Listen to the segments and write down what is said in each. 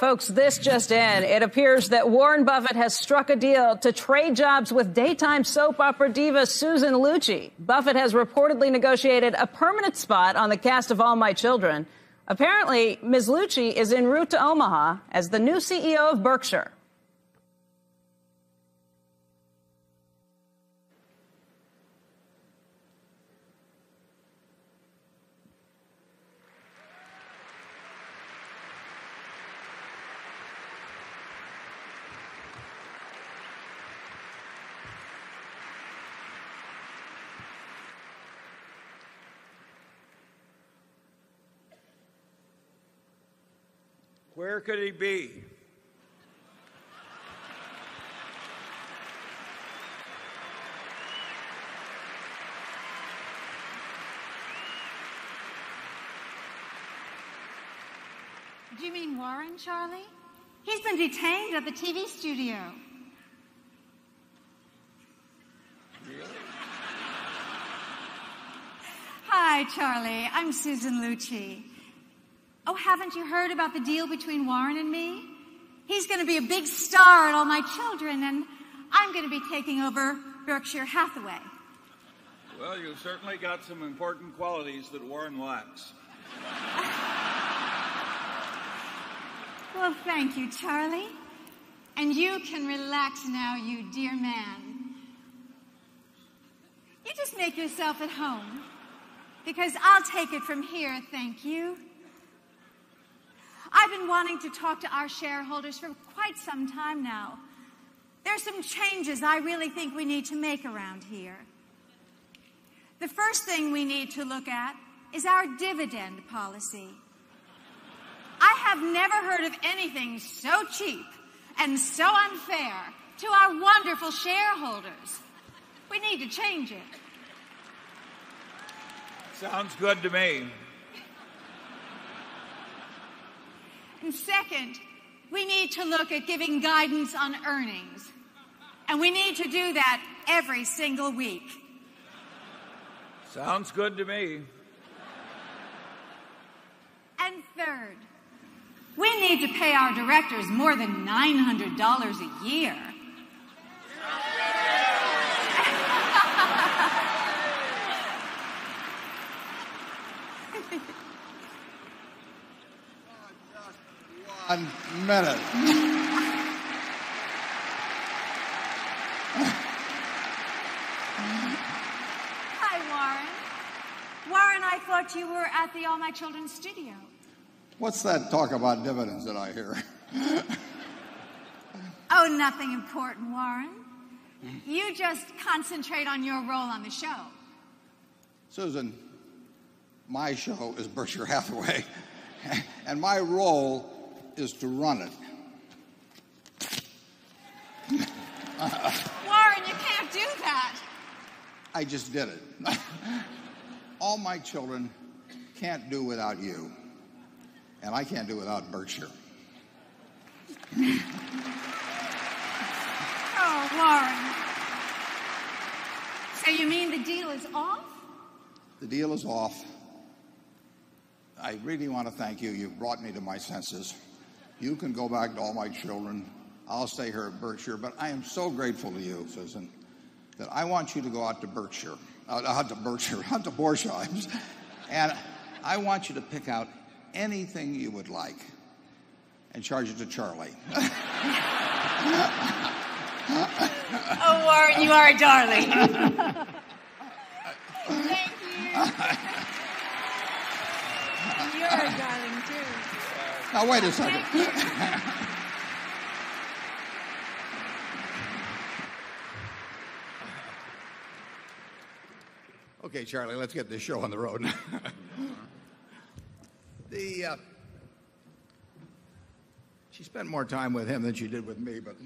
Folks, this just in. It appears that Warren Buffett has struck a deal to trade jobs with daytime soap opera diva, Susan Lucci. Buffett has reportedly negotiated a permanent spot on the cast of All My Children. Apparently, Ms. Lucci is en route to Omaha as the new CEO of Berkshire. Where could he be? Do you mean Warren Charlie? He's been detained at the TV studio. Oh, haven't you heard about the deal between Warren and me? He's going to be a big star in All My Children and I'm going to be taking over Berkshire Hathaway. Well, you certainly got some important qualities that Warren lacks. Well, thank you, Charlie. And you can relax now, you dear man. You just make yourself at home because I'll take it from here. Thank you. I've been wanting to talk to our shareholders for quite some time now. There are some changes I really think we need to make around here. The first thing we need to look at is our dividend policy. I have never heard of anything so cheap and so unfair to our wonderful shareholders. We need to change it. Sounds good to me. And second, we need to look at giving guidance on earnings and we need to do that every single week. Sounds good to me. And third, we need to pay our directors more than $900 a year. Hi, Warren. Warren, I thought you were at the All My Children's Studio. What's that talk about dividends that I hear? Oh, nothing important, Warren. You just concentrate on your role on the show. Susan, my show is Berkshire Hathaway, and my role is to run it. Warren, you can't do that. I just did it. All my children can't do without you. And I can't do without Berkshire. Oh, Lauren. So you mean the deal is off? The deal is off. I really want to thank you. You've brought me to my senses. You can go back to all my children. I'll stay here at Berkshire. But I am so grateful to you, Susan, that I want you to go out to Berkshire. Not to Berkshire, not to Borsheims. And I want you to pick out anything you would like and charge it to Charlie. Oh, Warren, you are a darling. Okay, Charlie. Let's get this show on the road. The she spent more time with him than she did with me, but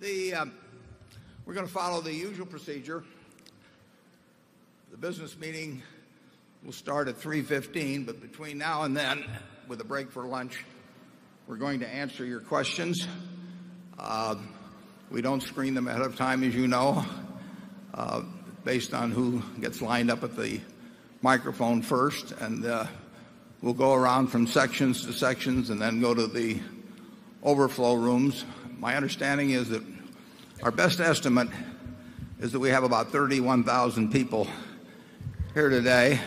the we're going to follow the usual procedure. The business meeting will start at 3:15, but between now and then, with a break for lunch, we're going to answer your questions. We don't screen them ahead of time, as you know, based on who gets lined up at the microphone first. And we'll go around from sections to sections and then go to the overflow rooms. My understanding is that our best estimate is that we have about 31,000 people here today.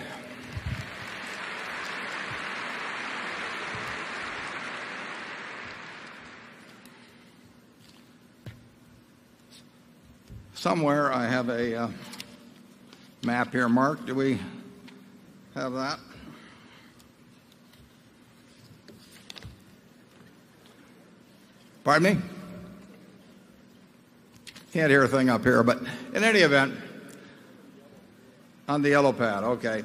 Somewhere I have a map here. Mark, do we have that? Pardon me? Can't hear a thing up here, but in any event, on the yellow pad. Okay.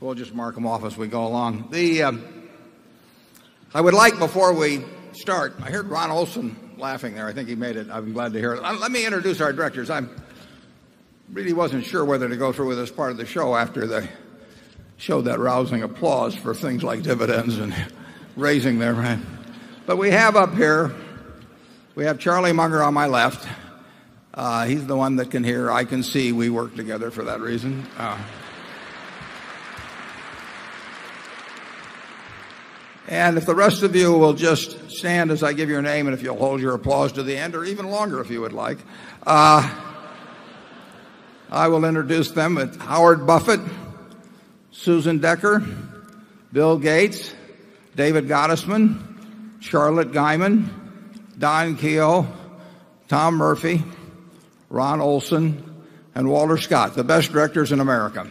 We'll just mark them off as we go along. The, I would like before we start I heard Ron Olson laughing there. I think he made it. I'm glad to hear it. Let me introduce our directors. I really wasn't sure whether to go through with this part of the show after they showed that rousing applause for things like dividends and raising their rent. But we have up here, we have Charlie Munger on my left. He's the one that can hear. I can see we work together for that reason. And if the rest of you will just stand as I give your name and if you'll hold your applause to the end or even longer if you would like, I will introduce them. Howard Buffett, Susan Decker, Bill Gates, David Gottesman, Charlotte Guymon, Don Keogh, Tom Murphy, Ron Olson, and Walter Scott, the best directors in America.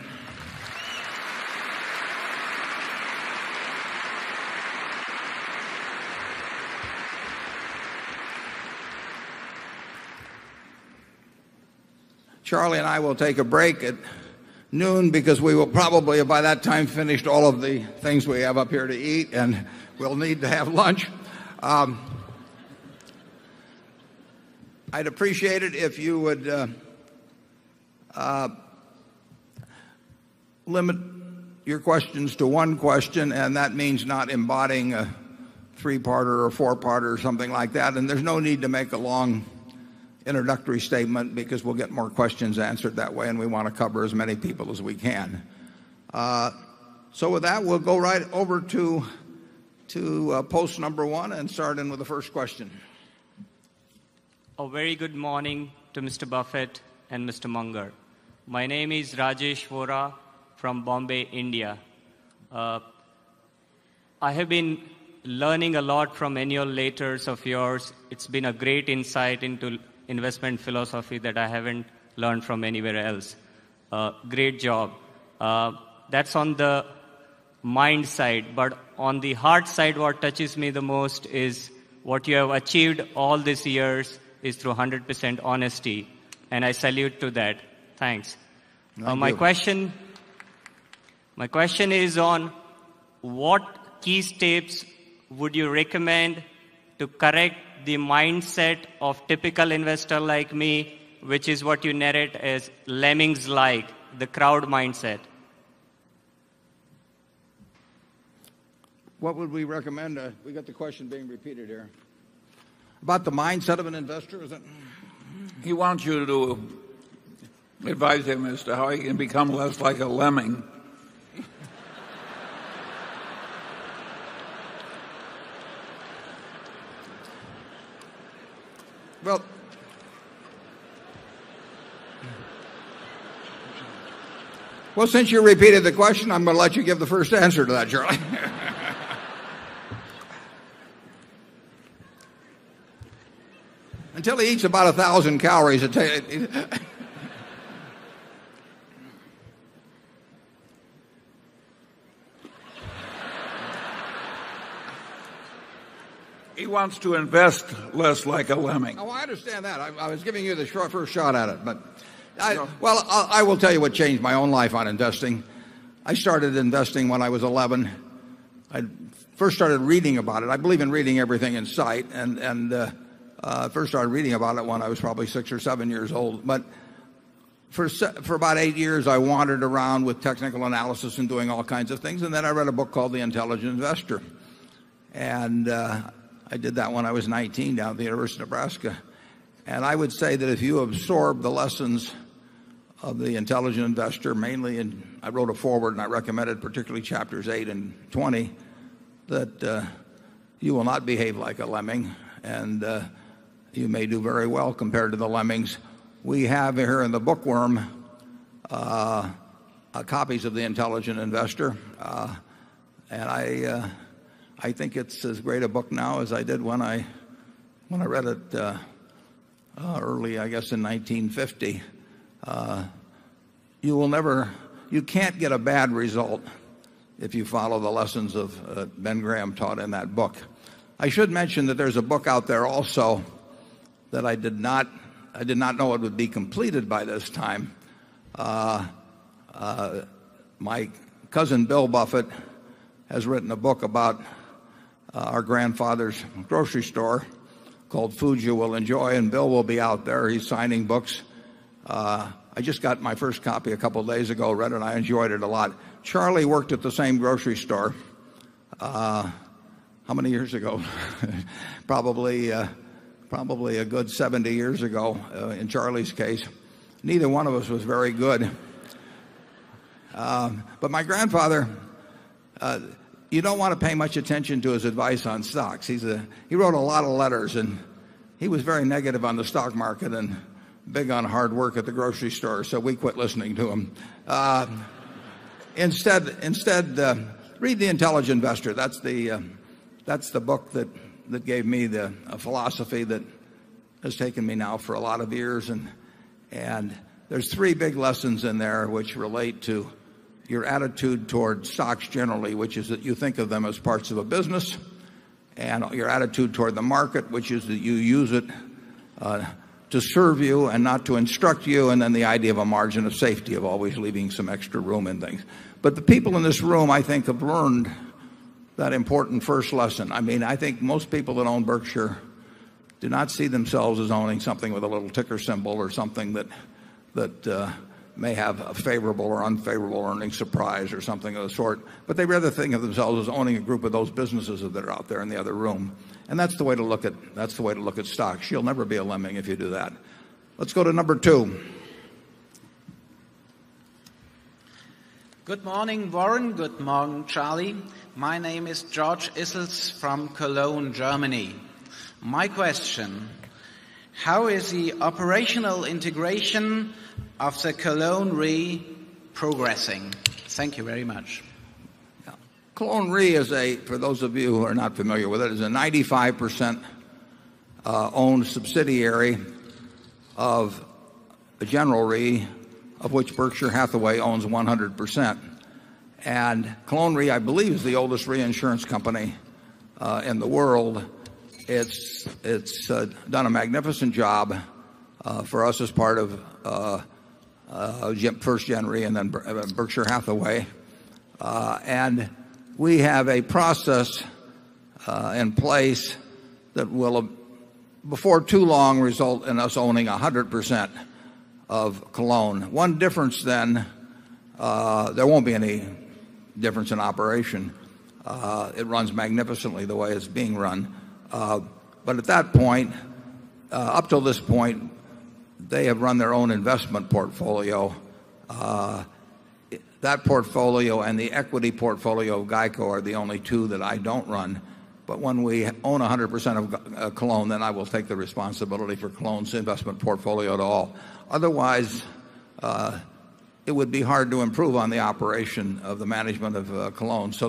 Charlie and I will take a break at noon because we will probably, by that time, finish all of the things we have up here to eat, and we'll need to have lunch. I'd appreciate it if you would limit your questions to one question, and that means not embodying a 3 parter or a 4 parter or something like that. And there's no need to make a long introductory statement because we'll get more questions answered that way, and we want to cover as many people as we can. So with that, we'll go right over to post number 1 and start in with the first question. A very good morning to Mr. Buffett and Mr. Munger. My name is Rajesh Vohra from Bombay, India. I have been learning a lot from annual laters of yours. It's been a great insight into investment philosophy that I haven't learned from anywhere else. Great job. That's on the mind side. But on the hard side, what touches me the most is what you have achieved all this years is through 100 percent honesty. And I salute to that. Thanks. My question my question is on what key steps would you recommend to correct the mindset of typical investor like me, which is what you net it as lemmings like the crowd mindset? What would we recommend? We got the question being repeated here. About the mindset of an investor, is it? He wants you to advise him as to how he can become less like a lemming. Well, since you repeated the question, I'm gonna let you give the first answer to that, Charlie. Until he eats about a 1000 calories, He wants to invest less like a lemming. Oh, I understand that. I was giving you the short first shot at it. But well, I will tell you what changed my own life on investing. I started investing when I was 11. I first started reading about it. I believe in reading everything in sight and first started reading about it when I was probably 6 or 7 years old. But for about 8 years, I wandered around with technical analysis and doing all kinds of things, and then I read book called The Intelligent Investor. And I did that when I was 19 down at the University of Nebraska. And I would say that if you absorb the lessons of the intelligent investor mainly and I wrote it forward and I recommended particularly chapters 8 and 20 that you will not behave like a lemming and you may do very well compared to the lemmings. We have here in the bookworm copies of The Intelligent Investor. And I think it's as great a book now as I did when I read it early, I guess, in 1950. You will never you can't get a bad result if you follow the lessons of Ben Graham taught in that book. I should mention that there's a book out there also that I did not I did not know it would be completed by this time. My cousin Bill Buffett has written a book about our grandfather's grocery store called Foods You Will Enjoy, and Bill will be out there. He's signing books. I just got my first copy a couple of days ago, read it, and I enjoyed it a lot. Charlie worked at the same grocery store how many years ago? Probably probably a good 70 years ago in Charlie's case. Neither one of us was very good. But my grandfather, you don't want to pay much attention to his advice on stocks. He's a he wrote a lot of letters and he was very negative on the stock market and big on hard work at the grocery store, so we quit listening to him. Instead, read The Intelligent Investor. That's the book that gave me the philosophy that has taken me now for a lot of years. And there's 3 big lessons in there which relate to your attitude towards SOX generally, which is that you think of them as parts of a business and your attitude toward the market, which is that you use it to serve you and not to instruct you and then the idea of a margin of safety of always leaving some extra room and things. But the people in this room, I think, have learned that important first lesson. I mean, I think most people that own Berkshire do not see themselves as owning something with a little ticker symbol or something that may have a favorable or unfavorable earnings surprise or something of the sort. But they rather think of themselves as owning a group of those businesses that are out there in the other room. And that's the way to look at stocks. You'll never be a lemming if you do that. Let's go to number 2. Good morning, Warren. Good morning, Charlie. My name is George Issels from Cologne, Germany. My question, how is the operational integration of the Cologne Re progressing? Thank you very much. Colon Re is a, for those of you who are not familiar with it, is a 95% owned subsidiary of a General Re of which Berkshire Hathaway owns 100%. And Colone Re, I believe, is the oldest reinsurance company in the world. It's done a magnificent job for us as part of 1st January and then Berkshire Hathaway. And we have a process in place that will before too long result in us owning 100% of Cologne. One difference then, there won't be any difference in operation. It runs magnificently the way it's being run. But at that point, up till this point, they have run their own investment portfolio. That portfolio and the equity portfolio of GEICO are the only 2 that I don't run. But when we own 100% of Cologne, then I will take the Cologne. So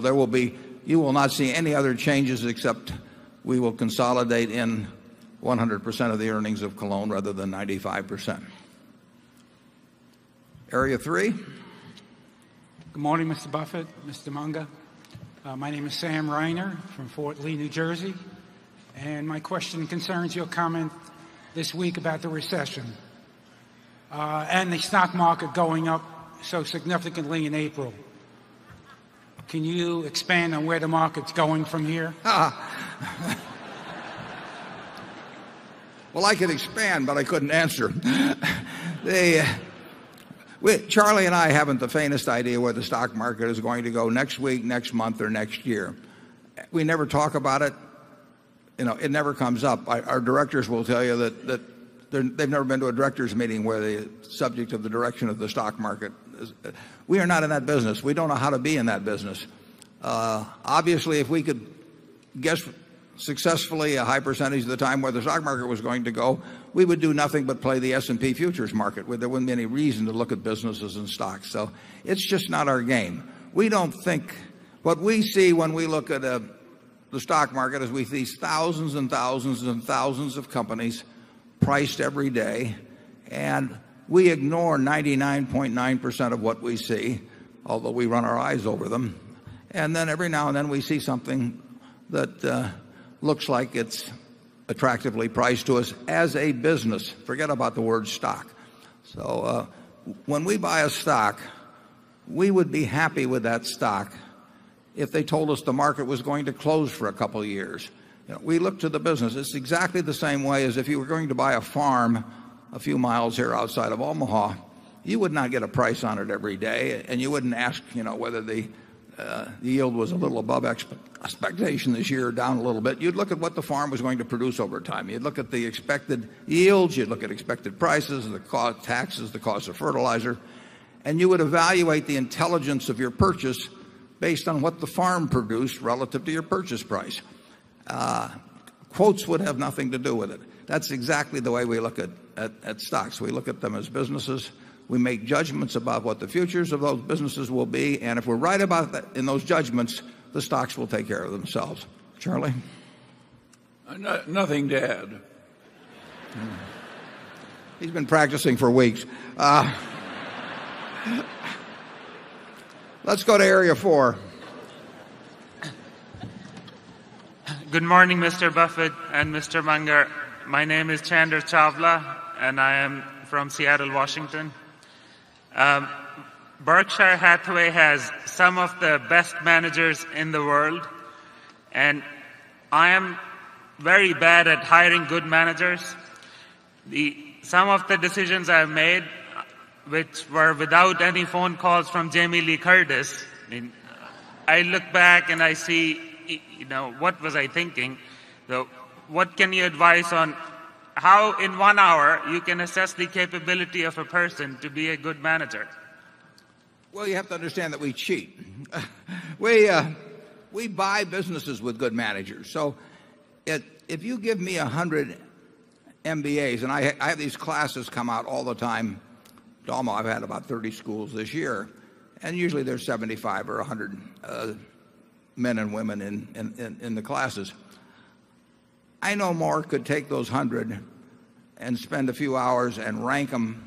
there will be you will not see any other changes except we will consolidate in 100% of the earnings of Cologne rather than 95%. Area 3? Good morning, Mr. Buffet, Mr. Munga. My name is Sam Reiner from Fort Lee, New Jersey. And my question concerns your comment this week about the recession and the stock market going up so significantly in April. Can you expand on where the market's going from here? Well, I could expand, but I couldn't answer. The we Charlie and I haven't the faintest idea where the stock market is going to go next week, next month or year. We never talk about it. It never comes up. Our directors will tell you that they've never been to a directors meeting where the subject of the direction of the stock market is. We are not in that business. We don't know how to be in that business. Obviously, if we could guess successfully a high percentage of the time where the stock market was going to go, we would do nothing but play the S and P futures market where there wouldn't be any reason to look at businesses and stocks. So it's just not our game. We don't think what we see when we look at the stock market is we see thousands and thousands and thousands of companies priced every day. And we ignore 99.9% of what we see, although we run our eyes over them. And then every now and then we see something that looks like it's attractively priced to us as a business. Forget about the word stock. So when we buy a stock, we would be happy with that stock if they told us the market was going to close for a couple of years. We look to the business. It's exactly the same way as if you were going to buy a farm a few miles here outside of Omaha. You would not get a price on it every day and you wouldn't ask whether the yield was a little above expectation this year or down a little bit. You'd look at what the farm was going to produce over time. You'd look at the expected yields, you'd look at expected prices, the cost of taxes, the cost of fertilizer, and you would evaluate the intelligence of your purchase based on what the farm produced relative to your purchase price. Quotes would have nothing to do with it. That's exactly the way we look at stocks. We look at them as businesses. We make judgments about what the futures of those businesses will be. And if we're right about that in those judgments, the stocks will take care of themselves. Charlie? Nothing to add. He's been practicing for weeks. Let's go to area 4. Good morning, mister Buffet and mister Munger. My name is Chandra Chawla and I am from Seattle, Washington. Berkshire Hathaway has some of the best managers in the world and I am very bad at hiring good managers. Some of the decisions I have made which were without any phone calls from Jamie Lee Curtis, I look back and I see what was I thinking. What can you advise on how in 1 hour you can assess the capability of a person to be a good manager? Well, you have to understand that we cheat. We buy businesses with good managers. So if you give me 100 MBAs, and I have these classes come out all the time, I've had about 30 schools this year, and usually there's 75 or 100 men and women in the classes. I know more could take those 100 and spend a few hours and rank them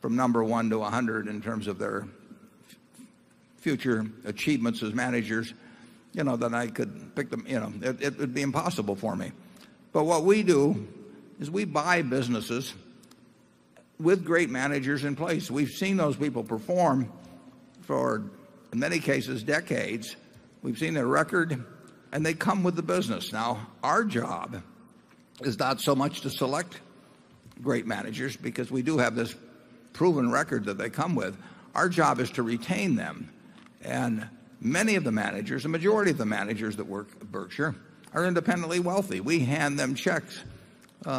from number 1 to 100 in terms of their future achievements as managers, you know, then I could pick them, you know, it it would be impossible for me. But what we do is we buy businesses with great managers in place. We've seen those people perform for, in many cases, decades. We've seen their record and they come with the business. Now our job is not so much to select great managers because we do have this proven record that they come with. Our job is to retain them. And many of the managers, the majority of the managers that work at Berkshire are independently wealthy. We hand them checks,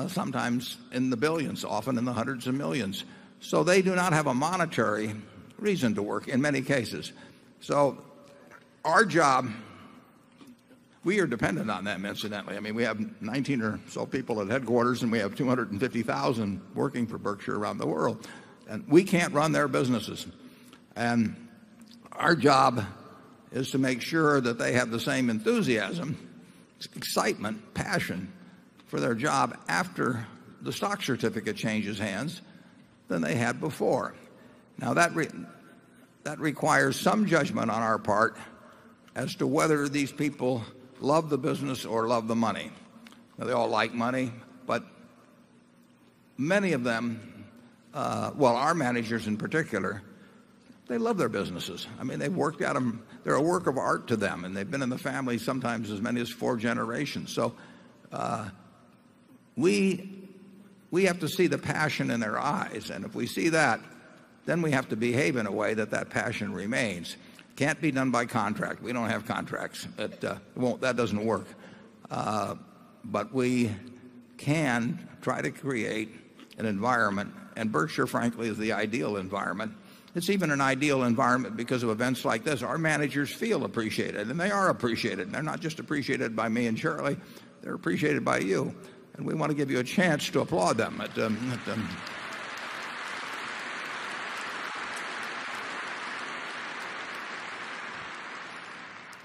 sometimes in the billions, often in the 100 of 1,000,000. So they do not have a monetary reason to work in many cases. So our job we are dependent on them incidentally. I mean, we have 19 or so people at headquarters and we have 250,000 working for Berkshire around the world. And we can't run their businesses. And our job is to make sure that they have the same enthusiasm, excitement, passion for their job after the stock certificate changes hands than they have before. Now that that requires some judgment on our part as to whether these people love the business or love the money. They all like money, but many of them, well, our managers in particular, they love their businesses. I mean, they've worked at them. They're a work of art to them and they've been in the family sometimes as many as 4 generations. So, we have to see the passion in their eyes. And if we see that, then we have to behave in a way that that passion remains. Can't be done by contract. We don't have contracts. It won't that doesn't work. But we can try to create an environment and Berkshire frankly is the ideal environment. It's even an ideal environment because of events like this. Our managers feel appreciated and they are appreciated. They're not just appreciated by me and Shirley. They're appreciated by you. And we want to give you a chance to applaud them.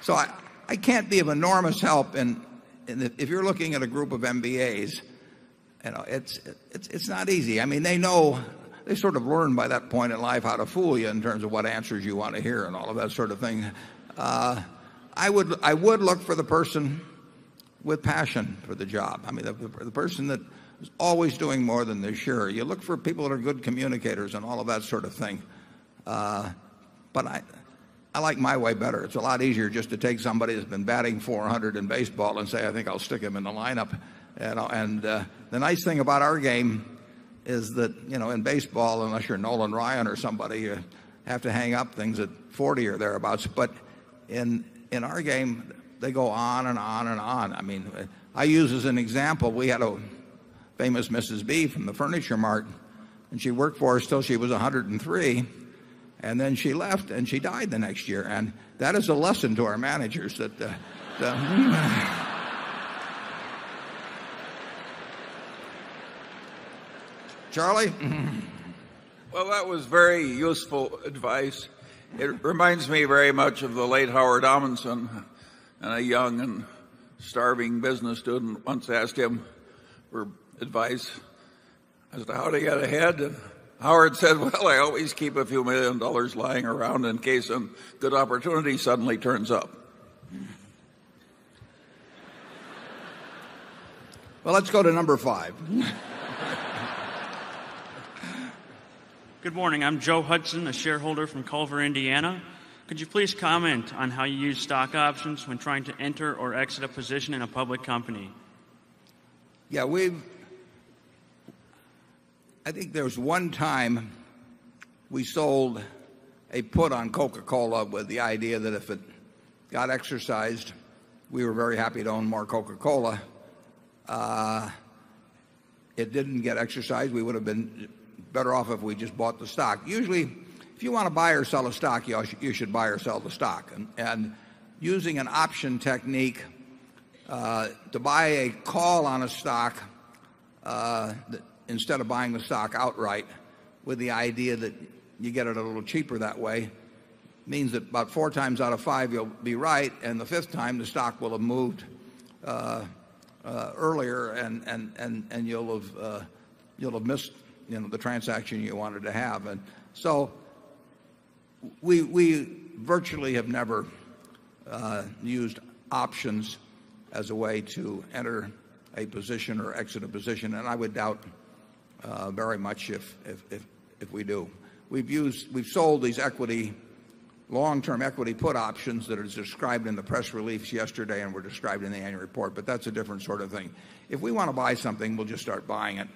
So I I can't be of enormous help in in the if you're looking at a group of MBAs, you know, it's it's not easy. I mean, they know they sort of learn by that point in life how to fool you in terms of what answers you want to hear and all of that sort of thing. I would I would look for the person with passion for the job. I mean, the person that is always doing more than they share. You look for people that are good communicators and all of that sort of thing. But I like my way better. It's a lot easier just to take somebody who's been batting 400 in baseball and say, I think I'll stick them in the lineup. And the nice thing about our game is that in baseball, unless you're Nolan Ryan or somebody, you have to hang up things at 40 or thereabouts. But in our game, they go on and on and on. I mean, I use as an example, we had a famous Mrs. B from the Furniture Mart and she worked for us till she was 103 and then she left and she died the next year. And that is a lesson to our managers that Charlie? Well, that was very useful advice. It reminds me very much of the late Howard Amundson, a young and starving business student, once asked him for advice as to how to get ahead. Howard said, well, I always keep a few $1,000,000 lying around in case that opportunity suddenly turns up. Well, let's go to number 5. Good morning. I'm Joe Hudson, a shareholder from Culver, Indiana. Could you please comment on how you use stock options when trying to enter or exit a position in a public company? Yes. We've think there was one time we sold a put on Coca Cola with the idea that if it got exercised, we were very happy to own more Coca Cola. It didn't get exercised. We would have been better off if we just bought the stock. Usually, if you want to buy or sell a stock, you should buy or sell the stock. And using an option technique to buy a call on a stock instead of buying the stock outright with the idea that you get it a little cheaper that way means that about 4 times out of 5 you'll be right and the 5th time the stock will have moved earlier and you'll missed the transaction you wanted to have. And so we virtually have never used options as a way to enter a position or exit a position, and I would doubt very much if we do. We've used we've sold these equity long term equity put options that are described in the press release yesterday and were described in the annual report, but that's a different sort of thing. If we want to buy something, we'll just start buying it.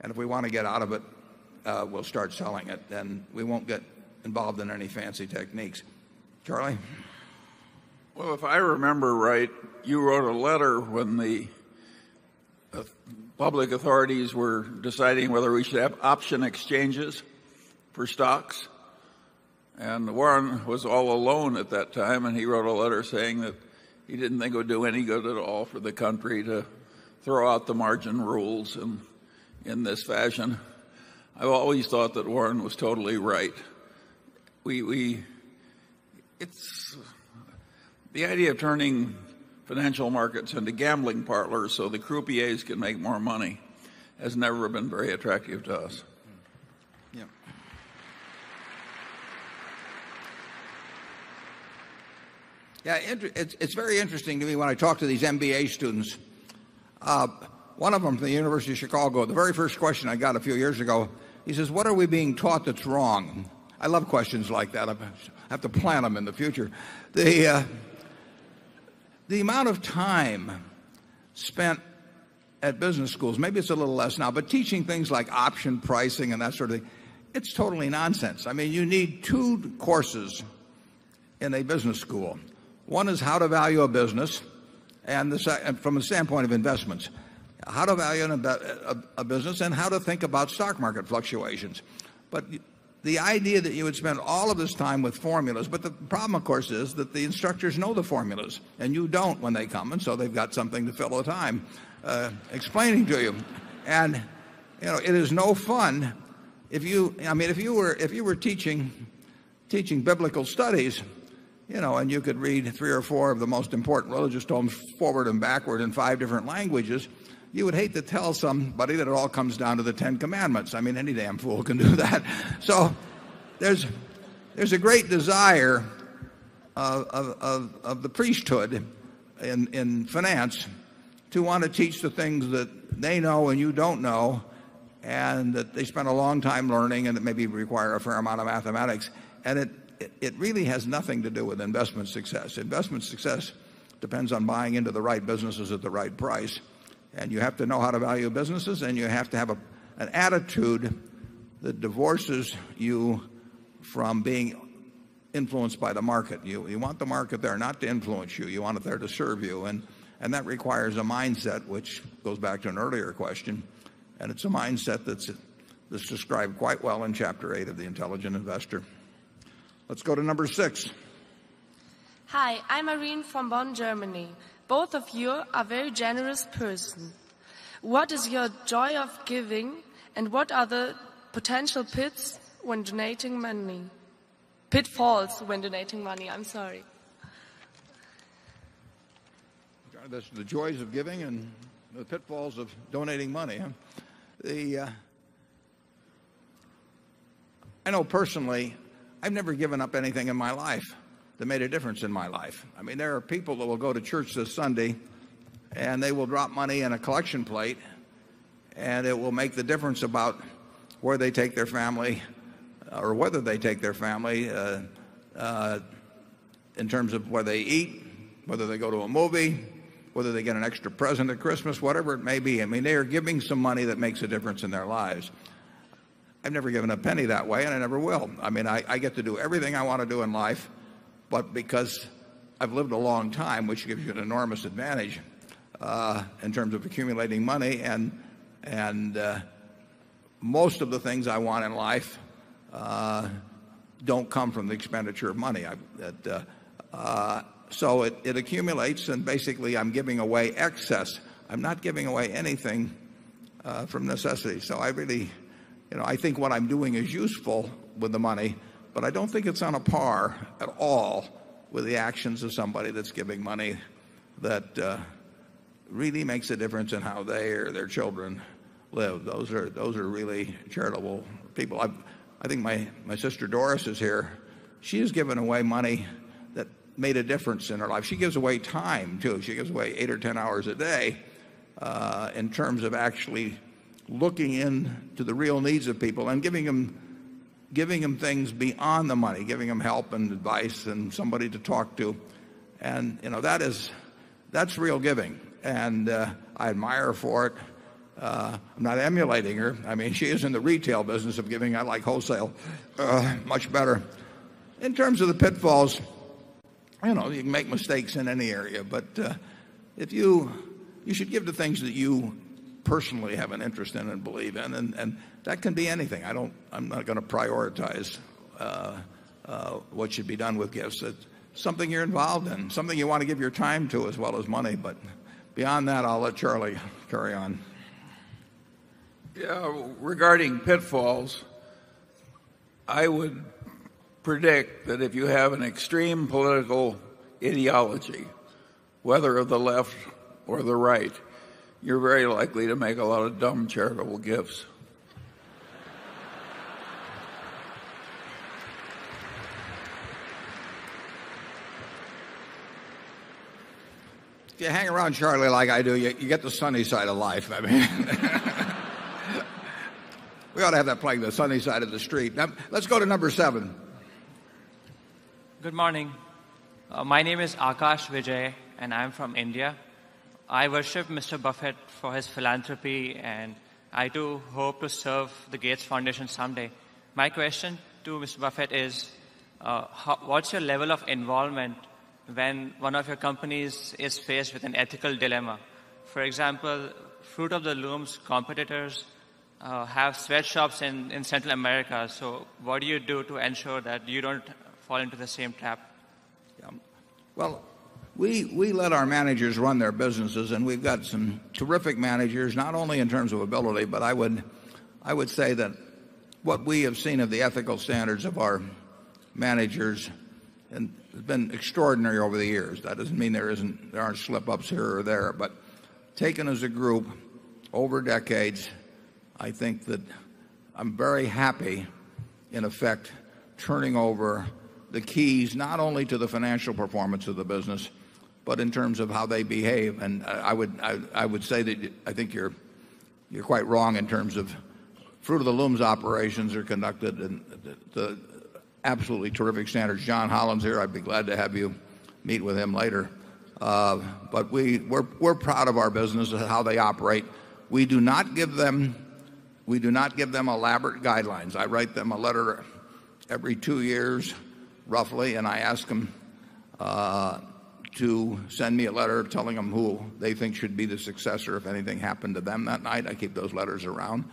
And if we want to get out of it, we'll start selling it and we won't get involved in any fancy techniques. Charlie? Well, if I remember right, you wrote a letter when the public authorities were deciding whether we should have option exchanges for stocks. And Warren was all alone at that time and he wrote a letter saying that he didn't think it would do any good at all for the country to throw out the margin rules and in this fashion. I've always thought that Warren was totally right. We it's the idea of turning financial markets into gambling parlors so the croupiers can make more money has never been very attractive to us. Yes. It's very interesting to me when I talk to these MBA students. One of them from the University of Chicago, the very first question I got a few years ago, he says, what are we being taught that's wrong? I love questions like that. I have to plan them in the future. The amount of time spent at business schools, maybe it's a little less now, but teaching things like option pricing and that sort of thing, it's totally nonsense. I mean, you need 2 courses in a business school. 1 is how to value a business and the from a standpoint of investments, how to value a business and how to think about stock market fluctuations. But the idea that you would spend all of this time with formulas, but the problem, of course, is that the instructors know the formulas and you don't when they come. And so they've got something to fill all the time explaining to you. And it is no fun if you I mean, if you were teaching biblical studies and you could read 3 or 4 of the most important religious tone forward and backward in 5 different languages, you would hate to tell somebody that it all comes down to the Ten Commandments. I mean, any damn fool can do that. So there's a great desire of the priesthood in finance to want to teach the things that they know and you don't know and that they spent a long time learning and it maybe require a fair amount of mathematics. And it really has nothing to do with investment success. Investment success depends on buying into the right businesses at the right price. And you have to know how to value businesses and you have to have an attitude that divorces you from being influenced by the market. You want the market there not to influence you. You want it there to serve you. And that requires a mindset which goes back to an earlier question. And it's a mindset that's described quite well in Chapter 8 of the Intelligent Investor. Let's go to number 6. Hi. I'm Irene from Bonn, Germany. Both of you are very generous person. What is your joy of giving and what are the potential pits when donating money? Pitfalls when donating money. I'm sorry. God, that's the joys of giving and the pitfalls of donating money. The, I know personally I've never given up anything in my life that made a difference in my life. I mean, there are people that will go to church this Sunday and they will drop money in a collection plate, and it will make the difference about where they take their family or whether they take their family in terms of where they eat, whether they go to a movie, whether they get an extra present at Christmas, whatever it may be. I mean, they are giving some money that makes a difference in their lives. I've never given a penny that way, and I never will. I mean, I get to do everything I want to do in life, but because I've lived a long time, which gives you an enormous advantage, in terms of accumulating money and most of the things I want in life don't come from the expenditure of money. So it accumulates and basically I'm giving away excess. I'm not giving away anything from necessity. So I really you know, I think what I'm doing is useful with the money, but I don't think it's on a par at all with the actions of somebody that's giving money that really makes a difference in how they or their children live. Those are really charitable people. I think my sister Doris is here. She has given away money that made a difference in her life. She gives away time too. She gives away 8 or 10 hours a day in terms of actually looking into the real needs of people and giving them things beyond the money, giving them help and advice and somebody to talk to. And that is that's real giving. And I admire her for it. I'm not emulating her. I mean, she is in the retail business of giving. I like wholesale much better. In terms of the pitfalls, you can make mistakes in any area. But if you you should give the things that you personally have an interest in and believe in, and that can be anything. I don't I'm not going to prioritize what should be done with gifts. It's something you're involved in, something you want to give your time to as well as money. But beyond that, I'll let Charlie carry on. Yeah. Regarding pitfalls, I would predict that if you have an extreme political ideology, whether of the left or the right, you're very likely to make a lot of dumb charitable gifts. If you hang around, Charlie, like I do, you you get the sunny side of life. I mean, we ought to have that playing the sunny side of the street. Let's go to number 7. Good morning. My name is Akash Vijay and I'm from India. I worship Mr. Buffet for his philanthropy and I do hope to serve the Gates Foundation someday. My question to Mr. Buffet is what's your level of involvement when one of your companies is faced with an ethical dilemma? For example, fruit of the looms competitors have sweatshops in Central America. So what do you do to ensure that you don't fall into the same trap? Well, we let our managers run their businesses and we've got some terrific managers not only in terms of ability, but I would say that what we have seen of the ethical standards of our managers and has been extraordinary over the years. That doesn't mean there isn't there aren't slip ups here or there. But taken as a group over decades, I think that I'm very happy in effect turning over the keys not only to the financial performance of the business, but in terms of how they behave. And I would say that I think you're quite wrong in terms of fruit of the looms operations are conducted and absolutely terrific standards. John Hollins here, I'd be glad to have you meet with him later. But we're proud of our business and how they operate. We do not give them elaborate guidelines. I write them a letter every 2 years roughly and I ask them to send me a letter telling them who they think should be the successor if anything happened to them that night. I keep those letters around.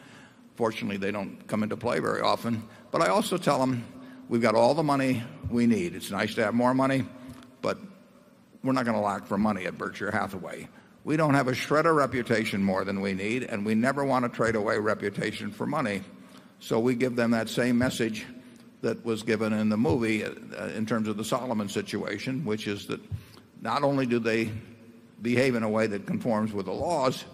Fortunately, they don't come into play very often. But I also tell them we've got all the money we need. It's nice to have more money, but we're not going to lack for money at Berkshire Hathaway. We don't have a shredder reputation more than we need, and we never want to trade away reputation for money. So we give them that same message that was given in the movie in terms of the Solomon situation, which is that not only do they behave in a way that conforms with the laws,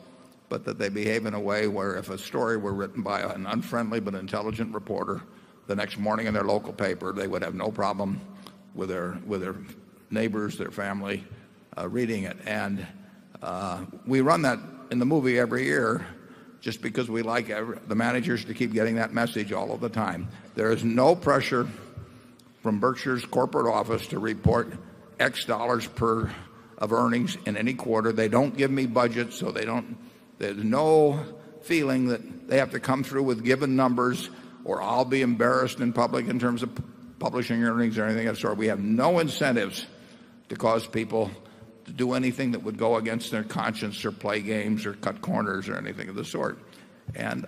but that they behave in a way where if a story were written by an unfriendly but intelligent reporter the next morning in their local paper, they would have no problem with their neighbors, their family reading it. And we run that in the movie every year just because we like the managers to keep getting that message all of the time. There is no pressure from Berkshire's corporate office to report X dollars per of earnings in any quarter. They don't give me budgets, so they don't there's no feeling that they have to come through with given numbers or I'll be embarrassed in public in terms of publishing earnings or anything of that sort. We have no incentives to cause people to do anything that would go against their conscience or play games or cut corners or anything of the sort. And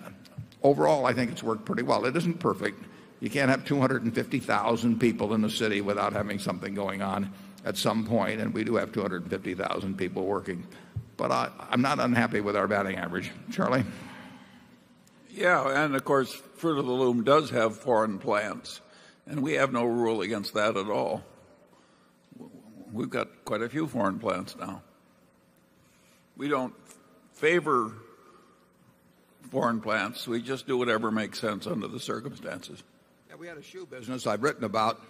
overall, I think it's worked pretty well. It isn't perfect. You can't have 250,000 people in the city without having something going on at some point. And we do have 250,000 people working. But I'm not unhappy with our batting average. Charlie? Yeah. And of course, fruit of the Loom does have foreign plants and we have no rule against that at all. We've got quite a few foreign plants now. We don't favor foreign plants. We just do whatever makes sense under the circumstances. We had a shoe business I've written about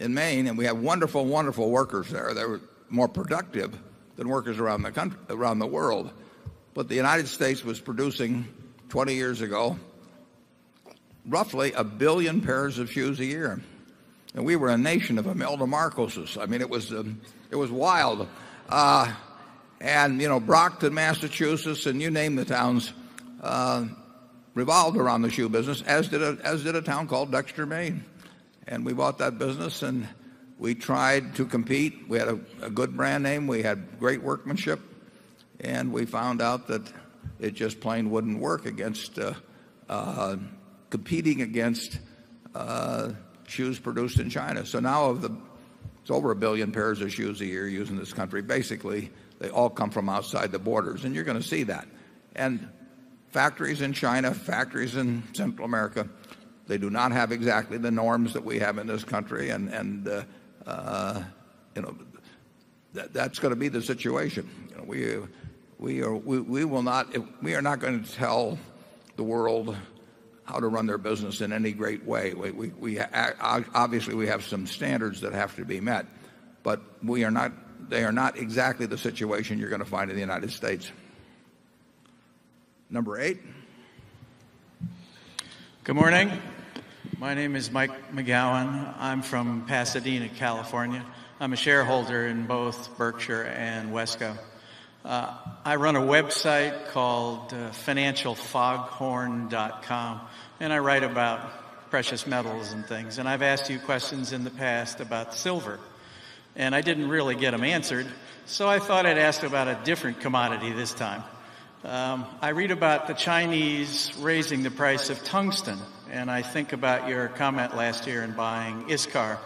in Maine and we have wonderful, wonderful workers there. They were more productive than workers around the country around the world. But the United States was producing 20 years ago roughly a 1000000000 pairs of shoes a year. And we were a nation of Imelda Markoses. I mean, it was wild. And Brockton, Massachusetts and you name the towns revolved around the shoe business as did a town called Dexter, Maine. And we bought that business and we tried to compete. We had a good brand name. We had great workmanship. And we found out that it just plain wouldn't work against competing against shoes produced in China. So now of the it's over 1,000,000,000 pairs of shoes a year used in this country. Basically, they all come from outside the borders and you're going to see that. And factories in China, factories in Central America, they do not have exactly the norms that we have in this country and that's going to be the situation. We will not we are not going to tell the world how to run their business in any great way. We obviously we have some standards that have to be met, but we are not they are not exactly the situation you're going to find in the United States. Number 8. Good morning. My name is Mike McGowan. I'm from Pasadena, California. I'm a shareholder in both Berkshire and WESCO. I run a website called financialfoghorn.com and I write about precious metals and things. And I've asked you questions in the past about silver and I didn't really get them answered. So I thought I'd ask about a different commodity this time. I read about the Chinese raising the price of tungsten and I think about your comment last year in buying ISCAR.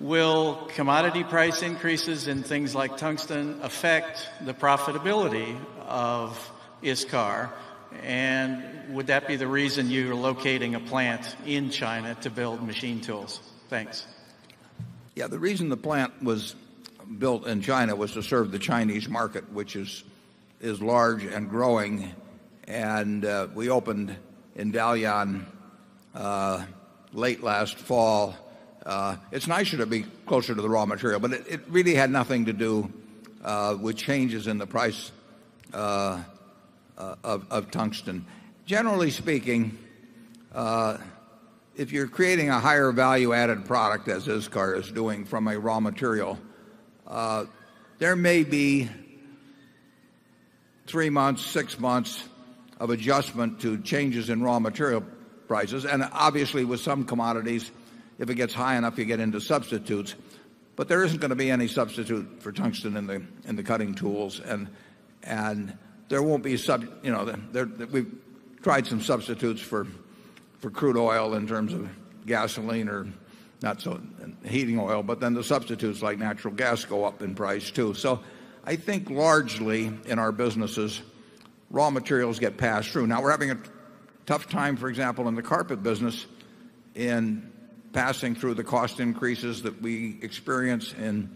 Will commodity price increases in things like tungsten affect the profitability of ISCAR? And would that be the reason you're locating a plant in China to build machine tools? Thanks. Yes. The reason the plant was built in China was to serve the Chinese market, which is large and growing. And we opened in Dalian late last fall. It's nicer to be closer to the raw material, but it really had nothing to do with changes in the price of tungsten. Generally speaking, if you're creating a higher value added product as ISCAR is doing from a raw material, there may be 3 months, 6 months of adjustment to changes in raw material prices. And obviously, with some commodities, if it gets high enough, you get into substitutes. But there isn't going to be any substitute for tungsten in the cutting tools. And there won't be we've tried some substitutes for crude oil in terms of gasoline or not so heating oil. But then the substitutes like natural gas go up in price, too. So I think largely in our businesses, raw materials get passed through. Now we're having a tough time, for example, in the carpet business in passing through the cost increases that we experience in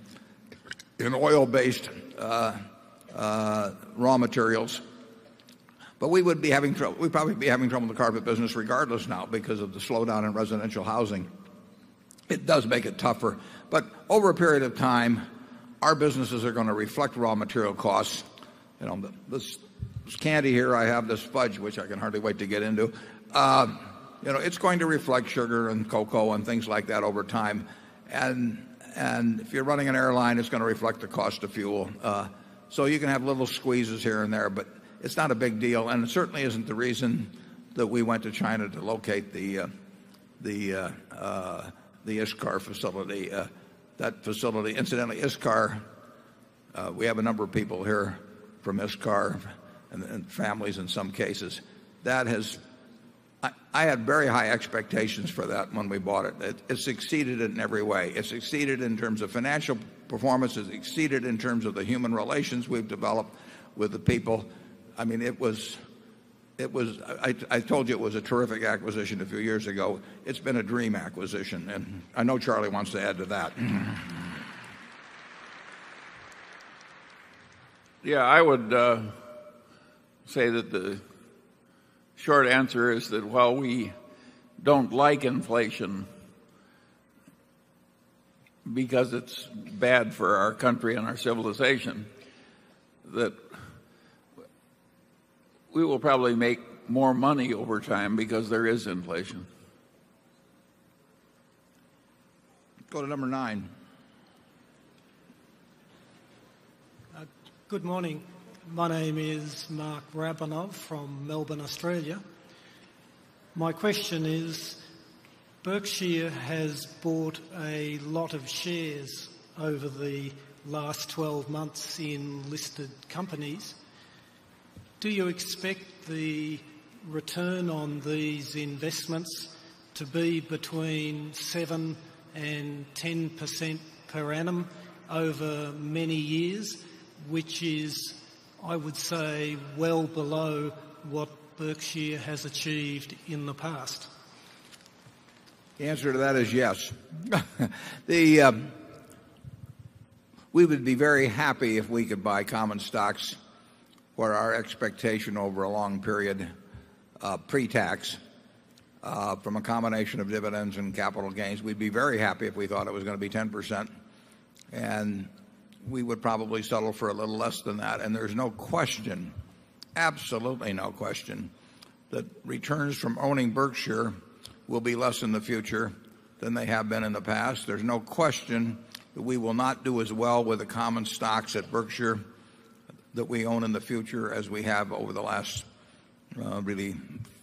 oil based raw materials. But we would be having we'd probably be having trouble in the carpet business regardless now because of the slowdown in residential housing. It does make it tougher. But over a period of time, our businesses are going to reflect raw material costs. And on this candy here, I have this fudge, which I can hardly wait to get into. It's going to reflect sugar and cocoa and things like that over time. And if you're running an airline, it's going to reflect the cost of fuel. So you can have little squeezes here and there, but it's not a big deal. And it certainly isn't the reason that we went to China to locate the ISCAR facility. That facility incidentally, ISCAR, we have a number of people here from ISCAR and families in some cases. That has I had very high expectations for that when we bought it. It's exceeded it in every way. It's exceeded in terms of financial performance. It's exceeded in terms of the human relations we've developed with the people. I mean, it was I told you it was a terrific acquisition a few years ago. It's been a dream acquisition. And I know Charlie wants to add to that. Yes. I would say that the short answer is that while we don't like inflation because it's bad for our country and our civilization, that we will probably make more money over time because there is inflation. Go to number 9. Good morning. My name is Mark Rabanov from Melbourne, Australia. My question is, Berkshire has bought a lot of shares over the last 12 months in listed companies. Do you expect the return on these investments to be between 7% percent 10% per annum over many years, which is, I would say, well below what Berkshire has achieved in the past? The answer to that is yes. The we would be very happy if we could buy common stocks where our expectation over a long period pretax from a combination of dividends and capital gains. We'd be very happy if we thought it was going to be 10%. And we would probably settle for a little less than that. And there's no question, absolutely no question that returns from owning Berkshire will be less in the future than they have been in the past. There's no question that we will not do as well with the common stocks at Berkshire that we own in the future as we have over the last really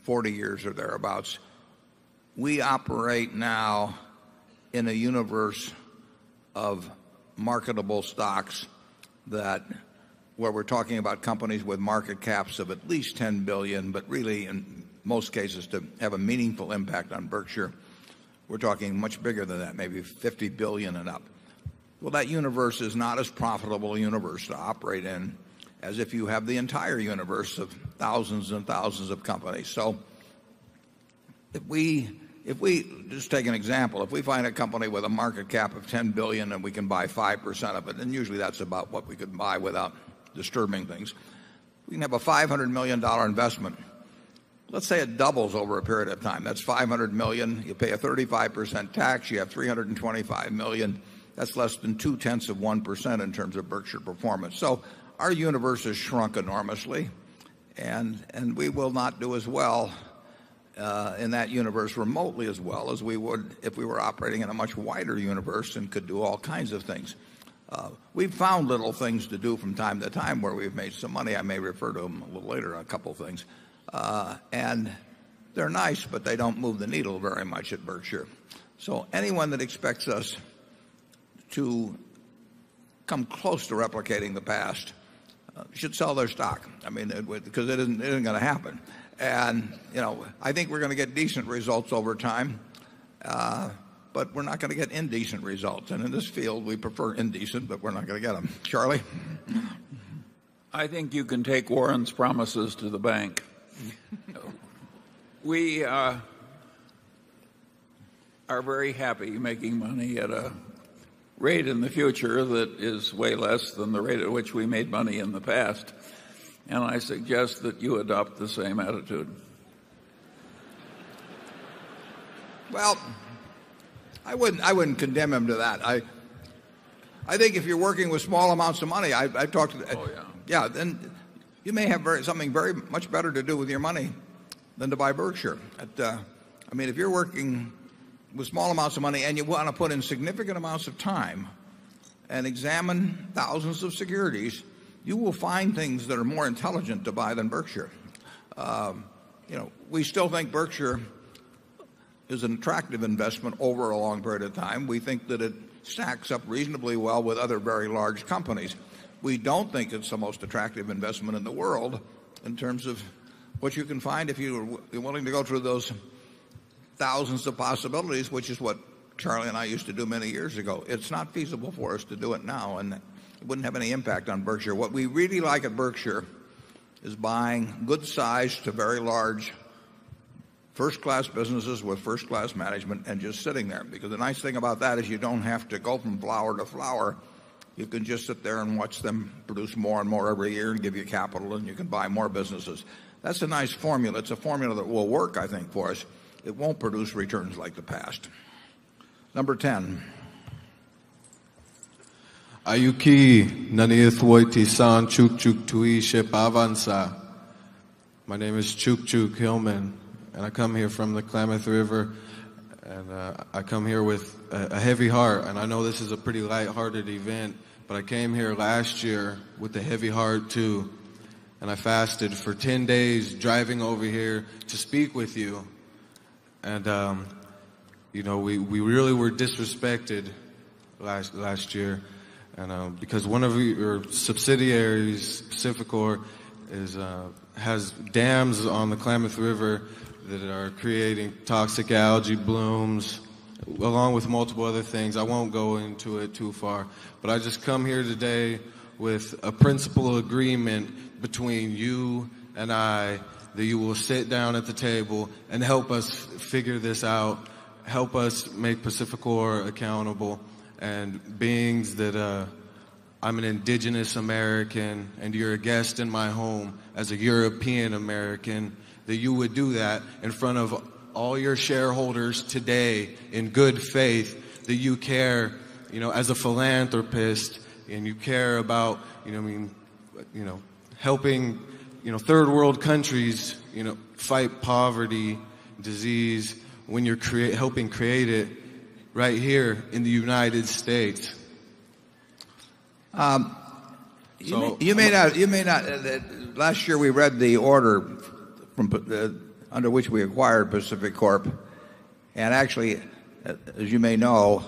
40 years or thereabouts. We operate now in a universe of marketable stocks that where we're talking about companies with market caps of at least $10,000,000,000 but really in most cases to have a meaningful impact on Berkshire. We're talking much bigger than that maybe $50,000,000,000 and up. Well, that universe is not as profitable universe to operate in as if you have the entire universe of 1,000 and 1,000 of companies. So if we just take an example, if we find a company with a market cap of $10,000,000,000 and we can buy 5% of it, then usually that's about what we could buy without disturbing things. We We have a $500,000,000 investment. Let's say it doubles over a period of time. That's $500,000,000 You pay a 35% tax, you have $325,000,000 dollars That's less than 2 tenths of 1% in terms of Berkshire performance. So our universe has shrunk enormously. And we will not do as well in that universe remotely as well as we would if we were operating in a much wider universe and could do all kinds of things. We've found little things to do from time to time where we've made some money. I may refer to them a little later on a couple of things. And they're nice, but they don't move the needle very much at Berkshire. So anyone that expects us to come close to replicating the past should sell their stock. I mean, because it isn't going to happen. And I think we're going to get decent results over time, but we're not going to get indecent results. And in this field, we prefer indecent, but we're not going to get them. Charlie? I think you can take Warren's promises to the bank. We are very happy making money at a rate in the future that is way less than the rate at which we made money in the past. And I suggest that you adopt the same attitude. Well, I wouldn't condemn him to that. I think if you're working with small amounts of money, I've talked to yes, then you may have something very much better to do with your money than to buy Berkshire. I mean, if you're working with small amounts of money and you want to put in significant amounts of time and examine thousands of securities, you will find things that are more intelligent to buy than Berkshire. We still think Berkshire is an attractive investment over a long period of time. We think that it stacks up reasonably well with other very large companies. We don't think it's the most attractive investment in the world in terms of what you can find if you're willing to go through those thousands of possibilities, which is what Charlie and I used to do many years ago. It's not feasible for us to do it now and it wouldn't have any impact on Berkshire. What we really like at Berkshire is buying good sized to very large 1st class businesses with 1st class management and just sitting there. Because the nice thing about that is you don't have to go from flower to flower. You can just sit there and watch them produce more and more every year and give you capital and you can buy more businesses. That's a nice formula. It's a formula that will work I think for us. It won't produce returns like the past. Number 10. My name is Chuk Chuk Hillman. And I come here from the Klamath River. And I come here with a heavy heart. And I know this is a pretty lighthearted event, but I came here last year with a heavy heart too, and I fasted for 10 days driving over here to speak with you. And we really were disrespected last year because one of your subsidiaries, Cificor, is has dams on the Klamath River that are creating toxic algae blooms along with multiple other things. I won't go into it too far. But I just come here today with a principal agreement between you and I that you will sit down at the table and help us figure this out, help us make Pacificor accountable and beings that I'm an indigenous American and you're a guest in my home as a European American that you would do that in front of all your shareholders today in good faith that you care as a philanthropist and you care about helping 3rd world countries fight poverty, disease when you're helping create it right here in the United States? You may not last year, we read the order from under which we acquired Pacific Corp. And actually as you may know,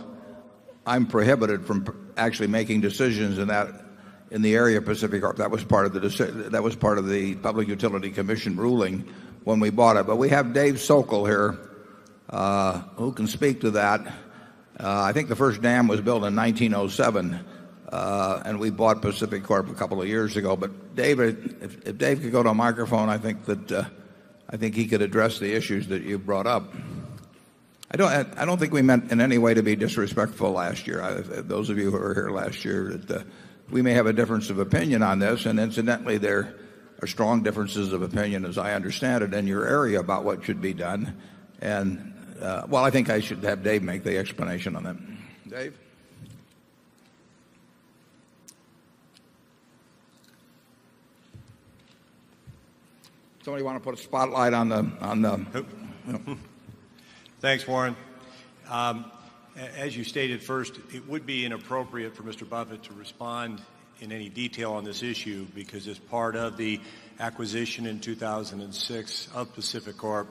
I'm prohibited from actually making decisions in that in the area of Pacific arc. That was part of the that was part of the Public Utility Commission ruling when we bought it. But we have Dave Sokol here who can speak to that. I think the first dam was built in 190 7, and we bought Pacific Corp a couple of years ago. But David if Dave could go to a microphone, I think that, I think he could address the issues that you brought up. I don't think we meant in any way to be disrespectful last year. Those of you who were here last year, that we may have a difference of opinion on this. And incidentally, there are strong differences of opinion, as I understand it, in your area about what should be done. And, well, I think I should have Dave make the explanation on that. Dave? So, you want to put a spotlight on the Thanks, Warren. As you stated first, it would be inappropriate for Mr. Buffet to respond in any detail on this issue because as part of the acquisition in 2006 of Pacific Corp,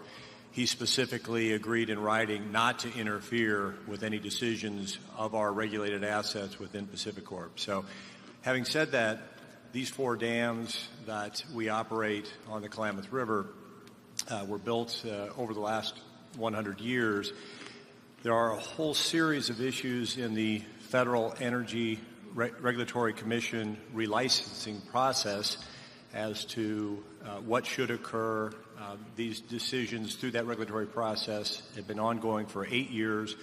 he specifically agreed in writing not to interfere with any decisions of our regulated assets within Pacificorp. So having said that, these four dams that we operate on the Klamath River were built over the last 100 years. There are a whole series of issues in the Federal Energy Regulatory Commission relicensing process as to what should occur. These decisions through that regulatory process have been ongoing for 8 years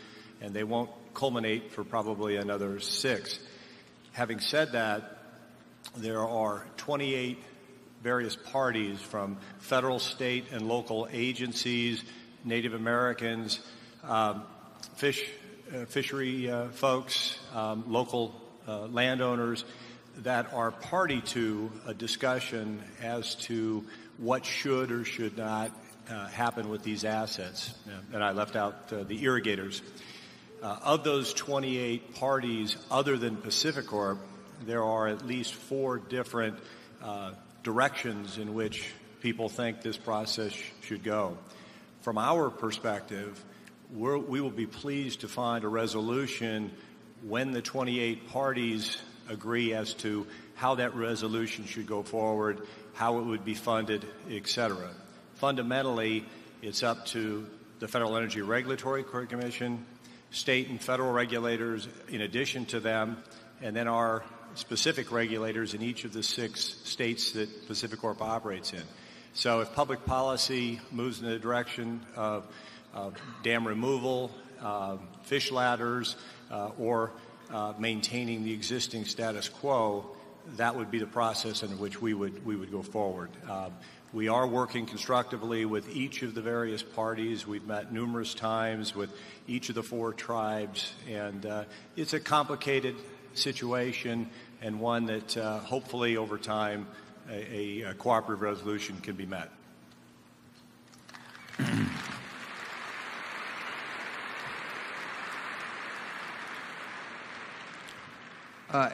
and they won't culminate for probably another 6. Having said that, there are 28 various parties from federal, state and local agencies, Native Americans, fish fishery folks, local landowners that are party to a discussion as to what should or should not happen with these assets. And I left out the irrigators. Of those 28 parties other than Pacificorp, there are at least 4 different directions in which people think this process should go. From our perspective, we will be pleased to find a resolution when the 28 parties agree as to how that resolution should go forward, how it would be funded, etcetera. Fundamentally, it's up to the Federal Energy Regulatory Commission, state and federal regulators in addition to them, and then our specific regulators in each of the 6 states that Pacific Corp operates in. So if public policy moves in the direction of dam removal, fish ladders or maintaining the existing status quo, that would be the process in which we would go forward. We are working constructively with each of the various parties. We've met numerous times with each of the 4 tribes. And it's a complicated situation and one that hopefully over time a cooperative resolution can be met.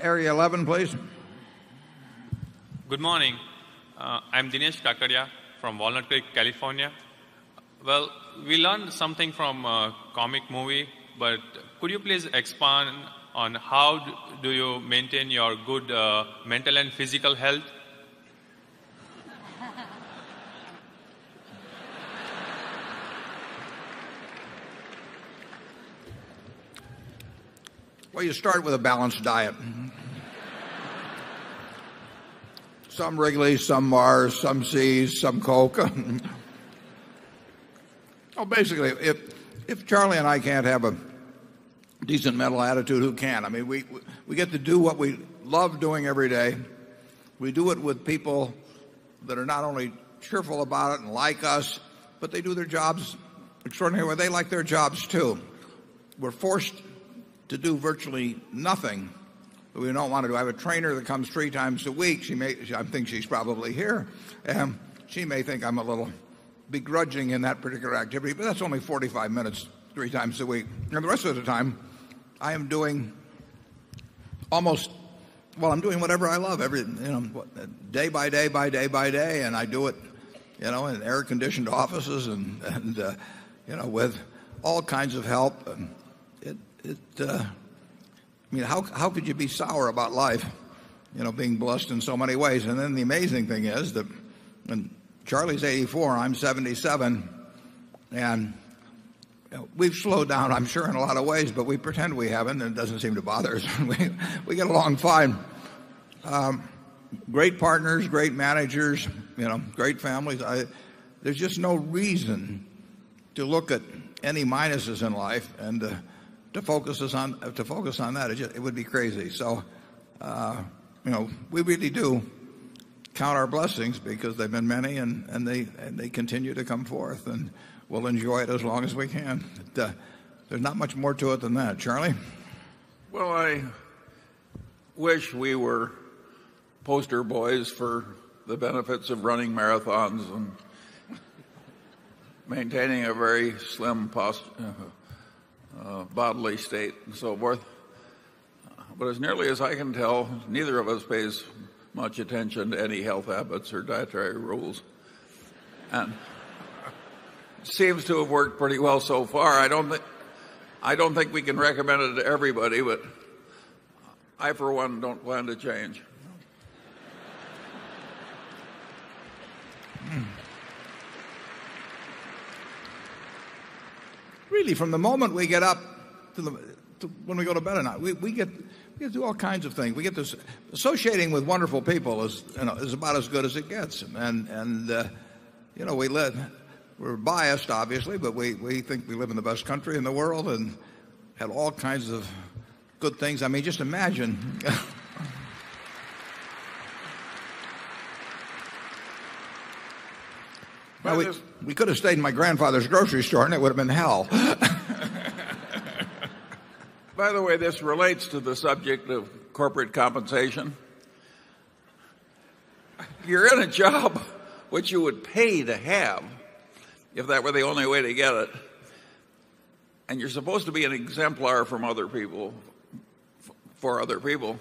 Area 11, please. Good morning. I'm Dinesh Takadia from Voluntary California. Well, we learned something from a comic movie, but could you please expand on how do you maintain your good mental and physical health? Well, you start with a balanced diet. Some Wrigley, some Mars, some Seas, some Coke. Basically, if Charlie and I can't have a decent metal attitude, who can? I mean, we get to do what we love doing every day. We do it with people that are not only cheerful about it and like us, but they do their jobs extraordinarily well. They like their jobs too. We're forced to do virtually nothing. We don't want to go. I have a trainer that comes 3 times a week. She may I think she's probably here. And She may think I'm a little begrudging in that particular activity, but that's only 45 minutes 3 times a week. And the rest of the time, I am doing almost well, I'm doing whatever I love every day by day by day by day and I do it in air conditioned offices and with all kinds of help. It I mean, how could you be sour about life, you know, being blessed in so many ways? And then the amazing thing is that when Charlie's 84, I'm 77, And we've slowed down, I'm sure, in a lot of ways, but we pretend we haven't and it doesn't seem to bother us. We get along fine. Great partners, great managers, great families. There's just no reason to look at any minuses in life and to focus on that, it would be crazy. So So we really do count our blessings because they've been many and they continue to come forth and we'll enjoy it as long as we can. There's not much more to it than that. Charlie? Well, I wish we were poster boys for the benefits of running marathons and maintaining a very slim bodily state and so forth. But as nearly as I can tell, neither of us pays much attention to any health habits or dietary rules. And it seems to have worked pretty well so far. I don't think we can recommend it to everybody, but I, for 1, don't plan to change. Really, from the moment we get up to when we go to bed tonight, we get to do all kinds of things. We get to associating with wonderful people is about as good as it gets. And we we're biased obviously, but we think we live in the best country in the world and have all kinds of good things. I mean, just imagine. We could have stayed in my grandfather's grocery store and it would have been hell. By the way, this relates to the subject of corporate compensation. You're in a job which you would pay to have if that were the only way to get it. And you're supposed to be an exemplar from other people for other people.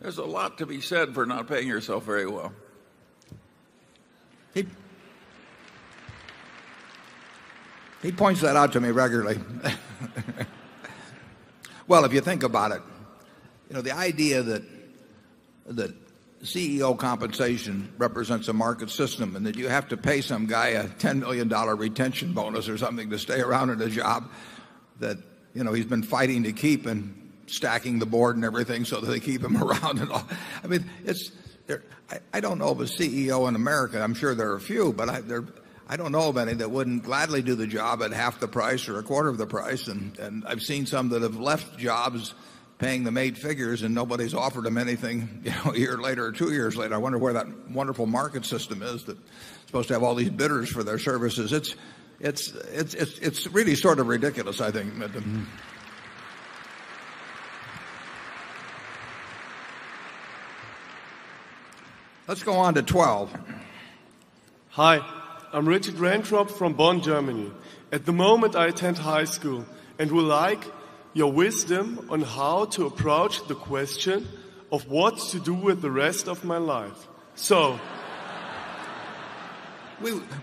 There's a lot to be said for not paying yourself very well. He points that out to me regularly. Well, if you think about it, the idea that CEO compensation represents a market system and that you have to pay some guy a $10,000,000 retention bonus or something to stay around at a job that he's been fighting to keep and stacking the board and everything so that they keep him around and all. I mean, it's I don't know of a CEO in America. I'm sure there are a few, but I don't know of any that wouldn't gladly do the job at half the price or a quarter of the price. And I've seen some that have left jobs paying the made figures and nobody's offered them anything a year later or 2 years later. I wonder where that wonderful market system is that supposed to have all these bidders for their services. It's really sort of ridiculous I think. Let's go on to 12. Hi. I'm Richard Renthrob from Bonn, Germany. At the moment, I attend high school and would like your wisdom on how to approach the question of what to do with the rest of my life. So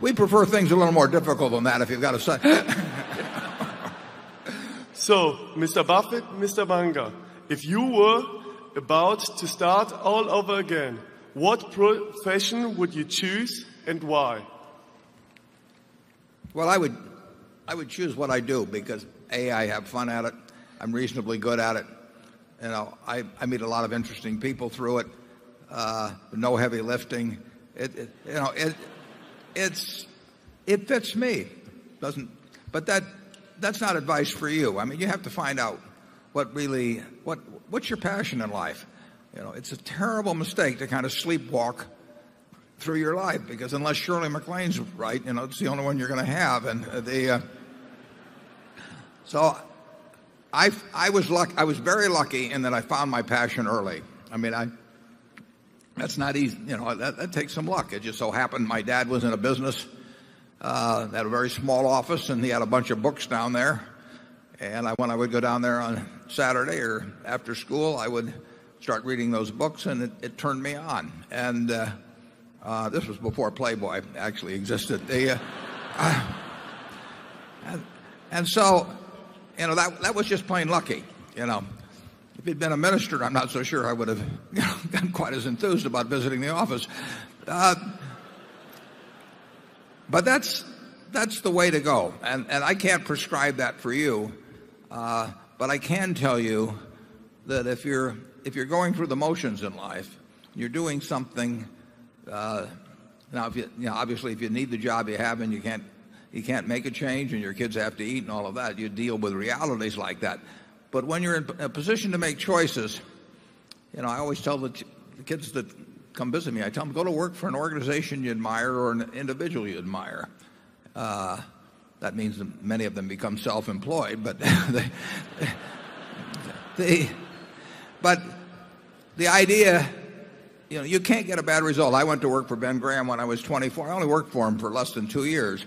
We prefer things a little more difficult than that if you've got to say. So Mr. Buffett, Mr. Wenger, if you were about to start all over again, what profession would you choose and why? Well, I would choose what I do because, A, I have fun at it. I'm reasonably good at it. I meet a lot of interesting people through it. No heavy lifting. It fits me. It doesn't but that that's not advice for you. I mean, you have to find out what really what's your passion in life. It's a terrible mistake to kind of sleepwalk through your life because unless Shirley MacLaine's right, you know, it's the only one you're going to have. And the, so I was luck I was very lucky in that I found my passion early. I mean, I that's not easy. You know, that takes some luck. It just so happened my dad was in a business, at a very small office and he had a bunch of books down there. And when I would go down there on Saturday or after school, I would start reading those books and it turned me on. And, this was before Playboy actually existed. And so that was just plain lucky. If he'd been a minister, I'm not so sure I would have been quite as enthused about visiting the office. But that's the way to go. And I can't prescribe that for you. But I can tell you that if you're going through the motions in life, you're doing something Now obviously, if you need the job you have and you can't make a change and your kids have to eat and all of that, you deal with realities like that. But when you're in a position to make choices, I always tell the kids that come visit me, I tell them go to work for an organization you admire or an individual you admire. That means many of them become self employed, but they but the idea, you can't get a bad result. I went to work for Ben Graham when I was 24. I only worked for him for less than 2 years.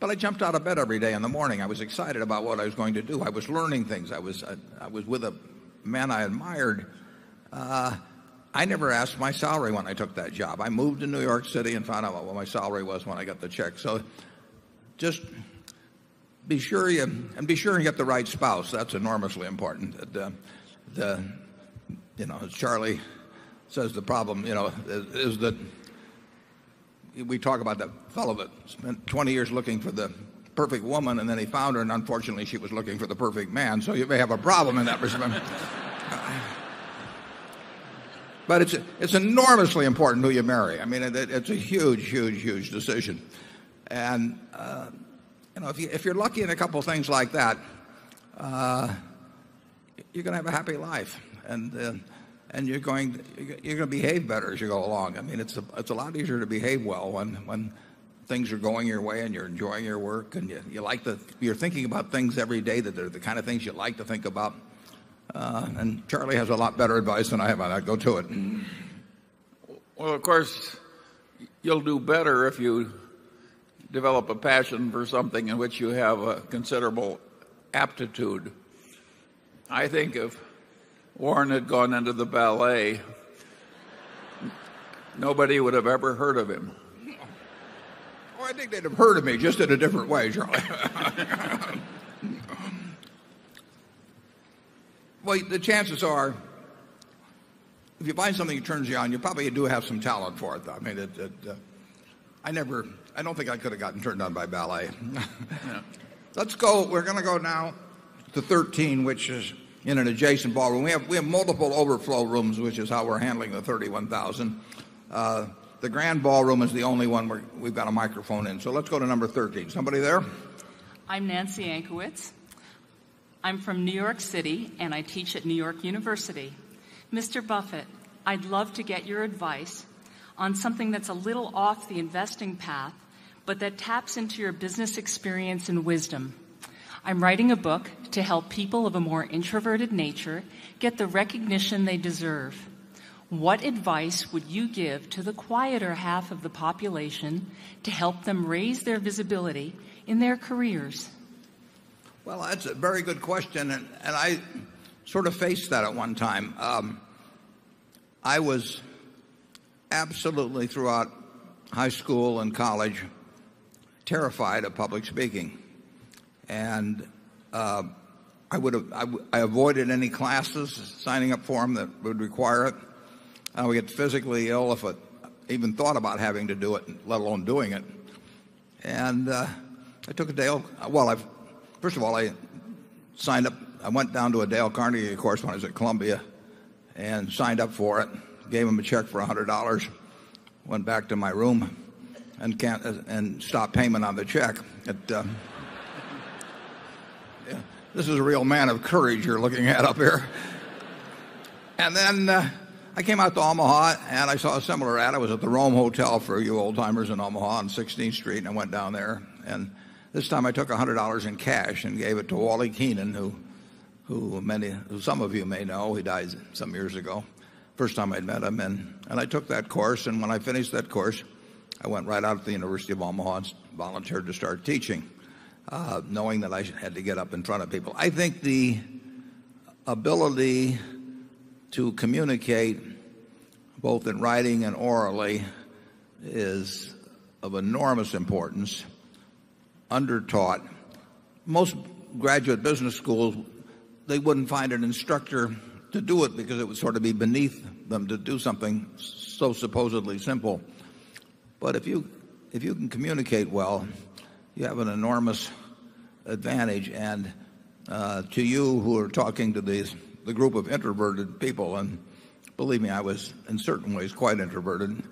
I jumped out of bed every day in the morning. I was excited about what I was going to do. I was learning things. I was with a man I admired. I never asked my salary when I took that job. I moved to New York City and found out what my salary was when I got the check. So just be sure and be sure you get the right spouse. That's enormously important. As Charlie says, the problem is that we talk about the fellow that spent 20 years looking for the perfect woman, and then he found her. And unfortunately, she was looking for the perfect man. So you may have a problem in that But it's it's enormously important who you marry. I mean, it's a huge, huge, huge decision. And, if you're lucky in a couple of things like that, you're going to have a happy life and you're going to behave better as you go along. I mean, it's a lot easier to behave well when things are going your way and you're enjoying your work and you like the you're thinking about things every day that they're the kind of things you like to think about. And Charlie has a lot better advice than I have. And I'd go to it. Well, of course, you'll do better if you develop a passion for something in which you have a considerable aptitude. I think if Warren had gone into the ballet, nobody would have ever heard of him. Well, I think they'd have heard of me just in a different way, Charlie. Well, the chances are if you buy something that turns you on, you probably do have some talent for it. I mean, I never I don't think I could have gotten turned on by ballet. Let's go we're going to go now to 13, which is in an adjacent ballroom. We have multiple overflow rooms, which is how we're handling the 31,000. The Grand Ballroom is the only one where we've got a microphone in. So let's go to number 13. Somebody there? I'm Nancy Ankewitz. I'm from New York City and I teach at New York University. Mr. Buffet, I'd love to get your advice on something that's a little off the investing path, but that taps into your business experience and wisdom. I'm writing a book to help people of a more introverted nature get the recognition they deserve. What advice would you give to the quieter half of the population to help them raise their visibility in their careers? Well, that's a very good question. And I sort of faced that at one time. I was absolutely throughout high school and college terrified of public speaking. And I would have I avoided any classes signing up form that would require it. I would get physically ill if I even thought about having to do it, let alone doing it. And I took a Dale well, I've first of all, I signed up I went down to a Dale Carnegie correspondence at Columbia and signed up for it, gave him a check for $100 went back to my room and can't and stopped payment on the check. This is a real man of courage you're looking at up here. And then I came out to Omaha I saw a similar ad. I was at the Rome Hotel for you old timers in Omaha on 16th Street and I went down there. And this time I took $100 in cash and gave it to Wally Keenan who who many some of you may know. He died some years ago. First time I met him and I took that course. And when I finished that course, I went right out of the University of Omaha and volunteered to start teaching, knowing that I had to get up in front of people. I think the ability to communicate both in writing and orally is of enormous importance, under taught. Most graduate business schools, they wouldn't find an instructor to do it because it was sort of beneath them to do something so supposedly simple. But if you can communicate well, you have an enormous advantage. And to you who are talking to these the group of introverted people and believe me, I was in certain ways quite introverted.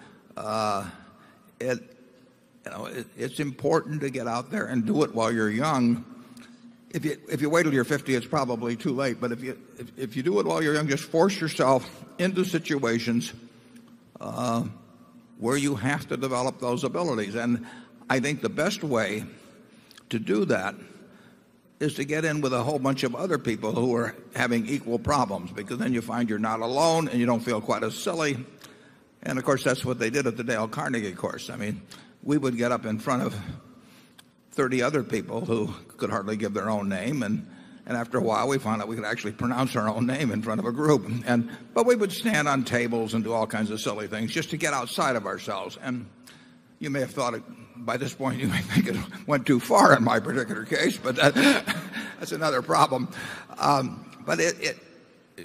It's important to get out there and do it while you're young. If you wait until you're 50, it's probably too late. But if you do it while you're young, just force yourself into situations, where you have to develop those abilities. And I think the best way to do that is to get in with a whole bunch of other people who are having equal problems because then you find you're not alone and you don't feel quite as silly. Of course, that's what they did at the Dale Carnegie course. I mean, we would get up in front of 30 other people who could hardly give their own name. And after a while, we found out we could actually pronounce our own name in front of a group. And but we would stand on tables and do all kinds of silly things just to get outside of ourselves. And you may have thought it by this point, you may think it went too far in my particular case, but that's another problem. But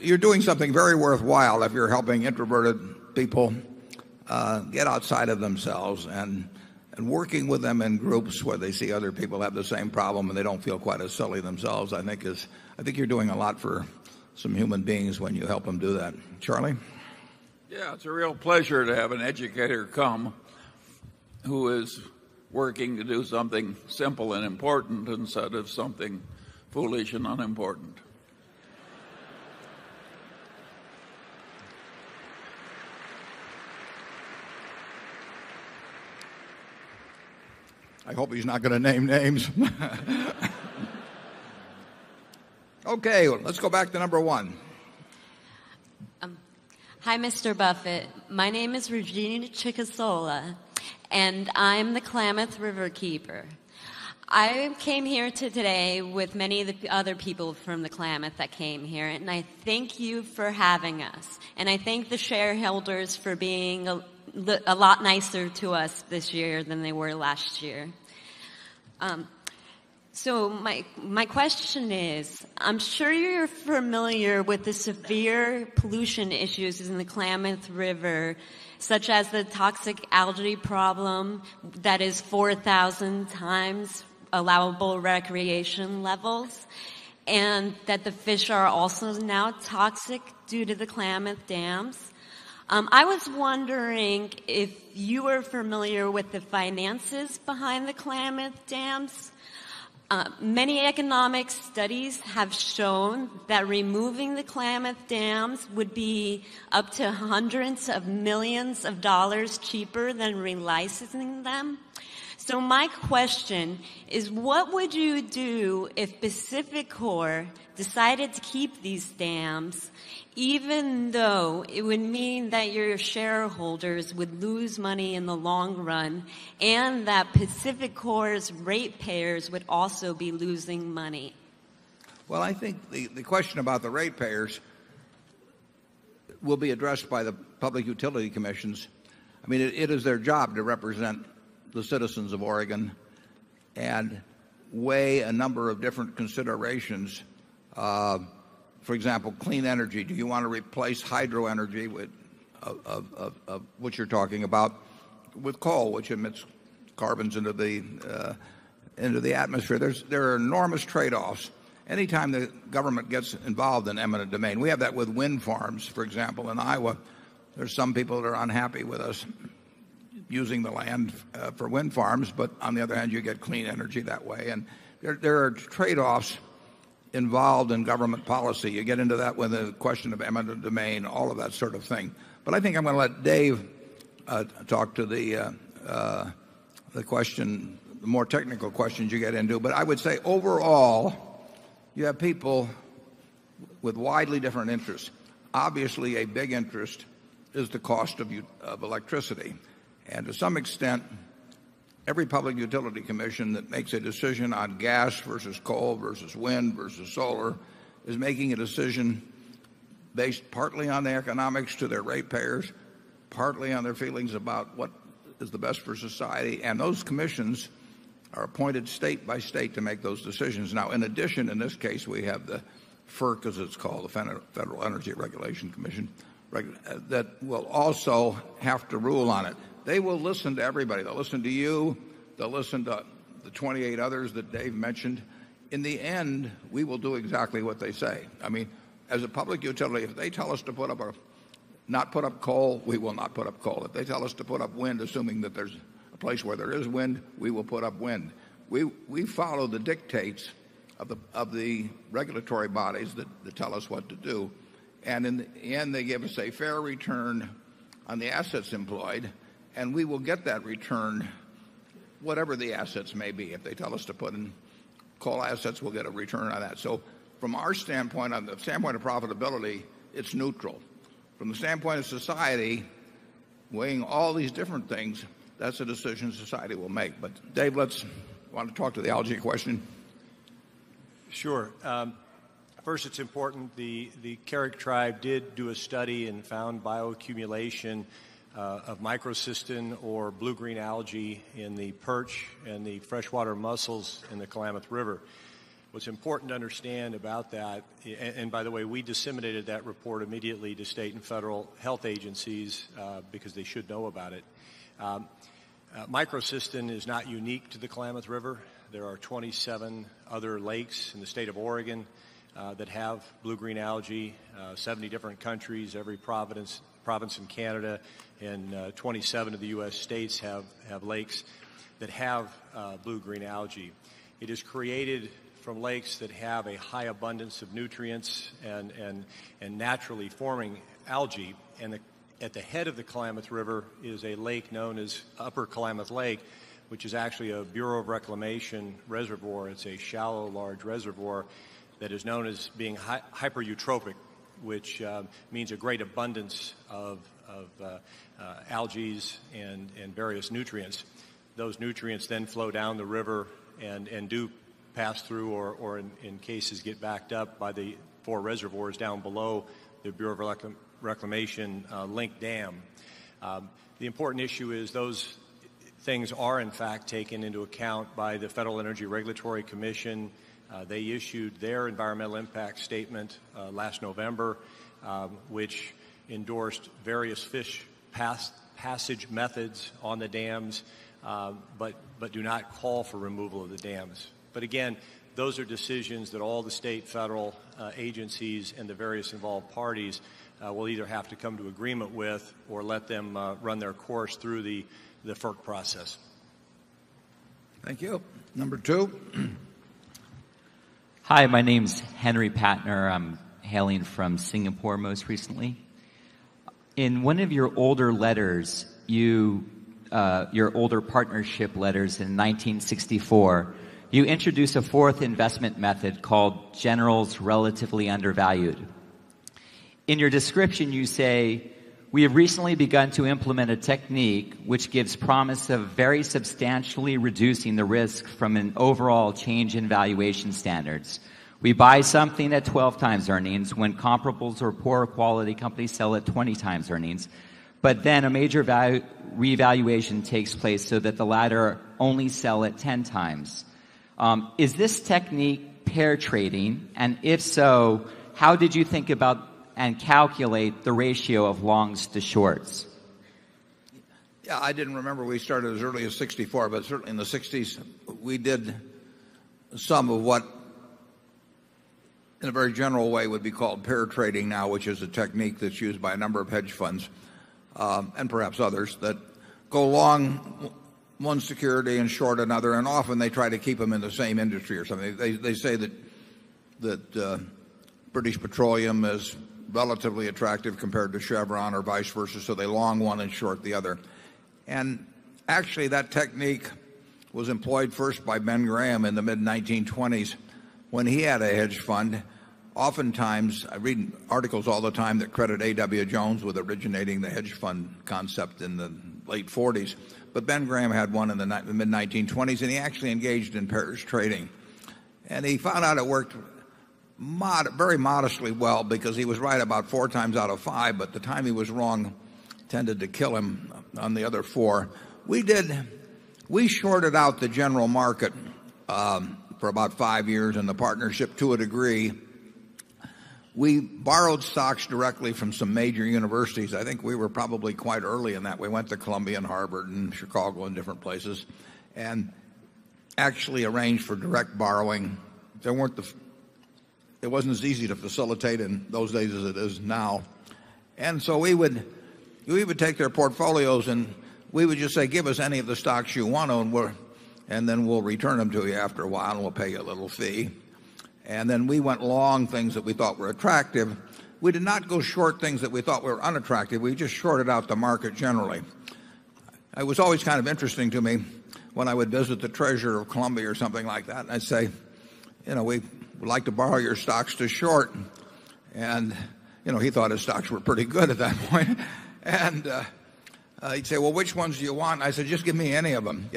you're doing something very worthwhile if you're helping introverted people get outside of themselves and working with them in groups where they see other people have the same problem and they don't feel quite as silly themselves, I think is I think you're doing a lot for some human beings when you help them do that. Charlie? Yes. It's a real pleasure to have an educator come who is working to do something simple and important instead of something foolish and unimportant. I hope he's not going to name names. Okay. Let's go back to number 1. Hi, Mr. Buffet. My name is Regina Chikasola, and I'm the Klamath Riverkeeper. I came here today with many of the other people from the Klamath that came here, and I thank you for having us. And I thank the shareholders for being a lot nicer to us this year than they were last year. So my question is, I'm sure you're familiar with the severe pollution issues in the Klamath River, such as the toxic algae problem that is 4,000 times allowable recreation levels and that the fish are also now toxic due to the Klamath dams. I was wondering if you were familiar with the finances behind the Klamath Dams. Many economic studies have shown that removing the Klamath dams would be up to 100 of 1,000,000 of dollars cheaper than relicensing them. So my question is what would you do if Pacific Core decided to keep these dams even though it would mean that your shareholders would lose money in the long run and that Pacific Core's ratepayers would also be losing money? Well, I think the question about the ratepayers will be addressed by the public utility commissions. I mean it is their job to represent the citizens of Oregon and weigh a number of different considerations. For example, clean energy, do you want to replace hydro energy with what you're talking about with coal, which emits carbons into the atmosphere. There are enormous trade offs. Anytime the government gets involved in eminent domain, we have that with wind farms. For example, in Iowa, there are some people that are unhappy with us using the land for wind farms. But on the other hand, you get clean energy that way. And there are trade offs involved in government policy. You get into that with a question of eminent domain, all of that sort of thing. But I think I'm going to let Dave talk to the question, the more technical questions you get into. But I would say overall you have people with widely different interests. Obviously, a big interest is the cost of electricity. And to some extent, every public utility commission that makes a decision on gas versus coal versus wind versus solar is making a decision based partly on the economics to their ratepayers, partly on their feelings about what is the best for society. And those commissions are appointed state by state to make those decisions. Now in addition, in this case, we have the FERC as it's called the Federal Energy Regulation Commission that will also have to rule on it. They will listen to everybody. They'll listen to you. They'll listen to the 28 others that Dave mentioned. In the end, we will do exactly what they say. I mean, as a public utility, if they tell us to put up or not put up coal, we will not put up coal. If they tell us to put up wind, assuming that there's a place where there is wind, we will put up wind. We follow the dictates of the regulatory bodies that tell us what to do. And in the end, they give us a fair return on the assets employed. And we will get that return whatever the assets may be. If they tell us to put in coal assets, we'll get a return on that. So from our standpoint, on the standpoint of profitability, it's neutral. From the standpoint of society weighing all these different things, that's a decision society will make. But Dave, let's want to talk to the allergy question? Sure. First, it's important the Kerrick tribe did do a study and found bioaccumulation of microcystin or blue green algae in the perch and the freshwater mussels in the Klamath River. What's important to understand about that and by the way, we disseminated that report immediately to state and federal health agencies because they should know about it. Microcystin is not unique to the Klamath River. There are 27 other lakes in the state of Oregon that have blue green algae. 70 different countries, every province in Canada and 27 of the US states have lakes that have blue green algae. It is created from lakes that have a high abundance of nutrients and naturally forming algae. And at the head of the Klamath River is a lake known as Upper Klamath Lake, which is actually a Bureau of Reclamation Reservoir. It's a shallow, large reservoir that is known as being hyper eutrophic, which means a great abundance of, algaes and various nutrients. Those nutrients then flow down the river and do pass through or in cases get backed up by the 4 reservoirs down below the Bureau of Reclamation Link Dam. The important issue is those things are in fact taken into account by the Federal Energy Regulatory Commission. They issued their environmental impact statement last November, which endorsed various fish passage methods on the dams, but do not call for removal of the dams. But again, those are decisions that all the state federal agencies and the various involved parties will either have to come to agreement with or let them run their course through the FERC process. Thank you. Number 2. Hi. My name is Henry Patner. I'm hailing from Singapore most recently. In one of your older letters in 1964, you introduced a 4th investment method called General's Relatively Undervalued. In your description you say, we have recently begun to implement a technique which gives promise of very substantially reducing the risk from an overall change in valuation standards. We buy something at 12 times earnings when comparables are poor quality companies sell at 20 times earnings, but then a major value revaluation takes place so that the latter only sell at 10x. Is this technique pair trading? And if so, how did you think about and calculate the ratio of longs to shorts? Yes. I didn't remember we started as early as 'sixty four, but certainly in the '60s, we did some of what in a very general way would be called peer trading now which is a technique that's used by a number of hedge funds, and perhaps others that go along one security and short another and often they try to keep them in the same industry or something. They say that British Petroleum is relatively attractive compared to Chevron or vice versa. So they long one and short the other. And actually that technique was employed first by Ben Graham in the mid-1920s when he had a hedge fund. Oftentimes I read articles all the time that credit A. W. Jones with originating the hedge fund concept in the late '40s. But Ben Graham had 1 in the mid-1920s and he actually engaged in pairs trading. And he found out it worked very modestly well because he was right about 4 times out of 5, but the time he was wrong tended to kill him on the other 4. We did we shorted out the general market for about 5 years and the partnership to a degree. We borrowed SOX directly from some major universities. I think we were probably quite early in that. We went to Columbia and Harvard and Chicago and different places and actually arranged for direct borrowing. There weren't it wasn't as easy to facilitate in those days as it is now. And so we would take their portfolios and we would just say give us any of the stocks you want to and then we'll return them to you after a while and we'll pay you a little fee. And then we went long things that we thought were attractive. We did not go short things that we thought were unattractive. We just shorted out the market generally. It was always kind of interesting to me when I would visit the Treasurer of Columbia or something like that and I'd say, we would like to borrow your stocks to short. And he thought his stocks were pretty good at that point. And he'd say, well, which ones do you want? I said, just give me any of them.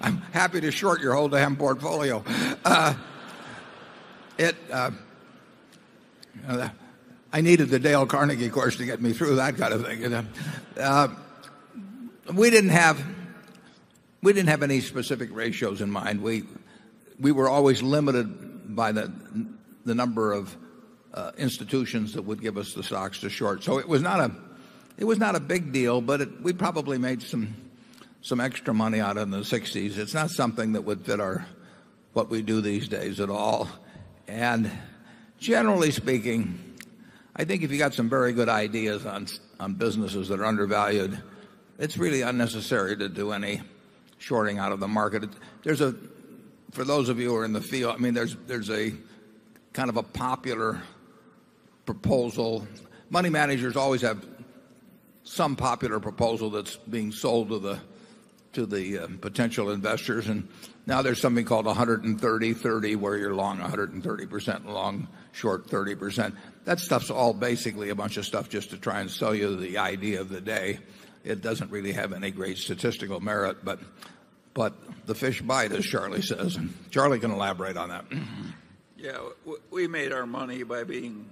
I'm happy to short your whole damn portfolio. I needed the Dale Carnegie course to get me through that kind of thing. We didn't have any specific ratios in mind. We were always limited by the number of institutions that would give us the SOX to short. So it was not a big deal, but we probably made some extra money out of the 60s. It's not something that would fit our what we do these days at all. And generally speaking, I think if you got some very good ideas on businesses that are undervalued, it's really unnecessary to do any shorting out of the market. There's a for those of you who are in the field, I mean, there's a kind of a popular proposal. Money managers always have some popular proposal that's being sold to the potential investors. And now there's something called 130%, 30%, where you're long 130%, long short 30%. That stuff's all basically a bunch of stuff just to try and sell you the idea of the day. It doesn't really have any great statistical merit, But the fish bite as Charlie says. Charlie can elaborate on that. Yes. We made our money by being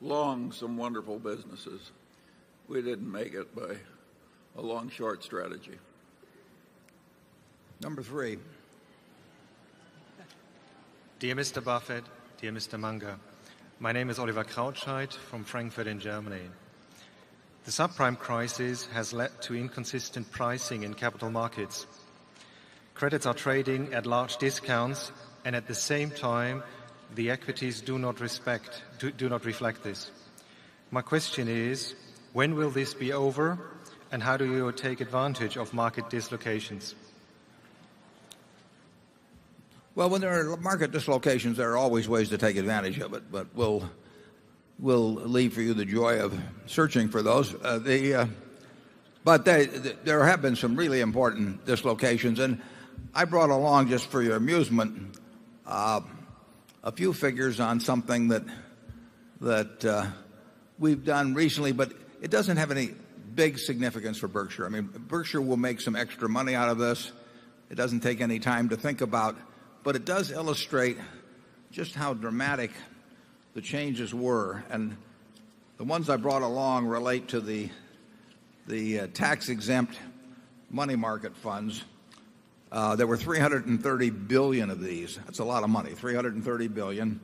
long some wonderful businesses. We didn't make it by a long short strategy. Number 3. Dear Mr. Buffet, Dear Mr. Munger, my name is Oliver Krautschheit from Frankfurt in Germany. The subprime crisis has led to inconsistent pricing in capital markets. Credits are trading at large discounts and at the same time, the equities do not reflect this. My question is, when will this be over and how do you take advantage of market dislocations? Well, when there are market dislocations, there are always ways to take advantage of it, but we'll leave for you the joy of searching for those. But there have been some really important dislocations. And I brought along just for your amusement, a few figures on something that that we've done recently, but it doesn't have any big significance for Berkshire. I mean, Berkshire will make some extra money out of this. It doesn't take any time to think about, but it does illustrate just how dramatic the changes were. And the ones I brought along relate to the tax exempt money market funds. There were $330,000,000,000 of these. That's a lot of money, dollars 330,000,000,000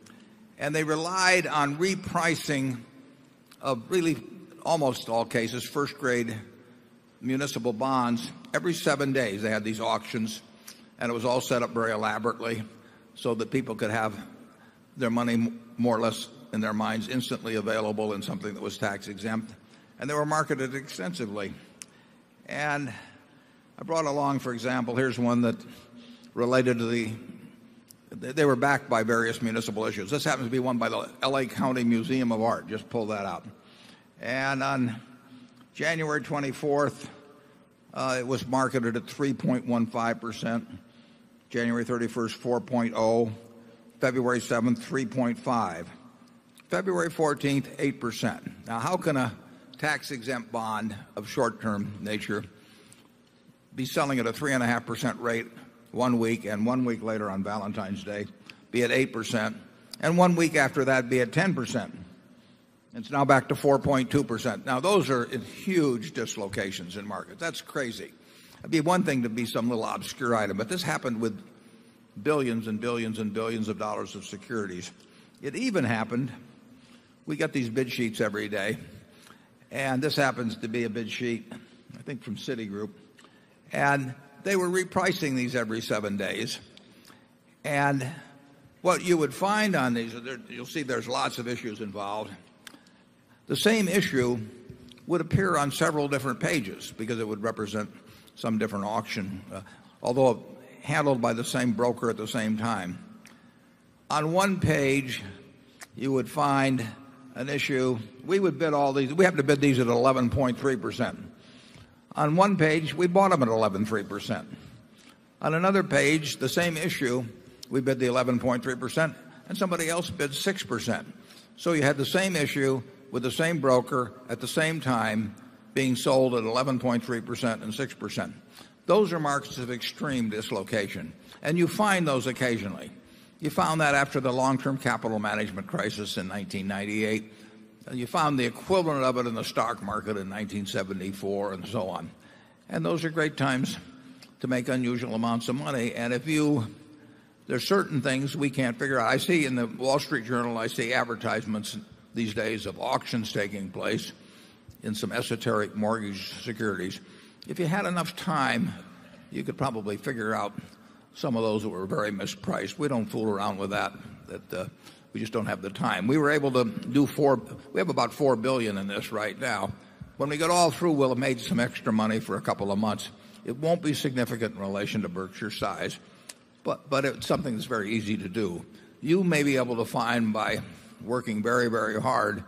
And they relied on re pricing of really almost all cases, 1st grade municipal bonds. Every 7 days they had these auctions and it was all set up very elaborately so that people could have their money more or less in their minds instantly available in something that was tax exempt. And they were marketed extensively. And I brought along, for example, here's one that related to the they were backed by various municipal issues. This happened to be one by the L. A. County Museum of Art. Just pull that out. And on January 24th, it was marketed at 3.15%. January 31, 4.0. February 7, 3.5. February 14, 8%. Now how can a tax exempt bond of short term nature be selling at a 3.5% rate 1 week and 1 week later on Valentine's Day be at 8% and 1 week after that be at 10%. It's now back to 4.2%. Now those are huge dislocations in markets. That's crazy. It be one thing to be some little obscure item, but this happened with 1,000,000,000 and 1,000,000,000 and 1,000,000,000 of dollars of securities. It even happened, We got these bid sheets every day. And this happens to be a bid sheet, I think from Citigroup. And they were repricing these every 7 days. And what you would find on these you'll see there's lots of issues involved. The same issue would appear on several different pages because it would represent some different auction, although handled by the same broker at the same time. On one page, you would find an issue. We would bid all these we happen to bid these at 11.3%. On one page, we bought them at 11.3%. On another page, the same issue, we bid the 11.3% and somebody else bid 6%. So you had the same issue with the same broker at the same time being sold at 11.3% 6%. Those are markets of extreme dislocation and you find those occasionally. You found that after the long term capital management crisis in 1998. You found the equivalent of it in the stock market in 1974 and so on. And those are great times to make unusual amounts of money. And if you there are certain things we can't figure out. I see in the Wall Street Journal, I see advertisements these days of auctions taking place in some esoteric mortgage securities. If you had enough time, you could probably figure out some of those that were very mispriced. We don't fool around with that. We just don't have the time. We were able to do 4 we have about $4,000,000,000 in this right now. When we got all through, we'll have made some extra money for a couple of months. It won't be significant in relation to Berkshire's size, but it's something that's very easy to do. You may be able to find by working very, very hard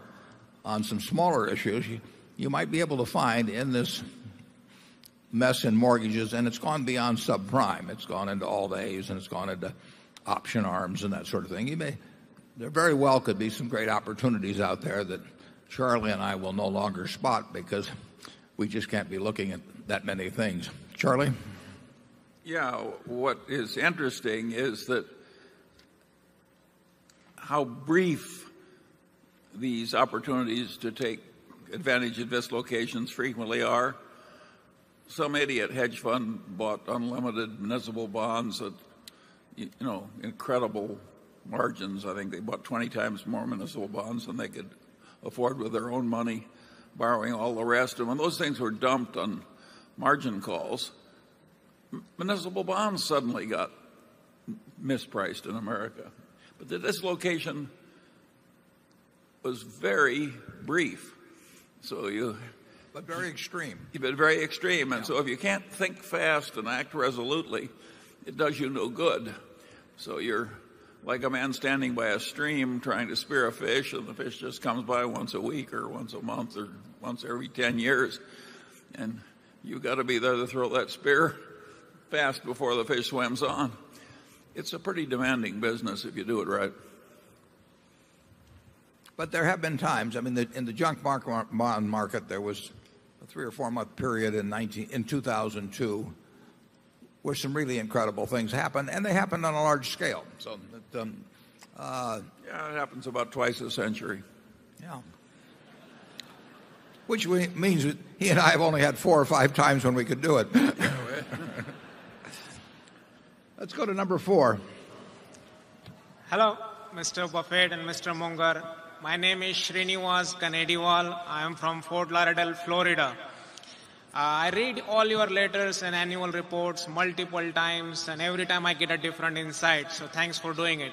on some smaller issues, you might be able to find in this mess in mortgages and it's gone beyond subprime. It's gone into all days and it's gone into option arms and that sort of thing. You may there very well could be some great opportunities out there that Charlie and I will no longer spot because we just can't be looking at that many things. Charlie? Yes. What is interesting is that how brief these opportunities to take advantage of dislocations frequently are. Some idiot hedge fund bought unlimited municipal bonds at incredible margins. I think they bought 20 times more municipal bonds than they could afford with their own money, borrowing all the rest. And when those things were dumped on margin calls, municipal bonds suddenly got mispriced in America. But this location was very brief. So you But very extreme. You've been very extreme. And so if you can't think fast and act resolutely, it does you no good. So you're like a man standing by a stream trying to spear a fish and the fish just comes by once a week or once a month or once every 10 years. And you've got to be there to throw that spear fast before the fish swims on. It's a pretty demanding business if you do it right. But there have been times I mean in the junk bond market there was a 3 or 4 month period in 2002 where some really incredible things happened, and they happened on a large scale. So Yes, it happens about twice a century. Yes. Which means that he and I have only had 4 or 5 times when we could do it. Let's go to number 4. Hello, mister Buffet and mister Munger. My name is Srinivas, I am from Fort Lauderdale, Florida. I read all your letters and annual reports multiple times and every time I get a different insight. So thanks for doing it.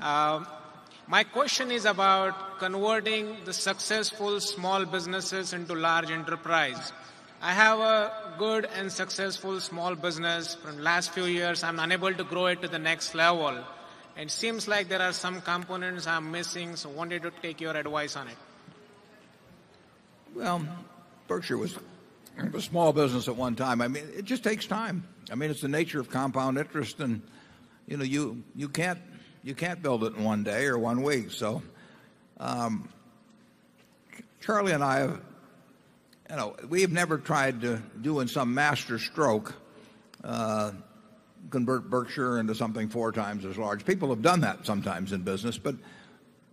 My question is about converting the successful small businesses into large enterprise. I have a good and successful small business from last few years. I'm unable to grow it to the next level. It seems like there are some components mean, it's the nature of compound interest. And you can't I mean, it's the nature of compound interest and you can't build it in one day or one week. So Charlie and I have we have never tried to do in some master stroke convert Berkshire into something 4 times as large. People have done that sometimes in business. But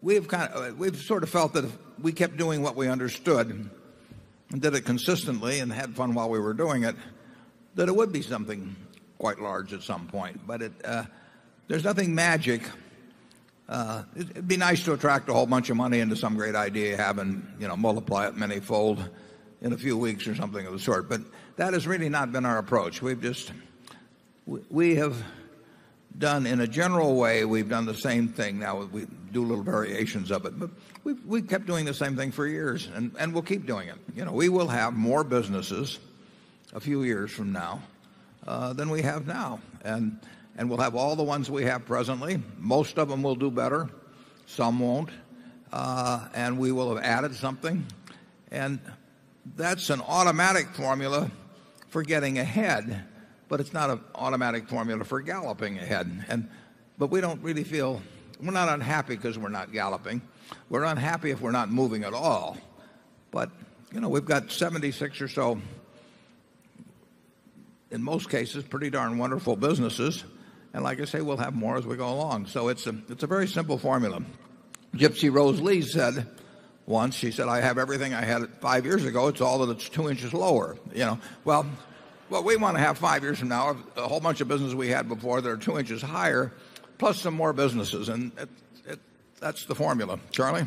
we've kind of we've sort of felt that if we kept doing what we understood and did it consistently and had fun while we were doing it, that it would be something quite large at some point. But it there's nothing magic. It'd be nice to attract a whole bunch of money into some great idea you have and multiply it manyfold in a few weeks or something of the sort. But that has really not been our approach. We've just we have done in a general way, we've done the same thing now. We do little variations of it. But we've kept doing the same thing for years, and we'll keep doing it. We will have more businesses a few years from now than we have now. And we'll have all the ones we have presently. Most of them will do better, some won't. And we will have added something. And that's an automatic formula for getting ahead, but it's not an automatic formula for galloping ahead. And but we don't really feel we're not unhappy because we're not galloping. We're unhappy if we're not moving at all. But we've got 76 or so, in most cases, pretty darn wonderful businesses. And like I say, we'll have more as we go along. So it's a very simple formula. Gipsy Rose Lee said once, she said, I have everything I had 5 years ago. It's all that it's 2 inches lower. Well, what we want to have 5 years from now, a whole bunch of business we had before that are 2 inches higher plus some more businesses. And that's the formula. Charlie?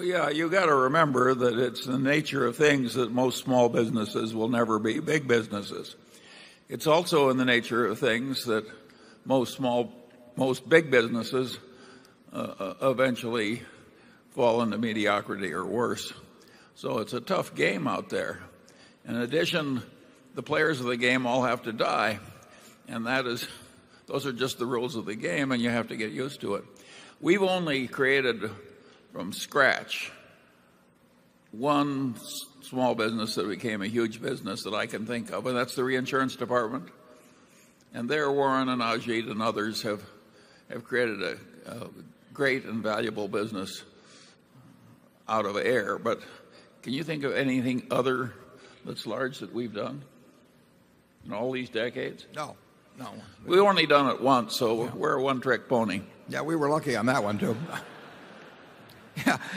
Yes. You got to remember that it's the nature of things that most small businesses will never be big businesses. It's also in the nature of things that most small most big businesses eventually fall into mediocrity or worse. So it's a tough game out there. In addition, the players of the game all have to die. And that is those are just the rules of the game and you have to get used to it. We've only created from scratch one small business that became a huge business that I can think of and that's the Reinsurance Department. And there Warren and Ajit and others have created a great and valuable business out of air. But can you think of anything other that's large that we've done in all these decades? No. No. We've only done it once. So we're a one trick pony. Yes, we were lucky on that one too.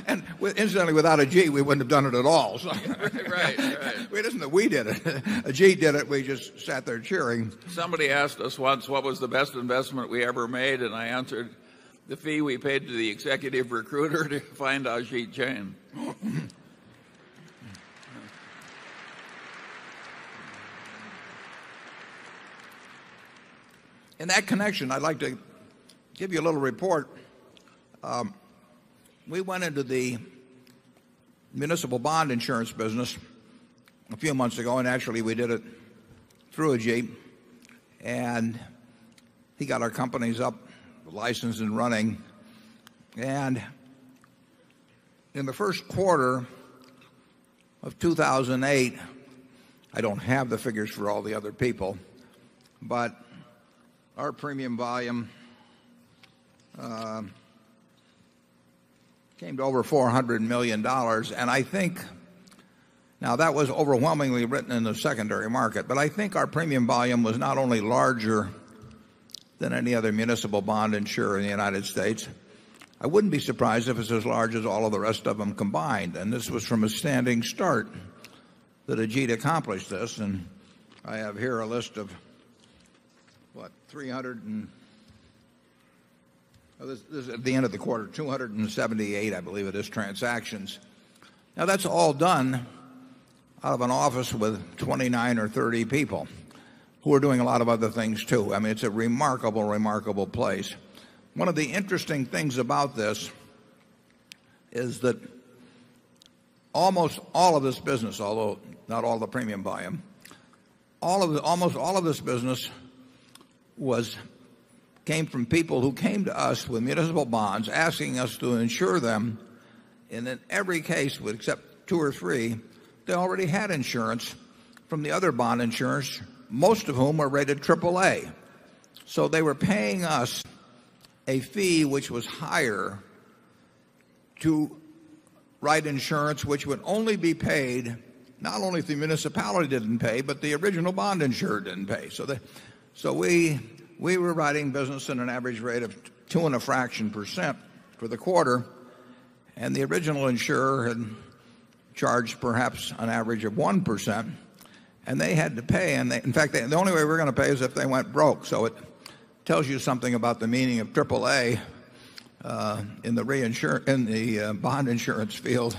And incidentally, without a G, we wouldn't have done it at all. Right. Right. It isn't that we did it. A G did it. We just sat there cheering. Somebody asked us once what was the best investment we ever made. And I answered the fee we paid to the executive recruiter to find Ajit Jain. In that connection, I'd like to give you a little report. We went into the municipal bond insurance business a few months ago and actually we did it through a Jeep and he got our companies up licensed and running. And in the Q1 of 2,008, I don't have the figures for all the other people, but our premium volume came to over $400,000,000 And I think now that was overwhelmingly written in the secondary market, but I think our premium volume was not only larger than any other municipal bond insurer in the United States. I wouldn't be surprised if it's as large as all of the rest of them combined. And this was from a standing start that Ajit accomplished this. And I have here a list of what 300 and this is at the end of the quarter 278, I believe, of these transactions. Now that's all done out of an office with 29 or 30 people who are doing a lot of other things too. I mean, it's a remarkable, remarkable place. One of the interesting things about this is that almost all of this business, although not all the premium volume, all of the almost all of this business was came from people who came to us with municipal bonds asking us to insure them and in every case, except 2 or 3, they already had insurance from the other bond insurance, most of whom are rated AAA. So they were paying us a fee which was higher to write insurance which would only be paid not only if the municipality didn't pay, but the original bond insurer didn't pay. So we were writing business in an average rate of 2.5 percent for the quarter, and the original insurer had charged perhaps an average of 1%. And they had to pay. And they in fact, the only way we're going to pay is if they went broke. So it tells you something about the meaning of AAA in the reinsurance in the bond insurance field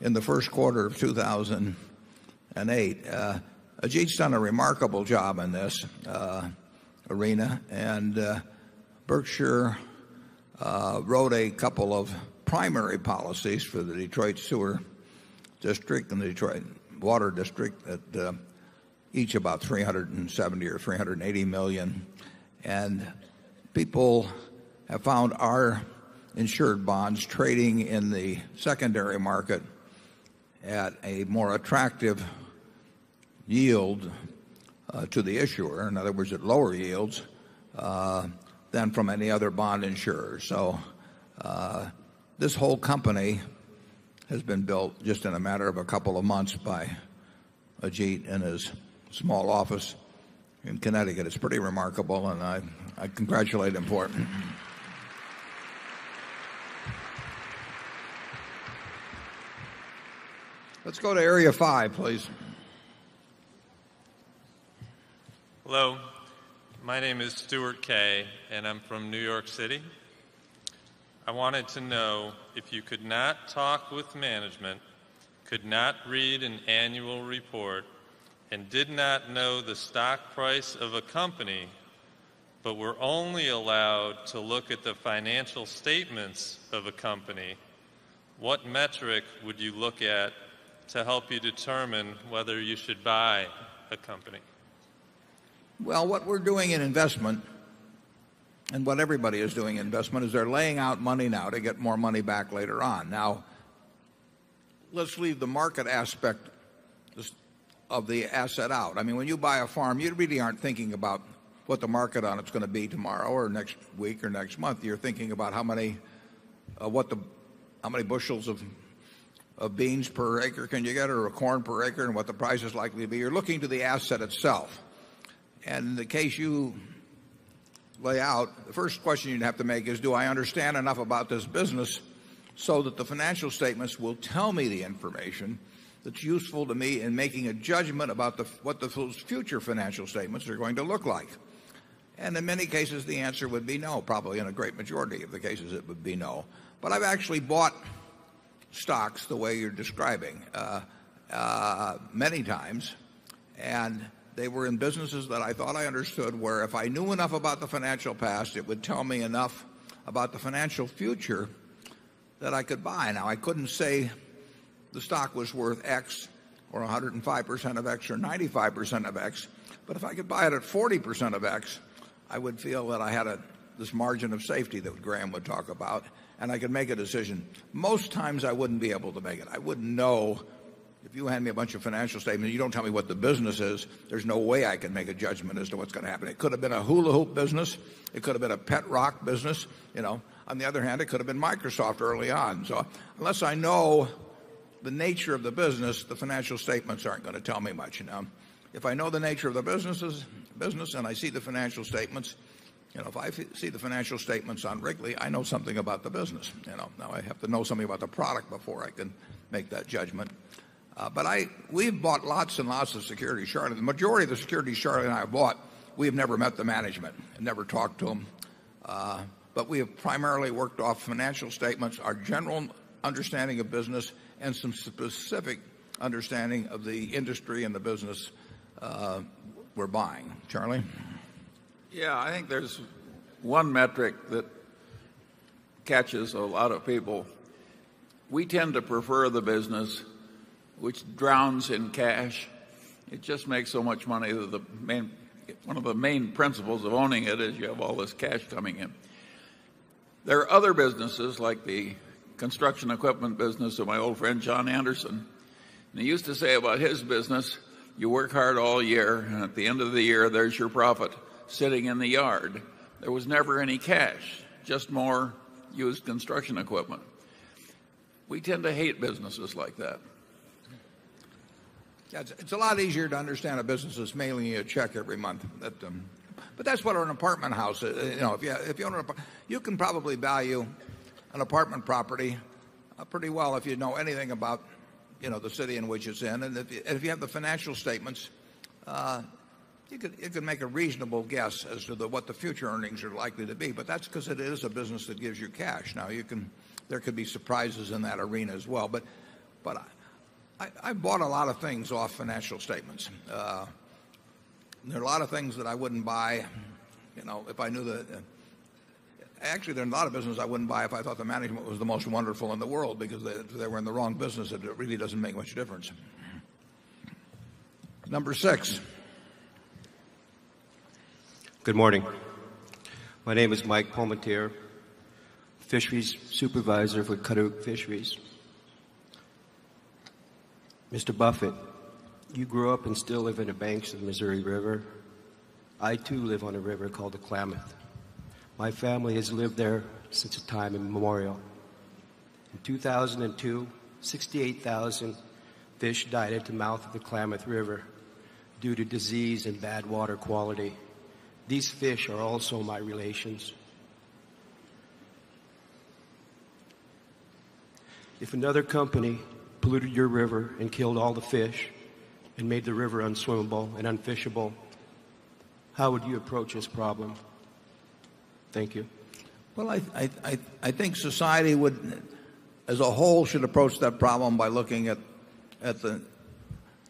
in the Q1 of 2,000 and 8. Ajit's done a remarkable job in this arena, and Berkshire wrote a couple of primary policies for the Detroit Sewer District and the Detroit Water District at each about $370,000,000 or $380,000,000 And people have found our insured bonds trading in the secondary market at a more attractive yield to the issuer, in other words, at lower yields, than from any other bond insurer. So this whole company has been built just in a matter of a couple of months by Ajit and his small office in Connecticut. It's pretty remarkable and I congratulate him for it. I wanted to know if you could not talk with management, could not read an annual report, and did not know the stock price of a company, but were only allowed to look at the financial statements of a company, what metric would you look at to help you determine whether you should buy a company? Well, what we're doing in investment and what everybody is doing in investment is they're laying out money now to get more money back later on. Now let's leave the market aspect of the asset out. I mean when you buy a farm you really aren't thinking about what the market on it's going to be tomorrow or next week or next month. You're thinking about how many bushels of of beans per acre can you get or a corn per acre and what the price is likely to be. You're looking to the asset itself. And the case you lay out, the first question you'd have to make is do I understand enough about this business so that the financial statements will tell me the information that's useful to me in making a judgment about what the future financial statements are going to look like. And in many cases, the answer would be no. Probably in a great majority of the cases, it would be no. But I've actually bought stocks the way you're describing many times. And they were in businesses that I thought I understood where if I knew enough about the financial past, it would tell me enough about the financial future that I could buy. Now I couldn't say the stock was worth X or 105% of X or 95% of X. But if I could buy it at 40% of X, I would feel that I had this margin of safety that Graham would talk about and I could make a decision. Most times I wouldn't be able to make it. I wouldn't know if you hand me a bunch of financial statements. You don't tell me what the business is. There's no way I can make a judgment as to what's going to happen. It could have been a hula hoop business. It could have been a pet rock business. On the other hand, it could have been Microsoft early on. So unless I know the nature of the business, the financial statements aren't going to tell me much. If I know the nature of the businesses business and I see the financial statements, if I see the financial statements on Wrigley, I know something about the business. Now I have to know something about the product before I can make that judgment. But I we've bought lots and lots of security, Charlotte. The majority of the security Charlotte and I bought, we have never met the management and never talked to them. But we have primarily worked off financial statements, our general understanding of business and some specific understanding of the industry and the business we're buying. Charlie? Yes. I think there's one metric that catches a lot of people. We tend to prefer the business which drowns in cash. It just makes so much money. One of the main principles of owning it is you have all this cash coming in. There are other businesses like the construction equipment business of my old friend, John Anderson. And he used to say about his business, you work hard all year and at the end of the year, there's your profit sitting in the yard. There was never any cash, just more used construction equipment. We tend to hate businesses like that. Yes. It's a lot easier to understand a business that's mailing you a check every month. But that's what an apartment house is. If you own a you can probably value an apartment property pretty well if you know anything about the city in which it's in. And if you have the financial statements, you can make a reasonable guess as to what the future earnings are likely to be. But that's because it is a business that gives you cash. Now you can there could be surprises in that arena as well. But I bought a lot of things off financial statements. There are a lot of things that I wouldn't buy if I knew that actually, there are a lot of business I wouldn't buy if I thought the management was the most wonderful in the world because they were in the wrong business. It really doesn't make much difference. Number 6. Good morning. My name is Mike Palmateer, Fisheries Supervisor for Cuttouches Fisheries. Mr. Buffet, you grew up and still live in the banks of the Missouri River. I too live on a river called the Klamath. My family has lived there since the time immemorial. In 2,002, 68,000 fish died at the mouth of the Klamath River due to disease and bad water quality. These fish are also my relations. If another company polluted your river and killed all the fish and made the river unswimmable and unfishable, how would you approach this problem? Thank you. Well, I think society would, as a whole, should approach that problem by looking at the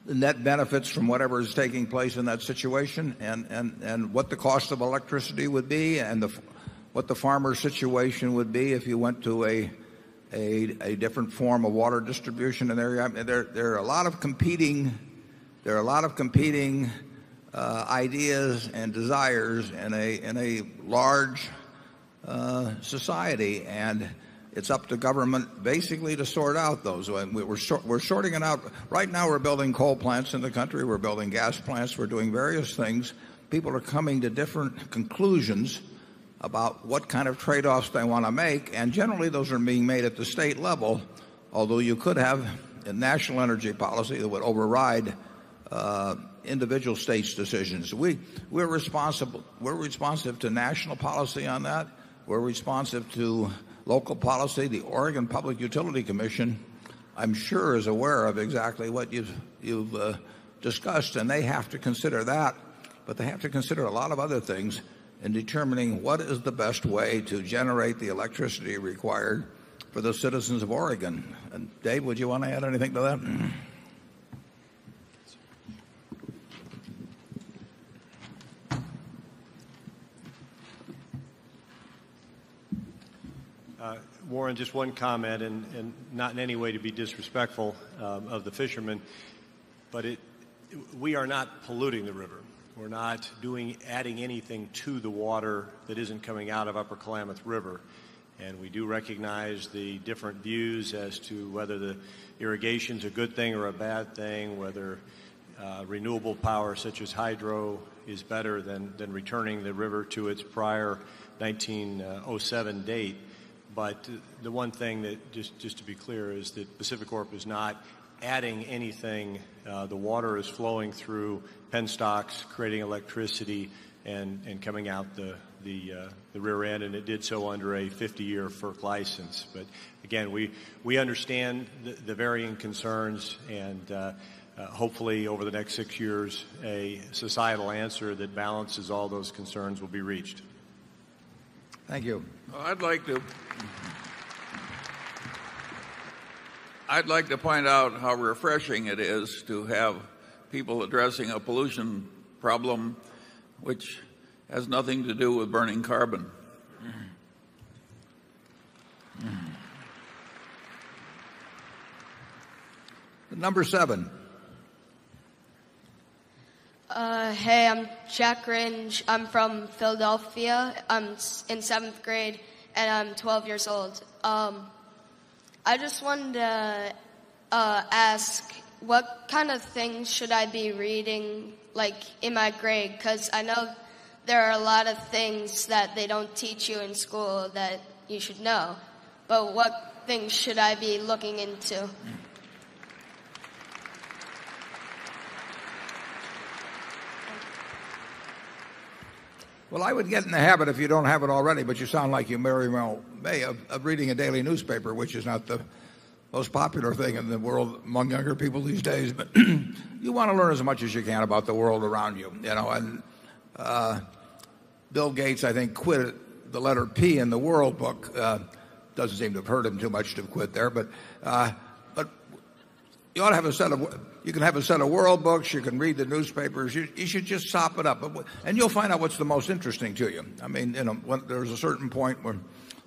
net benefits from whatever is taking place in that situation and what the cost of electricity would be and what the farmer situation would be if you went to a different form of water distribution in there. There are a lot of competing ideas and desires in a large society. And it's up to government basically to sort out those. And we were we're sorting it out. Right now, we're building coal plants in the country. We're building gas plants. We're doing various things. People are coming to different conclusions about what kind of trade offs they want to make. And generally, those are being made at the state level, although you could have a national energy policy that would override individual states' decisions. We're responsible. We're responsive to national policy on that. We're responsive to local policy. The Oregon Public Utility Commission, I'm sure, is aware of exactly what you've discussed. And they have to consider that. But they have to consider a lot of other things in determining what is the best way to generate the electricity required for those citizens of Oregon. And Dave, would you want to add anything to that? Warren, just one comment and not in any way to be disrespectful of the fishermen, but it we are not polluting the river. We're not doing adding anything to the water that isn't coming out of Upper Klamath River. And we do recognize the different views as to whether the irrigation is a good thing or a bad thing, whether renewable power such as hydro is better than returning the river to its prior 19 7 date. But the one thing that just to be clear is that Pacificorp is not adding anything. The water is flowing through penstocks, creating electricity and coming out the rear end, and it did so under a 50 year FERC license. But again, we understand the varying concerns and hopefully over the next 6 years a societal answer that balances all those concerns will be reached. Thank you. I'd like to point out how refreshing it is to have people addressing a pollution problem, which has nothing to do with burning carbon. Number 7. I'm Jack Grange. I'm from Philadelphia. I'm in 7th grade and I'm 12 years old. I just want to ask what kind of things should I be reading like in my grade because I know there are a lot of things that they don't teach you in school that you should know But what things should I be looking into? Well, I would get in the habit if you don't have it already, but you sound like you, Mary Merrill May, of reading a daily newspaper, which is not the most popular thing in the world among younger people these days. But you want to learn as much as you can about the world around you. You know? And Bill Gates, I think, quit the letter P in the world book. Doesn't seem to have hurt him too much to have quit there. But you ought to have a set of you can have a set of world books. You can read the newspapers. You should just sop it up. And you'll find out what's the most interesting to you. I mean, there's a certain point where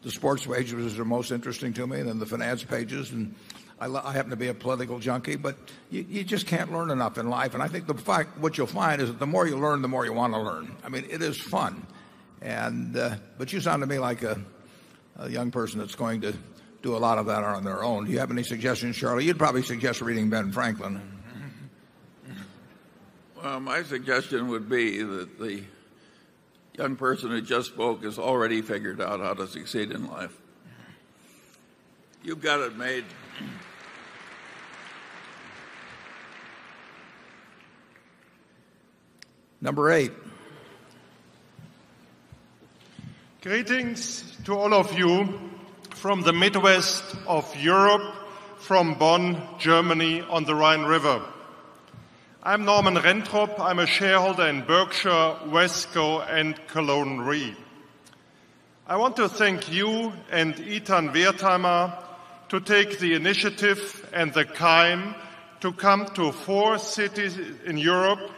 the sports majors are most interesting to me and then the finance pages. And I happen to be a political junkie, but you just can't learn enough in life. And I think the fact what you'll find is the more you learn, the more you want to learn. I mean, it is fun. And but you sound to me like a young person that's going to do a lot of that on their own. Do you have any suggestions, Charlie? You'd probably suggest reading Ben Franklin. Well, my suggestion would be that the young person who just spoke has already figured out how to succeed in life. You've got it made. Number 8. Greetings to all of you from the Midwest of Europe, from Bonn, Germany on the Rhine River. I'm Norman Renthrop. I'm a shareholder in Berkshire, Wesco and Cologne Re. I want to thank you and Ethan Wertheimer to take the initiative and the time to come to 4 cities in Europe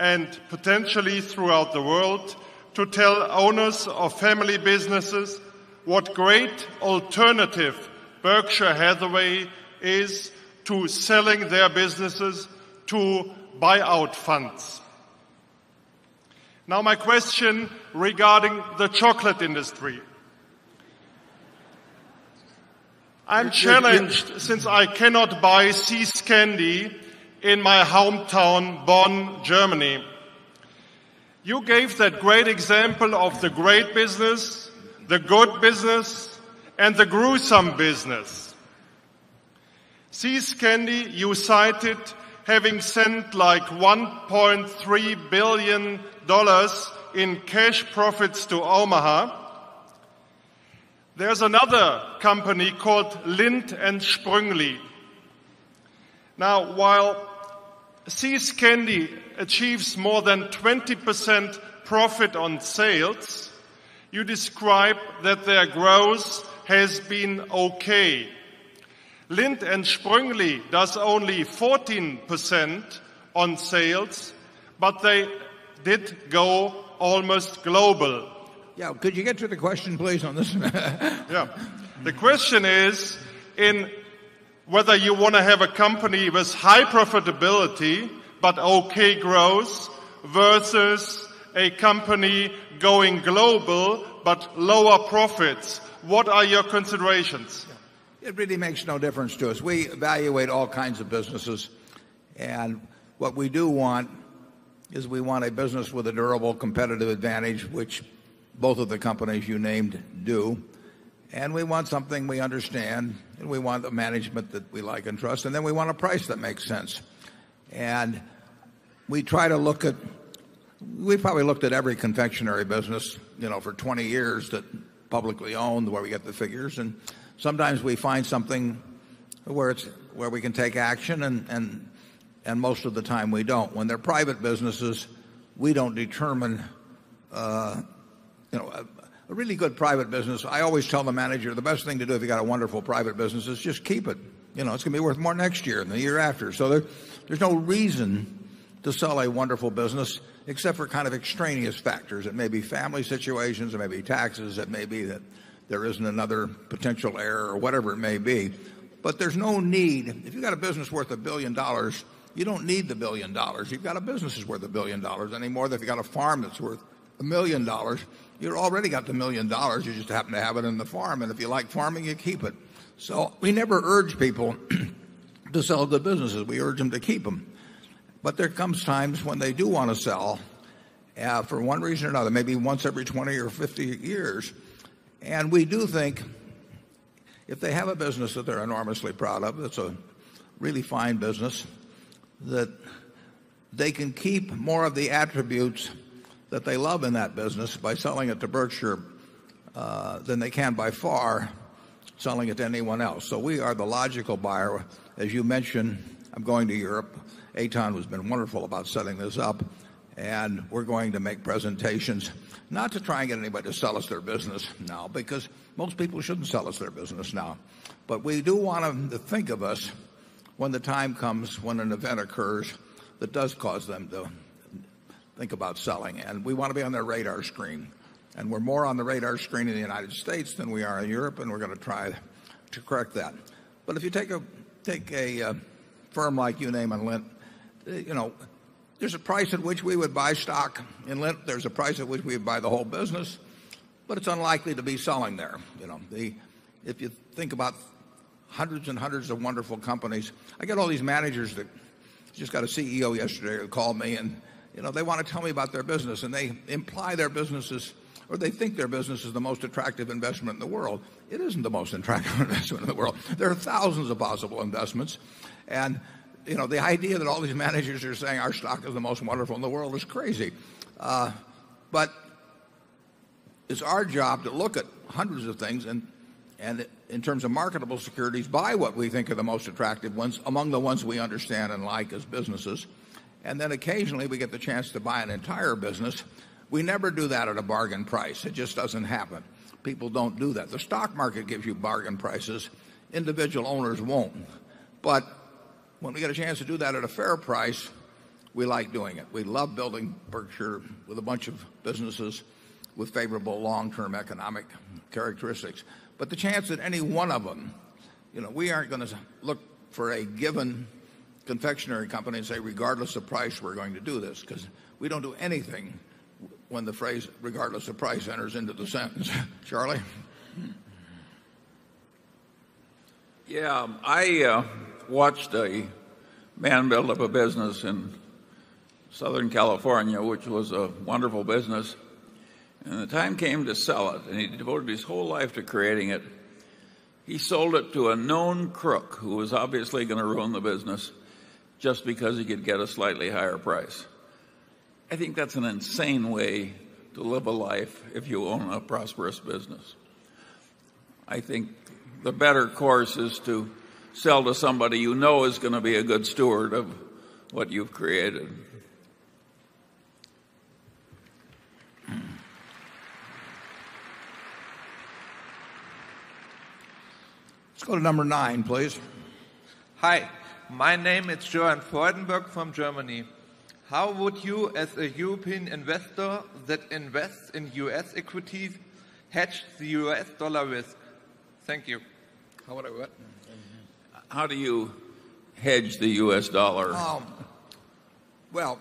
and potentially throughout the world to tell owners of family businesses what great alternative Berkshire Hathaway is to selling their businesses to buy out funds. Now my question regarding the chocolate industry. I'm challenged since I cannot buy seized candy in my hometown Bonn, Germany. You gave that great example of the great business, the good business and the gruesome business. C. Scandy, you cited having sent like $1,300,000,000 in cash profits to Omaha. There's another company called Lindt and Spongli. Now while SeaScandie achieves more than 20% profit on sales, you describe that their growth has been okay. Lindt and Sprungli does only 14% on sales, but they did go almost global. Yeah. Could you get to the question, please, on this? Yeah. The question is in whether you want to have a company with high profitability but okay growth versus a company going global but lower profits? What are your considerations? It really makes no difference to us. We evaluate all kinds of businesses. And what we do want is we want a business with a durable competitive advantage, which both of the companies you named do. And we want something we understand, and we want the management that we like and trust, and then we want a price that makes sense. And we try to look at we probably looked at every confectionery business for 20 years that publicly owned where we get the figures. And sometimes we find something where it's where we can take action and most of the time we don't. When they're private businesses, we don't determine a really good private business. I always tell the manager the best thing to do if you got a wonderful private business is just keep it. It's going to be worth more next year and the year after. So there's no reason to sell a wonderful business except for kind of extraneous factors. It may be family situations, it may be taxes, it may be that there isn't another potential error or whatever it may be. But there's no need. If you've got a business worth $1,000,000,000 you don't need the $1,000,000,000 You've got a business that's worth $1,000,000,000 anymore than if you've got a farm that's worth $1,000,000 you already got the $1,000,000 you just happen to have it in the farm. And if you like farming, you keep it. So we never urge people to sell the businesses. We urge them to keep them. But there comes times when they do want to sell for one reason or another, maybe once every 20 or 50 years. And we do think if they have a business that they're enormously proud of, it's a really fine business, that they can keep more of the attributes that they love in that business by selling it to Berkshire, than they can by far selling it to anyone else. So we are the logical buyer. As you mentioned, I'm going to Europe. Eitan has been wonderful about setting this up. And we're going to make presentations not to try and get anybody to sell us their business now because most people shouldn't sell us their business now. But we do want them to think of us when the time comes, when an event occurs that does cause them to think about selling. And we want to be on their radar screen. And we're more on the radar screen in the United States than we are in Europe, and we're going to try to correct that. But if you take a firm like you name on Lindt, there's a price at which we would buy stock in Lent. There's a price at which we buy the whole business, but it's unlikely to be selling there. If you think about 100 and 100 of wonderful companies, I get all these managers that just got a CEO yesterday who called me and they want to tell me about their business and they imply their businesses or they think their business is the most attractive investment in the world. It isn't the most attractive investment in the world. There are thousands of possible investments. And the idea that all these managers are saying our stock is the most wonderful in the world is crazy. But it's our job to look at hundreds of things and in terms of marketable securities, buy what we think are the most attractive ones among the ones we understand and like as businesses. And then occasionally, we get the chance to buy an entire business. We never do that at a bargain price. It just doesn't happen. People don't do that. The stock market gives you bargain prices, individual owners won't. But when we get a chance to do that at a fair price, we like doing it. We love building Berkshire with a bunch of businesses with favorable long term economic characteristics. But the chance that any one of them, we aren't going to look for a given confectionery company and say regardless of price we're going to do this because we don't do anything when the phrase regardless of price enters into the sentence. Charlie. Yes. I watched a man build up a business in Southern California, which was a wonderful business. And the time came to sell it and he devoted his whole life to creating it. He sold it to a known crook who was obviously going to ruin the business just because he could get a slightly higher price. I think that's an insane way to live a life if you own a prosperous business. I think the better course is to sell to somebody you know is going to be a good steward of what you've created. Let's go to number 9, please. Hi. My name is Johan Freudenberg from Germany. How would you as a European investor that invests in U. S. Equities hedged the U. S. Dollar risk? Thank you. How about I go ahead? How do you hedge the U. S. Dollar? Well,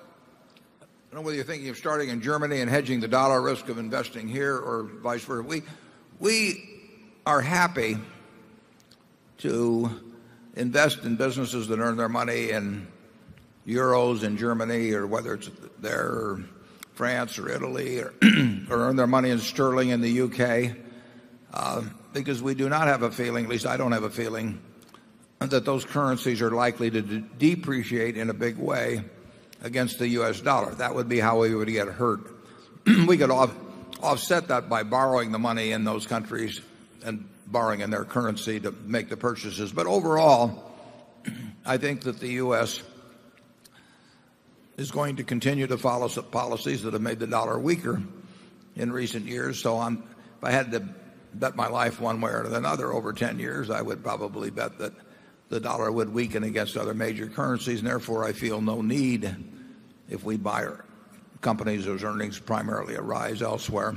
I don't know whether you're thinking of starting in Germany and hedging the dollar risk of investing here or vice versa. We are happy to invest in businesses that earn their money in euros and Germany or whether it's their France or Italy or earn their money in sterling in the U. K. Because we do not have a feeling at least I don't have a feeling that those currencies are likely to depreciate in a big way against the U. S. Dollar. That would be how we would get hurt. We could offset that by borrowing the money in those countries and borrowing in their currency to make the purchases. But overall, I think that the U. S. Is going to continue to follow some policies that have made the dollar weaker in recent years. So if I had to bet my life one way or another over 10 years, I would probably bet that the dollar would weaken against other major currencies. And therefore, I feel no need if we buy companies, those earnings primarily arise elsewhere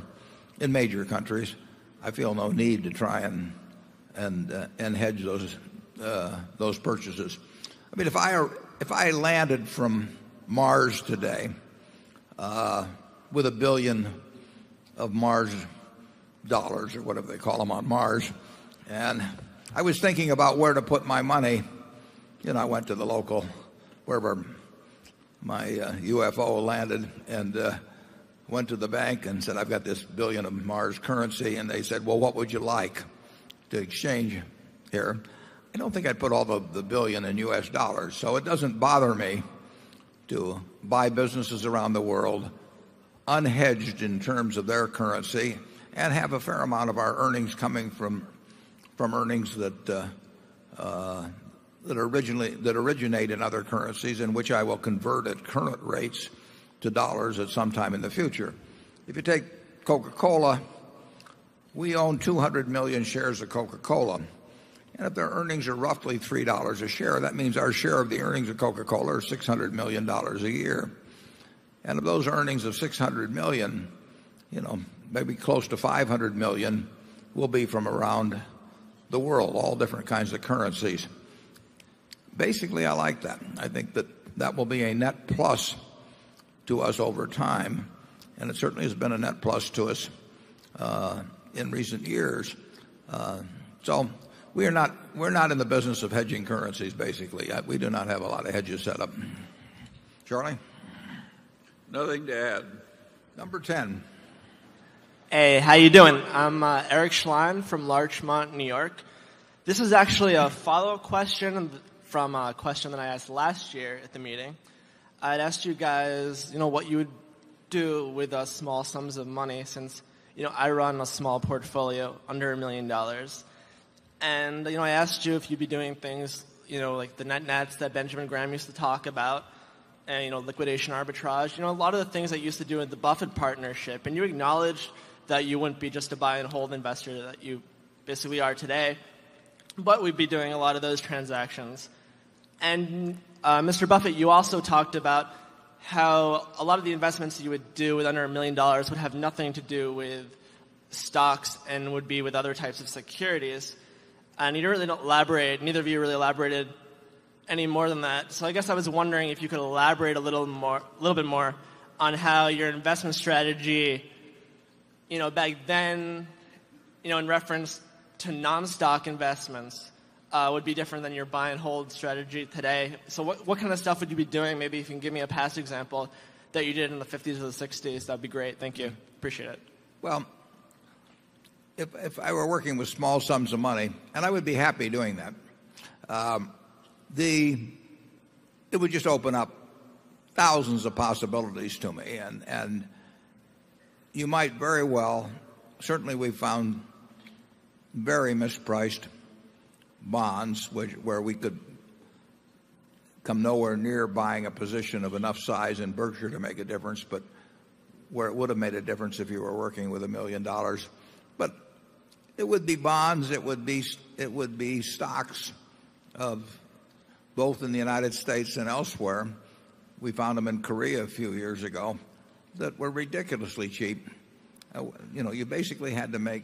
in major countries. I feel no need to try and hedge those purchases. I mean, if I landed from Mars today with $1,000,000,000 of Mars dollars or whatever they call them on Mars, And I was thinking about where to put my money. I went to the local wherever my UFO landed and went to the bank and said I've got this $1,000,000,000 of Mars currency and they said, well, what would you like to exchange here? Don't think I'd put all the $1,000,000,000 in U. S. Dollars. So it doesn't bother me to buy businesses around the world unhedged in terms of their currency and have a fair amount of our earnings coming from earnings that originate in other currencies in which I will convert at current rates to dollars at some time in the future. If you take Coca Cola, we own 200,000,000 shares of Coca Cola. And if their earnings are roughly $3 a share, that means our share of the earnings of Coca Cola is $600,000,000 a year. And of those earnings of $600,000,000 maybe close to $500,000,000 will be from around the world, all different kinds of currencies. Basically, I like that. I think that that will be a net plus to us over time, and it certainly has been a net plus to us in recent years. So we are not in the business of hedging currencies basically. We do not have a lot of hedges set up. Charlie? Nothing to add. Number 10. I'm Eric Schlein from Larchmont, New York. This is actually a follow-up question from a question that I asked last year at the meeting. I'd asked you guys what you would do with the small sums of money since I run a small portfolio under $1,000,000 And I asked you if you'd be doing things like the net nets that Benjamin Graham used to talk about and liquidation arbitrage, a lot of the things that used to do with the Buffett partnership. And you acknowledge that you wouldn't be just a buy and hold investor that you basically are today, but we'd be doing a lot of those transactions. And Mr. Buffet, you also talked about how a lot of the investments you would do with under $1,000,000 would have nothing to do with stocks and would be with other types of securities. And you don't really elaborate neither of you really elaborated any more than that. So I guess I was wondering if you could elaborate a little more a little bit more on how your investment strategy back then then in reference to non stock investments would be different than your buy and hold strategy today. So what kind of stuff would you be doing? Maybe if you can give me a past example that you did in the '50s or the '60s, that would be great. Thank you. Appreciate it. Well, if I were working with small sums of money, and I would be happy doing that, it would just open up thousands of possibilities to me. And you might very well certainly we found very mispriced bonds where we could come nowhere near buying a position of enough size in Berkshire to make a difference, but where it would have made a difference if you were working with $1,000,000 But it would be bonds, it would be stocks of both in the United States and elsewhere. We found them in Korea a few years ago that were ridiculously cheap. You basically had to make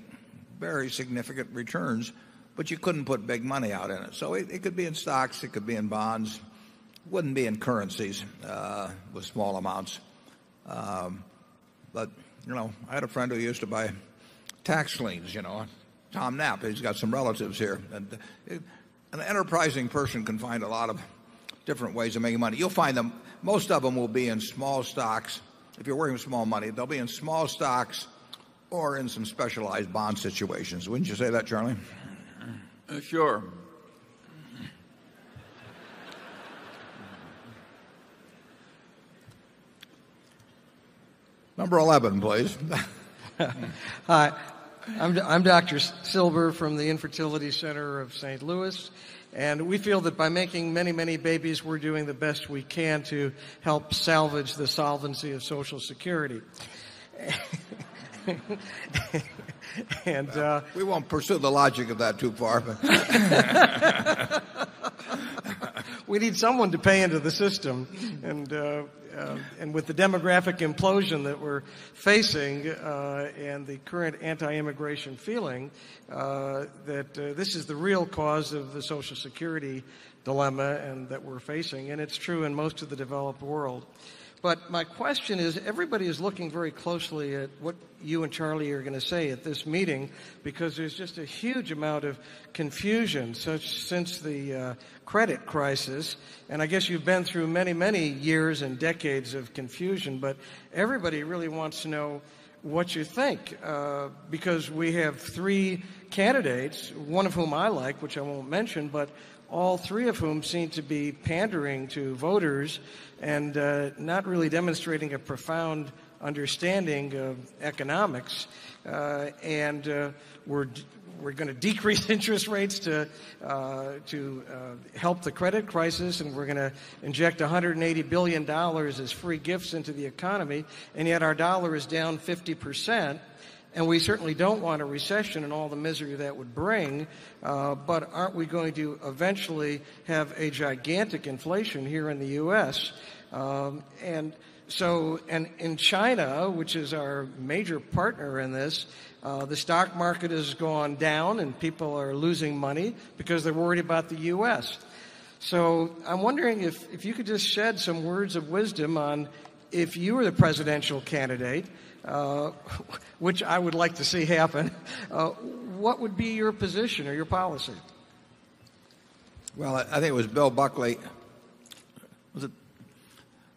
very significant returns, but you couldn't put big money out in it. So it could be in stocks, it could be in bonds, wouldn't be in currencies with small amounts. But I had a friend who used to buy tax liens, Tom Knapp, he's got some relatives here. An enterprising person can find a lot of different ways of making money. You'll find them most of them will be in small stocks. If you're working with small money, they'll be in small stocks or in some specialized bond situations. Wouldn't you say that, Charlie? Sure. Number 11, please. Hi. I'm Doctor. Silver from the Infertility Center of St. Louis. And we feel that by making many, many babies, we're doing the best we can to help salvage the solvency of Social Security. We won't pursue the logic of that too far. We need someone to pay into the system. And with the demographic implosion that we're facing and the current anti immigration feeling, that this is the real cause of the social security dilemma and that we're facing and it's true in most of the developed world. But my question is everybody is looking very closely at what you and Charlie are going to say at this meeting because there's just a huge amount of confusion since the credit crisis. And I guess you've been through many, many years decades of confusion, but everybody really wants to know what you think because we have 3 candidates, one of whom I like, which I won't mention, but all 3 of whom seem to be pandering to voters and not really demonstrating a profound understanding of economics. And we're going to decrease interest rates to help the credit crisis and we're going to inject $180,000,000,000 as free gifts into the economy and yet our dollar is down 50%. And we certainly don't want a recession and all the misery that would bring, but aren't we going to eventually have a gigantic inflation here in the U. S? And so in China, which is our major partner in this, the stock market has gone down and people are losing money because they're worried about the U. S. So I'm wondering if you could just shed some words of wisdom on if you were the presidential candidate, which I would like to see happen, what would be your position or your policy? Well, I think it was Bill Buckley,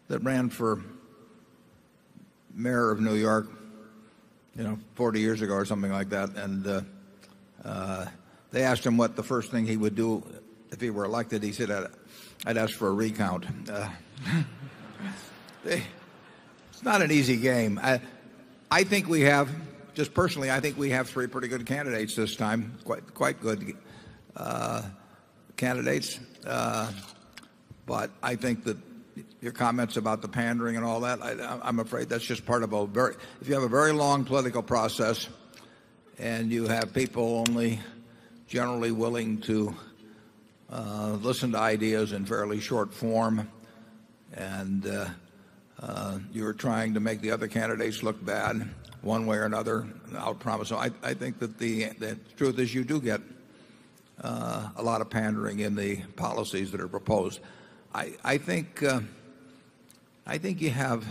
was it, that ran for Mayor of New York 40 years ago or something like that. And they asked him what the first thing he would do if he were elected. He said, I'd ask for a recount. It's not an easy game. I think we have just personally, I think we have 3 pretty good candidates this time, quite good candidates. But I think that your comments about the pandering and all that, I'm afraid that's just part of a very if you have a very long political process and you have people only generally willing to listen to ideas in fairly short form. And you're trying to make the other candidates look bad one way or another, and I'll promise. So I think that the truth is you do get a lot of pandering in the policies that are proposed. I think I think you have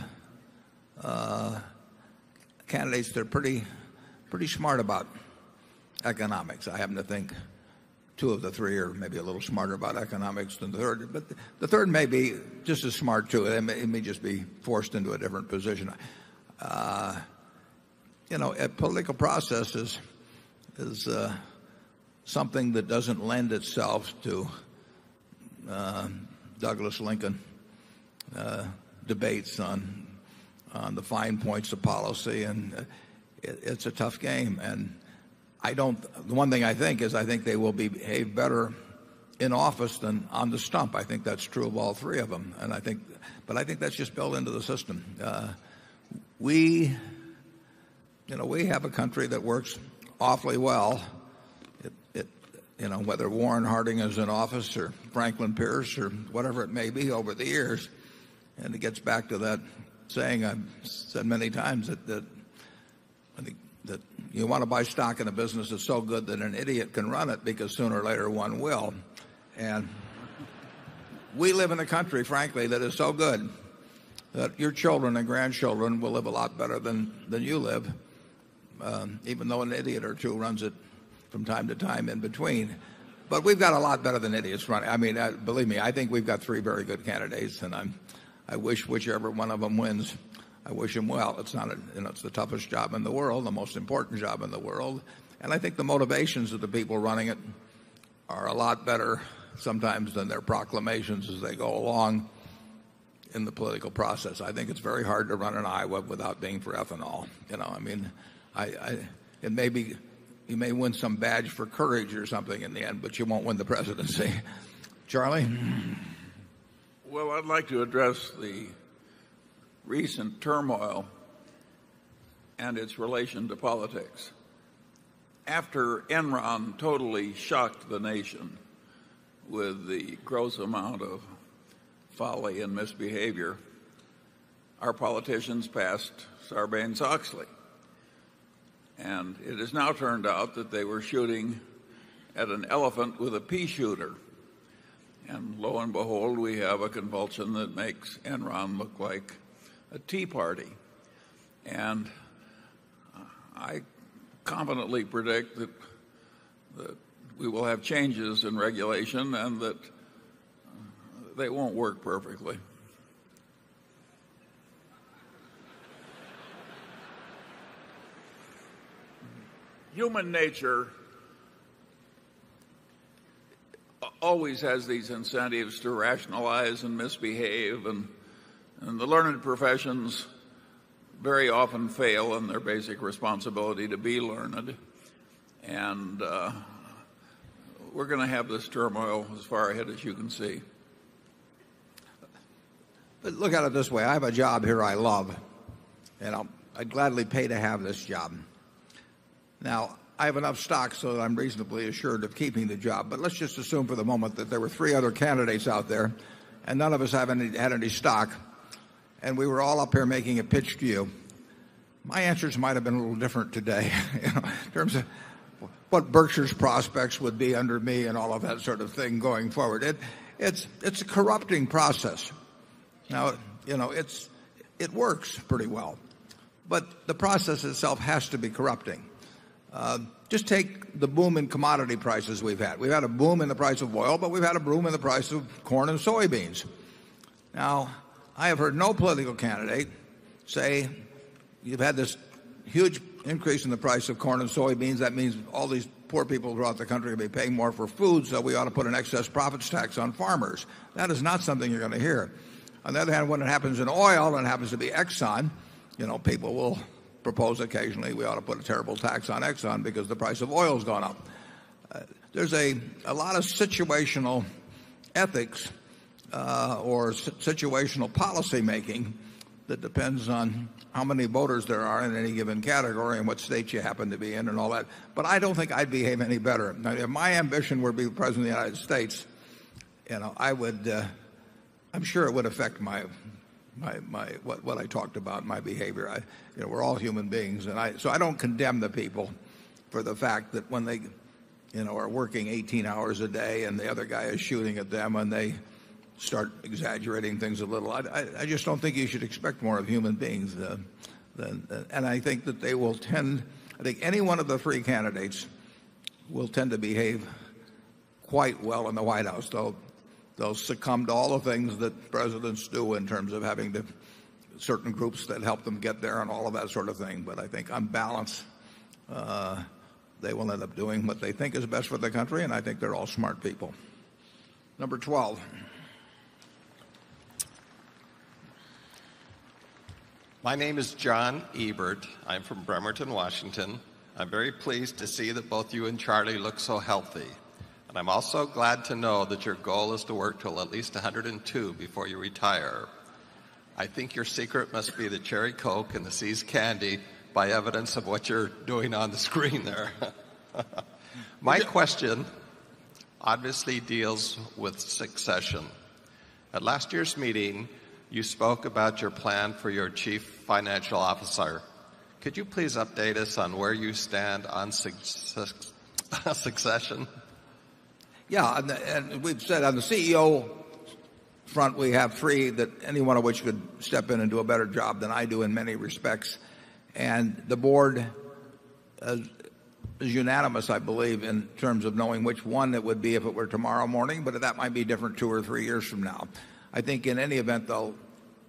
candidates that are pretty pretty smart about economics. I happen to think 2 of the 3 are maybe a little smarter about economics than the 3rd. But the 3rd may be just as smart too. It may just be forced into a different position. Political processes is something that doesn't lend itself to Douglas Lincoln debates on the fine points of policy and it's a tough game. And I don't the one thing I think is I think they will behave better in office than on the stump. I think that's true of all three of them. And I think but I think that's just built into the system. We have a country that works awfully well. It whether Warren Harding is in office or Franklin Pierce or whatever it may be over the years. And it gets back to that saying I've said many times that I think that you want to buy stock in a business that's so good that an idiot can run it because sooner or later one will. And we live in a country, frankly, that is so good that your children and grandchildren will live a lot better than than you live, even though an idiot or 2 runs it from time to time in between. But we've got a lot better than idiots running. I mean, believe me, I think we've got 3 very good candidates, and I'm I wish whichever one of them wins, I wish him well. It's not it's the toughest job in the world, the most important job in the world. And I think the motivations of the people running it are a lot better sometimes than their proclamations as they go along in the political process. I think it's very hard to run an IWA without paying for ethanol. I mean, I and maybe you may win some badge for courage or something in the end, but you won't win the presidency. Charlie? Well, I'd like to address the recent turmoil and its relation to politics. After Enron totally shocked the nation with the gross amount of folly and misbehavior, our politicians passed Sarbanes Oxley. And it has now turned out that they were shooting at an elephant with a pea shooter. And lo and behold, we have a convulsant that makes Enron look like a tea party. And I confidently predict that we will have changes in regulation and that they won't work perfectly. Human nature always has these incentives to rationalize and misbehave. And the learned professions very often fail in their basic responsibility to be learned. And we're going to have this turmoil as far ahead as you can see. Look at it this way, I have a job here I love and I gladly pay to have this job. Now have enough stock, so I'm reasonably assured of keeping the job. But let's just assume for the moment that there were 3 other candidates out there and none of us have had any stock and we were all up here making a pitch to you. My answers might have been a little different today in terms of what Berkshire's prospects would be under me and all of that sort of thing going forward. It's a corrupting process. Now it's it works pretty well, but the process itself has to be corrupting. Just take the boom in commodity prices we've had. We've had a boom in the price of oil, but we've had a boom in the price of corn and soybeans. Now I have heard no political candidate say you've had this huge increase in the price of corn and soybeans. That means all these poor people throughout the country will be paying more for food, so we ought to put an excess profits tax on farmers. That is not something you're going to hear. On the other hand, when it happens in oil and it happens to be Exxon, people will propose occasionally we ought to put a terrible tax on Exxon because the price of oil has gone up. There's a lot of situational ethics or situational policy making that depends on how many voters there are in any given category and what state you happen to be in and all that. But I don't think I'd behave any better. Now if my ambition were to be President of the United States, I would I'm sure it would affect my what I talked about my behavior. We're all human beings. And so I don't condemn the people for the fact that when they are working 18 hours a day and the other guy is shooting at them and they start exaggerating things a little. I just don't think you should expect more of human beings. And I think that they will tend I think any one of the 3 candidates will tend to behave quite well in the White House. They'll succumb to all the things that presidents do in terms of having the certain groups that help them get there and all of that sort of thing. But I think on balance, they will end up doing what they think is best for the country, and I think they're all smart people. Number 12. My name is John Ebert. I'm from Bremerton, Washington. I'm very pleased to see that both you and Charlie look so healthy. And I'm also glad to know that your goal is to work till at least 102 before you retire. I think your secret must be the Cherry Coke and the See's candy by evidence of what you're doing on the screen there. My question obviously deals with succession. At last year's meeting, you spoke about your plan for your Chief Financial Officer. Could you please update us on where you stand on succession? Yes. And we've said on the CEO front, we have 3 that any one of which could step in and do a better job than I do in many respects. And the Board is unanimous, I believe, in terms of knowing which one that would be if it were tomorrow morning, but that might be different 2 or 3 years from now. I think in any event, though,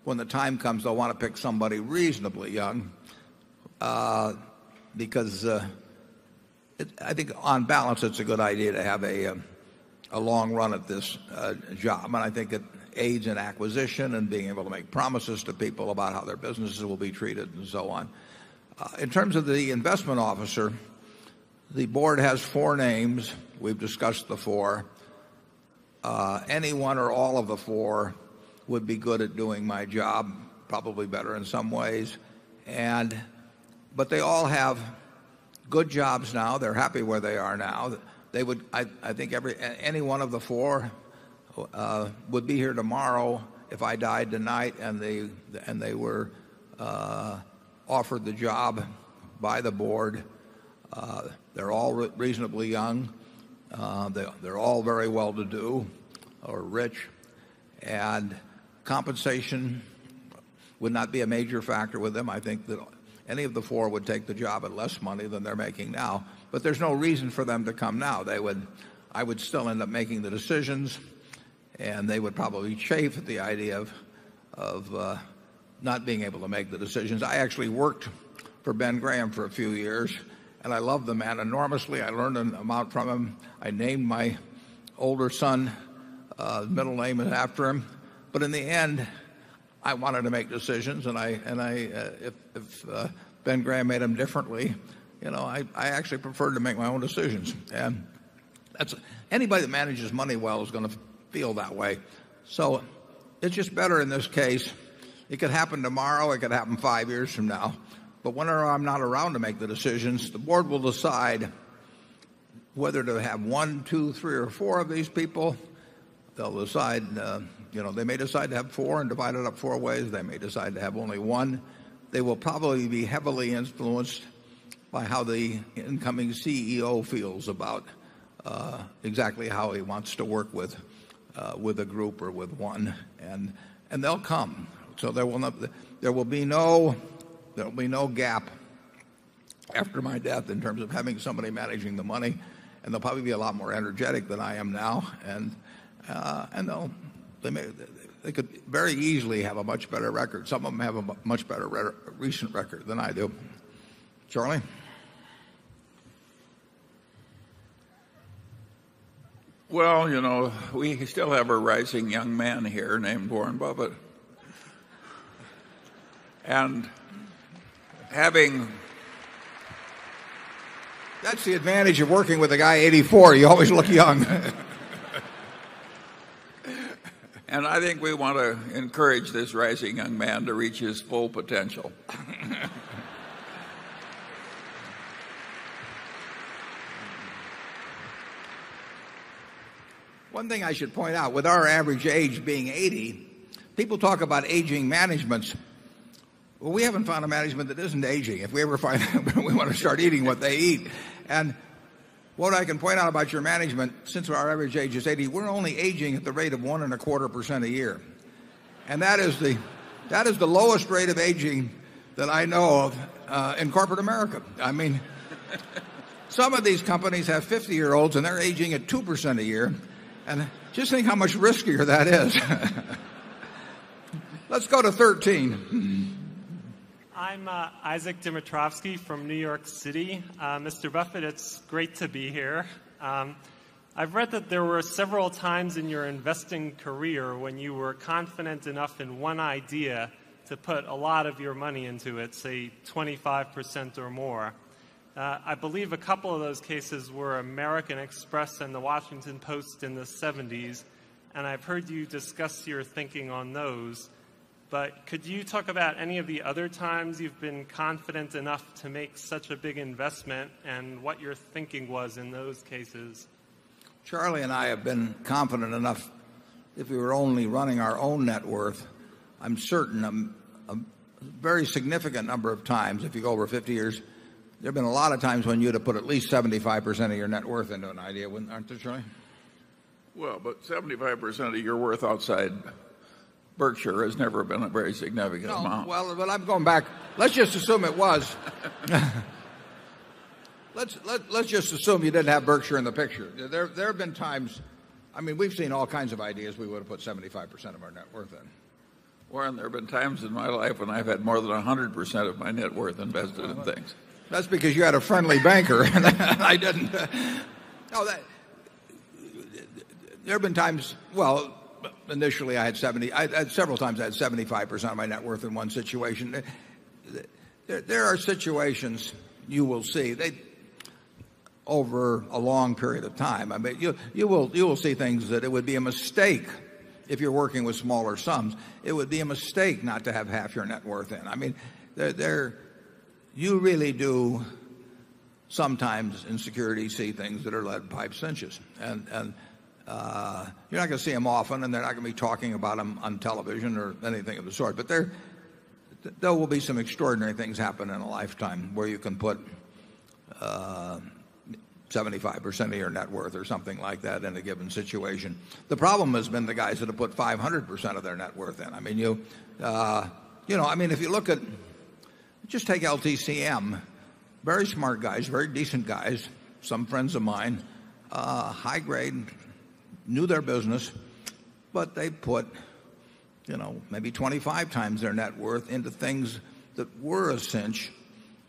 when the time comes, they'll want to pick somebody reasonably young because I think on balance, it's a good idea to have a long run at this job. And I think it aids in acquisition and being able to make promises to people about how their businesses will be treated and so on. In terms of the investment officer, the board has four names. We've discussed the 4. Any one or all of the 4 would be good at doing my job, probably better in some ways. And but they all have good jobs now. They're happy where they are now. They would I think every any one of the 4 would be here tomorrow if I died tonight and they were offered the job by the Board. They're all reasonably young. They're all very well-to-do or rich. And compensation would not be a major factor with them. I think that any of the 4 would take the job at less money than they're making now. But there's no reason for them to come now. They would I would still end up making the decisions and they would probably chafe the idea of not being able to make the decisions. I actually worked for Ben Graham for a few years, and I loved the man enormously. I learned an amount from him. I named my older son, middle name is after him. But in the end, I wanted to make decisions. And I if Ben Graham made them differently, I actually prefer to make my own decisions. And that's anybody that manages money well is going to feel that way. So it's just better in this case. It could happen tomorrow. It could happen 5 years from now. But whenever I'm not around to make the decisions, the Board will decide whether to have 1, 2, 3 or 4 of these people. They'll decide they may decide to have 4 and divide it up 4 ways. They may decide to have only 1. They will probably be heavily influenced by how the incoming CEO feels about exactly how he wants to work with a group or with 1. And they'll come. So there will be no gap after my death in terms of having somebody managing the money and they'll probably be a lot more energetic than I am now. And they'll they may they could very easily have a much better record. Some of them have a much better recent record than I do. Charlie? Well, you know, we still have a rising young man here named Warren Buffett And having that's the advantage of working with a guy 84, you always look young. And I think we want to encourage this rising young man to reach his full potential. One thing I should point out with our average age being 80, people talk about aging managements. Well, we haven't found a management that isn't aging. If we ever find out, we want to start eating what they eat. And what I can point out about your management, since our average age is 80, we're only aging at the rate of 1.25 percent a year. And that is the lowest rate of aging that I know of in Corporate America. I mean, some of these companies have 50 year olds and they're aging at 2% a year. And just think how much riskier that is. Let's go to 13. I'm Isaac Dimitrovsky from New York City. Mr. Buffet, it's great to be here. I've read there were several times in your investing career when you were confident enough in one idea to put a lot of your money into it, say 25% or more. I believe a couple of those cases were American Express and The Washington Post in the seventies, and I've heard you discuss your thinking on those. But could you talk about any of the other times you've been confident enough to make such a big investment and what your thinking was in those cases? Charlie and I have been confident enough if we were only running our own net worth. I'm certain a very significant number of times, if you go over 50 years, there have been a lot of times when you would have put at least 75% of your net worth into an idea, wouldn't, aren't there, Troy? Well, but 75% of your worth outside Berkshire has never been a very significant amount. Well, but I'm going back. Let's just assume it was. Let's just assume you didn't have Berkshire in the picture. There have been times I mean, we've seen all kinds of ideas we would have put 75% of our net worth in. Warren, there have been times in my life when I've had more than 100% of my net worth invested in things. That's because you had a friendly banker. I didn't know that there have been times well, initially I had 70 several times I had 75% of my net worth in one situation. There are situations you will see that over a long period of time, I mean, you will see things that it would be a mistake if you're working with smaller sums. It would be a mistake not to have half your net worth in. I mean, there you really do sometimes in security see things that are led by cinches. And you're not going to see them often and they're not going to be talking about them on television or anything of the sort. But there will be some extraordinary things happen in a lifetime where you can put 75% of your net worth or something like that in a given situation. The problem has been the guys that have put 500% of their net worth in. I mean, you know, I mean, if you look at just take LTCM, very smart guys, very decent guys, some friends of mine, high grade, knew their business, but they put, you know, maybe 25 times their net worth into things that were a cinch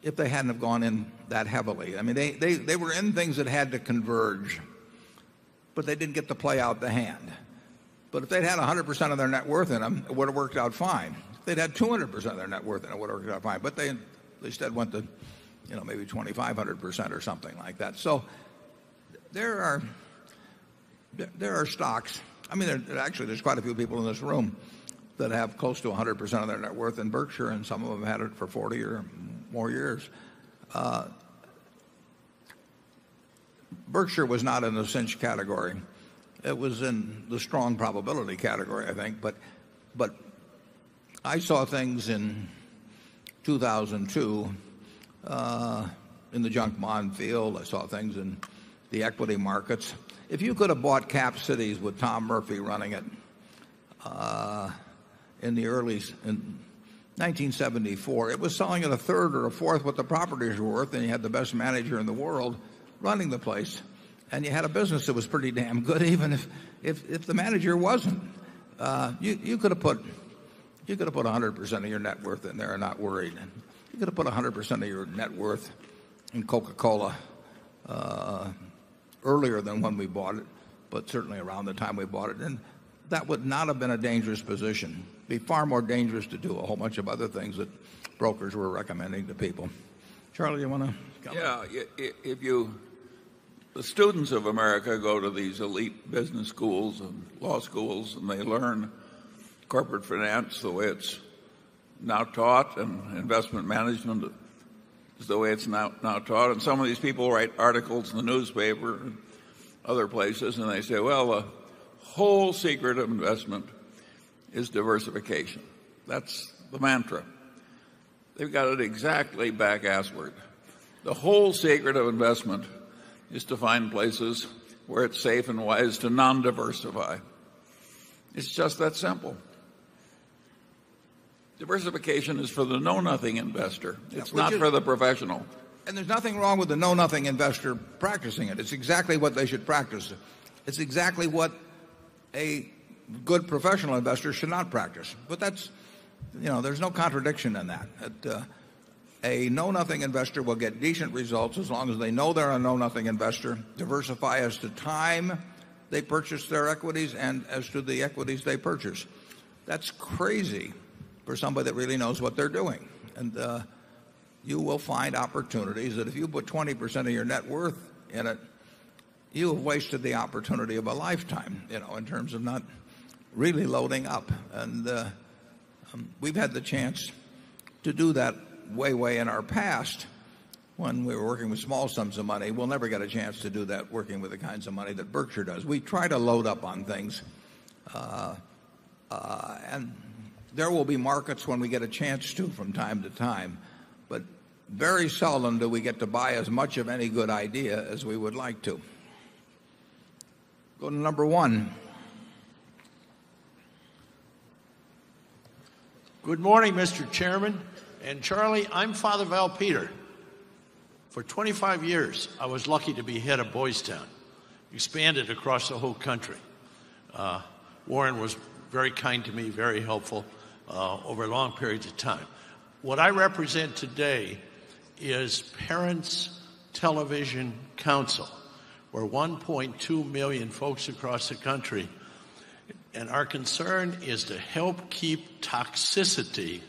if they hadn't have gone in that heavily. I mean, they were in things that had to converge, but they didn't get to play out the hand. But if they'd had 100% of their net worth in them, it would have worked out fine. They'd had 200% of their net worth and it would have worked out fine. But they at least that went to maybe 2,500 percent or something like that. So there are stocks. I mean, actually there's quite a few people in this room that have close to 100% of their net worth in Berkshire and some of them had it for 40 or more years. Berkshire was not in the cinch category. It was in the strong probability category, I think. But I saw things in 2,002 in the junk bond field. I saw things in the equity markets. If you could have bought Cap Cities with Tom Murphy running it in the early in 1974. It was selling in a 3rd or a 4th what the properties were worth and you had the best manager in the world running the place. And you had a business that was pretty damn good even if the manager wasn't. You could have put 100% of your net worth in there and not worried. You could put 100% of your net worth in Coca Cola earlier than when we bought it, but certainly around the time we bought it in. That would not have been a dangerous position, be far more dangerous to do a whole bunch of other things that brokers were recommending to people. Charlie, you want to? Yes. If you the students of America go to these elite business schools and law schools and they learn corporate finance the way it's now taught and investment management is the way it's now taught. And some of these people write articles in the newspaper and other places and they say, well, the whole secret of investment is diversification. That's the mantra. They've got it exactly back ass work. The whole secret of investment is to find places where it's safe and wise to non diversify. It's just that simple. Diversification is for the know nothing investor. It's not for the professional. And there's nothing wrong with the know nothing investor practicing it. It's exactly what they should practice. It's exactly what a good professional investor should not practice. But that's there's no contradiction in that. A know nothing investor will get decent results as long as they know they're a know nothing investor, diversify as to time they purchase their equities and as to the equities they purchase. That's crazy for somebody that really knows what they're doing. And you will find opportunities that if you put 20% of your net worth in it, you have wasted the opportunity of a lifetime in terms of not really loading up. And we've had the chance to do that way, way in our past when we were working with small sums of money. We'll never get a chance to do that working with the kinds of money that Berkshire does. We try to load up on things. And there will be markets when we get a chance to from time to time. But very seldom do we get to buy as much of any good idea as we would like to. Go to number 1. Good morning, Mr. Chairman and Charlie. I am Father Val Peter. For 25 years, I was lucky to be head of Boys Town. Expanded across the whole country. Warren was very kind to me, very helpful over long periods of time. What I represent today is Parents Television Council. We're 1,200,000 folks across the country. And our concern is to help keep toxicity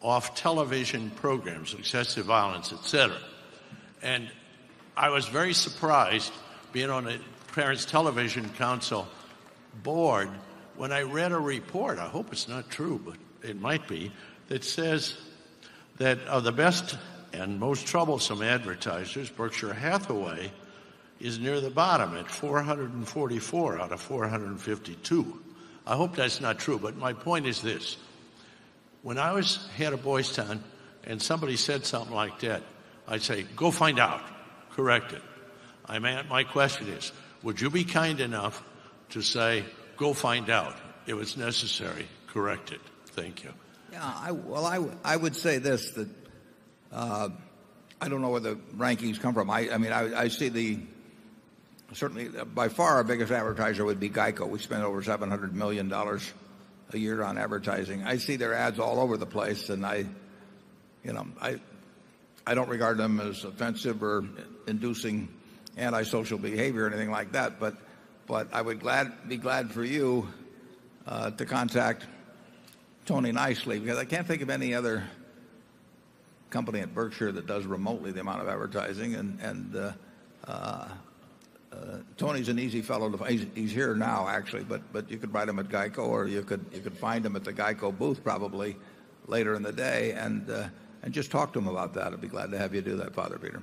off television programs, excessive violence, etcetera. And I was very surprised, being on the Parents Television Council Board, when I read a report I hope it's not true, but it might be that says that of the best and most troublesome advertisers, Berkshire Hathaway is near the bottom at 444 out of 452. I hope that's not true, but my point is this. When I was head of Boys Town and somebody said something like that, I'd say, go find out. Correct it. My question is, would you be kind enough to say, go find out it was necessary? Correct it. Thank you. Yeah. Well, I would say this, that I don't know where the rankings come from. I mean, I see the certainly by far our biggest advertiser would be GEICO. We spend over $700,000,000 a year on advertising. I see their ads all over the place and I don't regard them as offensive or inducing antisocial behavior or anything like that. But I would glad be glad for you to contact Tony nicely because I can't think of any other company at Berkshire that does remotely the amount of advertising. And Tony is an easy fellow to find. He's here now actually, but you could find him at GEICO or you could find him at the GEICO booth probably later in the day and just talk to them about that. I'd be glad to have you do that, Father Peter.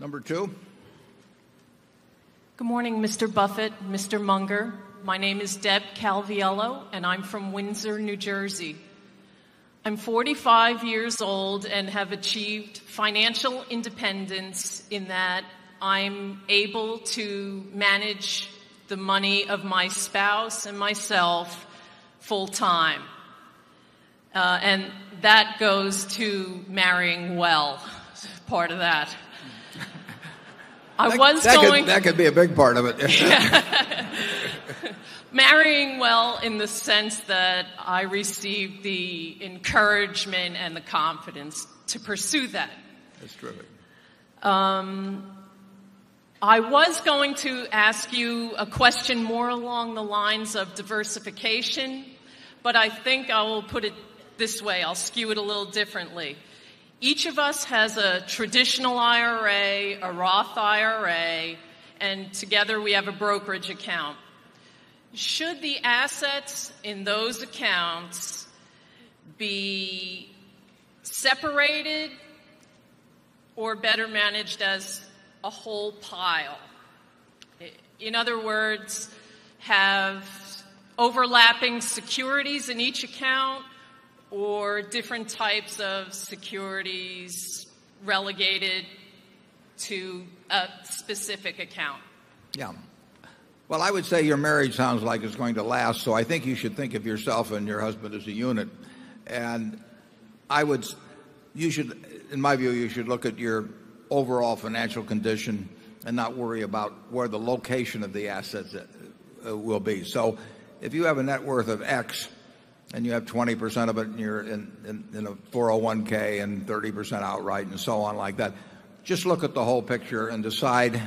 Number 2? Good morning, Mr. Buffet, Mr. Munger. My name is Deb Calviello, and I'm from Windsor, New Jersey. I'm 45 years old and have achieved financial independence in that I'm able to manage the money of my spouse and myself full time. And that goes to marrying well, part of that. I was going That could be a big part of it. Marrying well in the sense that I received the encouragement and the confidence to pursue that. That's terrific. I was going to ask you a question more along the lines of diversification, but I think I will put it this way. I'll skew it a little differently. Each of us has a traditional IRA, a Roth IRA, and together we have a brokerage account. Should the assets in those accounts be separated or better managed as a whole pile. In other words, have overlapping securities in each account or different types of securities relegated to a specific account? Yes. Well, I would say your marriage sounds like it's going to last, so I think you should think of yourself and your husband as a unit. And I would you should in my view, you should look at your overall financial condition and not worry about where the location of the assets will be. So if you have a net worth of X and you have 20% of it in 401 and 30% outright and so on like that. Just look at the whole picture and decide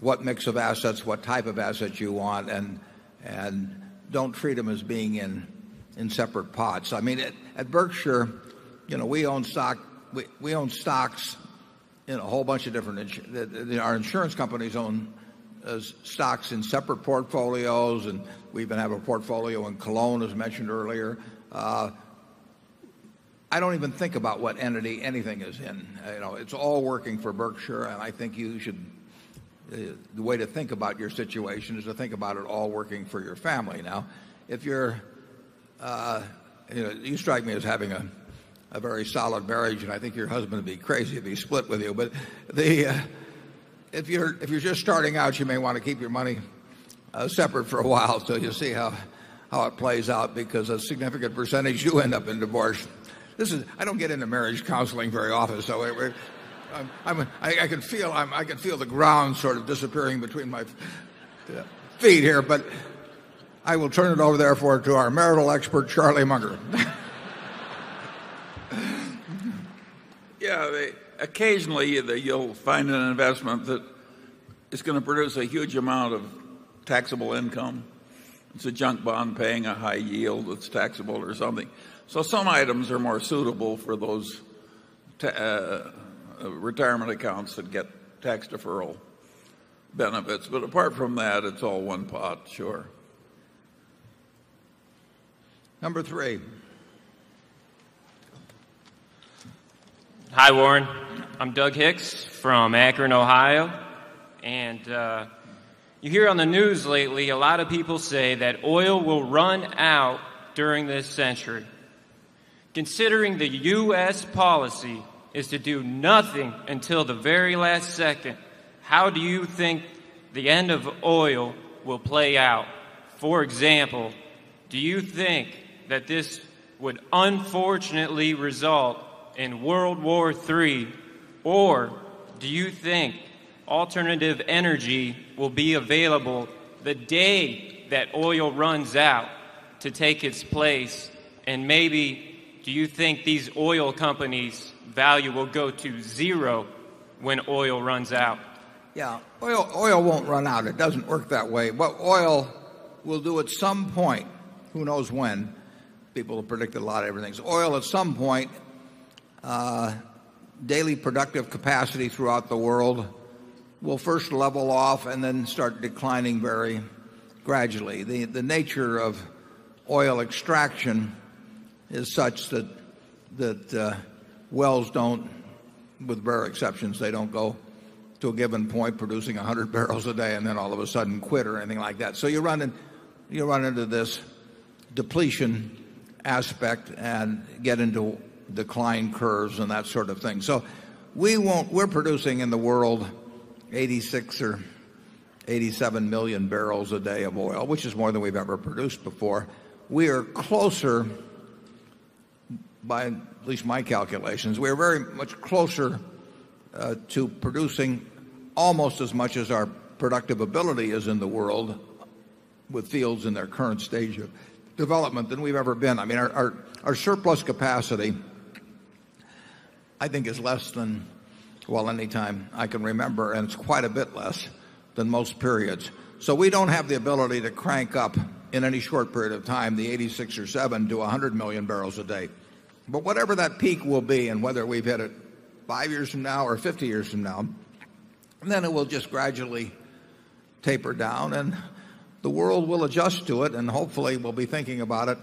what mix of assets, what type of assets you want and don't treat them as being in separate pots. I mean, at Berkshire, we own stocks in a whole bunch of different our insurance companies own stocks in separate portfolios and we've been having a portfolio in Cologne as mentioned earlier. I don't even think about what entity anything is in. It's all working for Berkshire and I think you should the way to think about your situation is to think about it all working for your family. Now if you're you strike me as having a very solid marriage, and I think your husband would be crazy if he split with you. But the if you're just starting out, you may want to keep your money separate for a while till you see how it plays out because a significant percentage you end up in divorce. This is I don't get into marriage counseling very often. So I can feel the ground sort of disappearing between my feet here, but I will turn it over therefore to our marital expert, Charlie Munger. Yes. Occasionally, you'll find an investment that is going to produce a huge amount of taxable income. It's a junk bond paying a high yield that's taxable or something. So some items are more suitable for those retirement accounts that get tax deferral benefits. But apart from that, it's all one pot. Sure. Number 3. Hi, Warren. I'm Doug Hicks from Akron, Ohio. And you hear on the news lately, a lot of people say that oil will run out during this century. Considering the US policy is to do nothing until the very last second, how do you think the end of oil will play out? For example, do you think that this would unfortunately result in World War 3 or do you think alternative energy will be available the day that oil runs out to take its place and maybe do you think these oil companies value will go to 0 when oil runs out? Yes. Oil won't run out. It doesn't work that way. But oil will do at some point, who knows when, people have predicted a lot of everything. So oil at some point, daily productive capacity throughout the world will first level off and then start declining very gradually. The nature of oil extraction is such that wells don't with bare exceptions, they don't go to a given point producing 100 barrels a day and then all of a sudden quit or anything like that. So you're running into this depletion aspect and get into decline curves and that sort of thing. So we won't we're producing in the world 86,000,000 or 87,000,000 barrels a day of oil, which is more than we've ever produced before. We are closer by at least my calculations, we are very much closer to producing almost as much as our productive ability is in the world with fields in their current stage of development than we've ever been. I mean, our surplus capacity, I think, is less than, well, any time I can remember, and it's quite a bit less than most periods. So we don't have the ability to crank up in any short period of time the 86 or 7 to 100,000,000 barrels a day. But whatever that peak will be and whether we've hit it 5 years from now or 50 years from now, then it will just gradually taper down and the world will adjust to it. And hopefully, we'll be thinking about it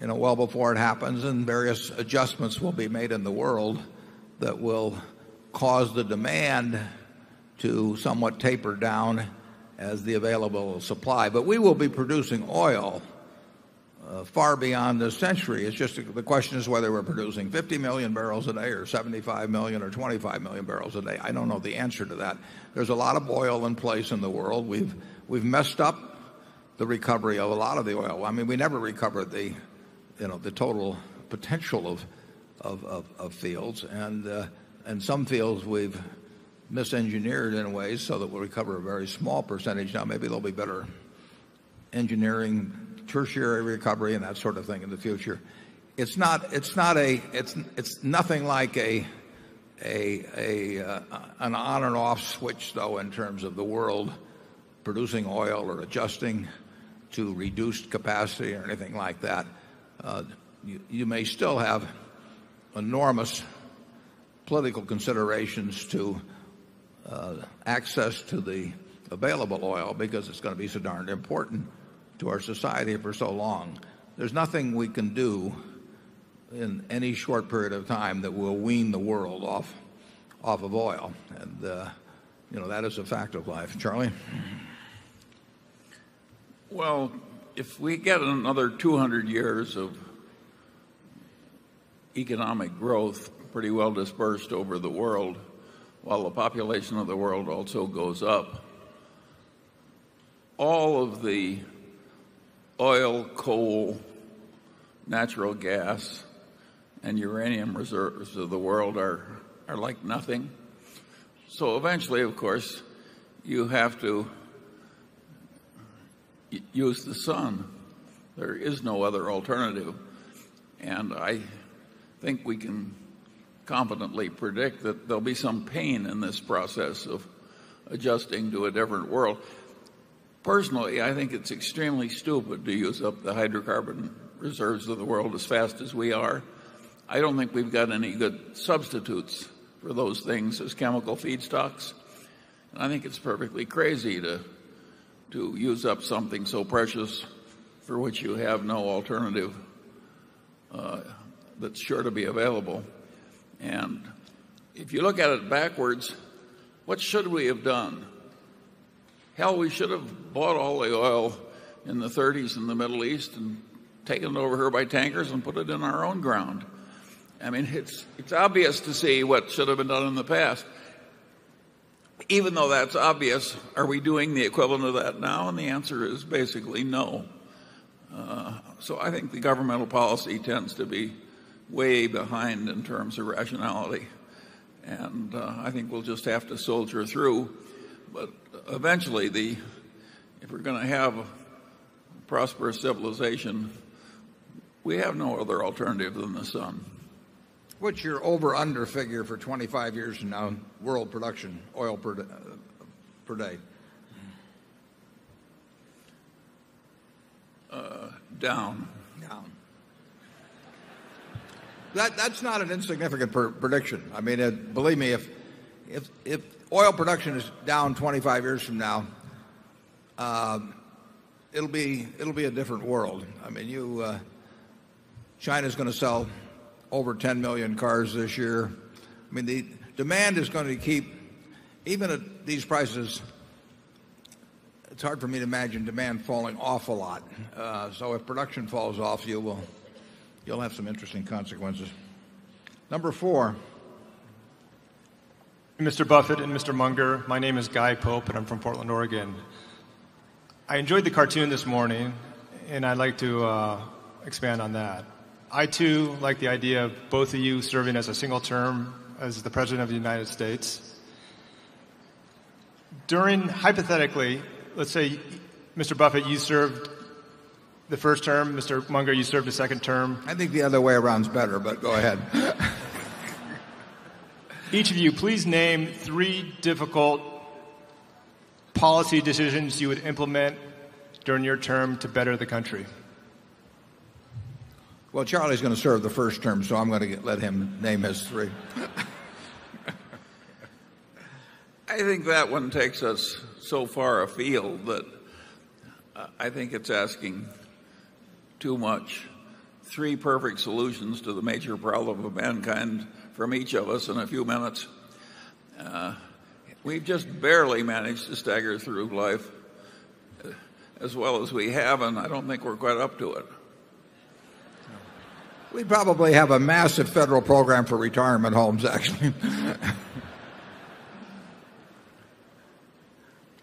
well before it happens and various adjustments will be made in the world that will cause the demand to somewhat taper down as the available supply. But we will be producing oil far beyond this century. It's just the question is whether we're producing 50,000,000 barrels a day or 75,000,000 or 25,000,000 barrels a day. I don't know the answer to that. There's a lot of oil in place in the world. We've messed up the recovery of a lot of the oil. I mean, we never recovered the total potential of fields. And some fields we've misengineered in ways so that we'll recover a very small percentage. Now maybe there'll be better engineering tertiary recovery and that sort of thing in the future. It's not it's not a it's nothing like a an on and off switch though in terms of the world producing oil or adjusting to reduced capacity or anything like that. You may still have enormous political considerations to access to the available oil because it's going to be so darned important to our society for so long. There's nothing we can do in any short period of time that will wean the world off of oil. And that is a fact of life. Charlie? Well, if we get another 200 years of economic growth pretty well dispersed over the world while the population of the world also goes up. All of the oil, coal, natural gas and uranium reserves of the world are like nothing. So eventually, of course, you have to use the sun. There is no other alternative. And I think we can competently predict that there'll be some pain in this process of adjusting to a different world. Personally, I think it's extremely stupid to use up the hydrocarbon reserves of the world as fast as we are. I don't think we've got any good substitutes for those things as chemical feedstocks. And I think it's perfectly crazy to use up something so precious for which you have no alternative that's sure to be available. And if you look at it backwards, what should we have done? Hell, we should have bought all the oil in the '30s in the Middle East and taken over here by tankers and put it in our own ground. I mean, it's obvious to see what should have been done in the past. Even though that's obvious, are we doing the equivalent of that now? And the answer is basically no. So I think the governmental policy tends to be way behind in terms of rationality. And I think we'll just have to soldier through. But eventually, if we're going to have prosperous civilization, we have no other alternative than the sun. What's your over under figure for 25 years now, world production oil per day? Down. Down. That's not an insignificant prediction. I mean, believe me, if oil production is down 25 years from now, it'll be a different world. I mean, you China is going to sell over 10,000,000 cars this year. I mean, the demand is going to keep even at these prices, it's hard for me to imagine demand falling off a lot. So if production falls off, you'll have some interesting consequences. Number 4. Mr. Buffet and Mr. Munger, my name is Guy Pope and I'm from Portland, Oregon. I enjoyed the cartoon this morning, and I'd like to expand on that. I too like the idea of both of you serving as a single term as the President of the United States. During hypothetically, let's say, Mr. Buffet, you served the first term, Mr. Munger, you serve the 2nd term. I think the other way around is better, but go ahead. Each of you, please name 3 difficult policy decisions you would implement during your term to better the country. Well, Charlie is going to serve the first term, so I'm going to let him name his 3. I think that one takes us so far afield that I think it's asking too much. Three perfect solutions to the major problem of mankind from each of us in a few minutes. We've just barely managed to stagger through life as well as we have and I don't think we're quite up to it. We probably have a massive federal program for retirement homes actually.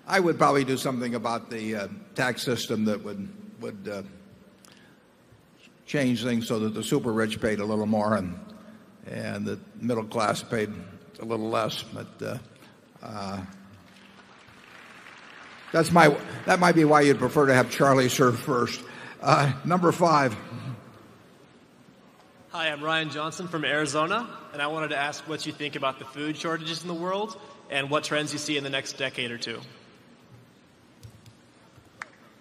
I would probably do something about the tax system that would change things so that the super rich paid a little more and the middle class paid a little less. But that's my that might be why you'd prefer to have Charlie serve first. Number 5. I'm Ryan Johnson from Arizona, and I wanted to ask what you think about the food shortages in the world and what trends you see in the next decade or 2?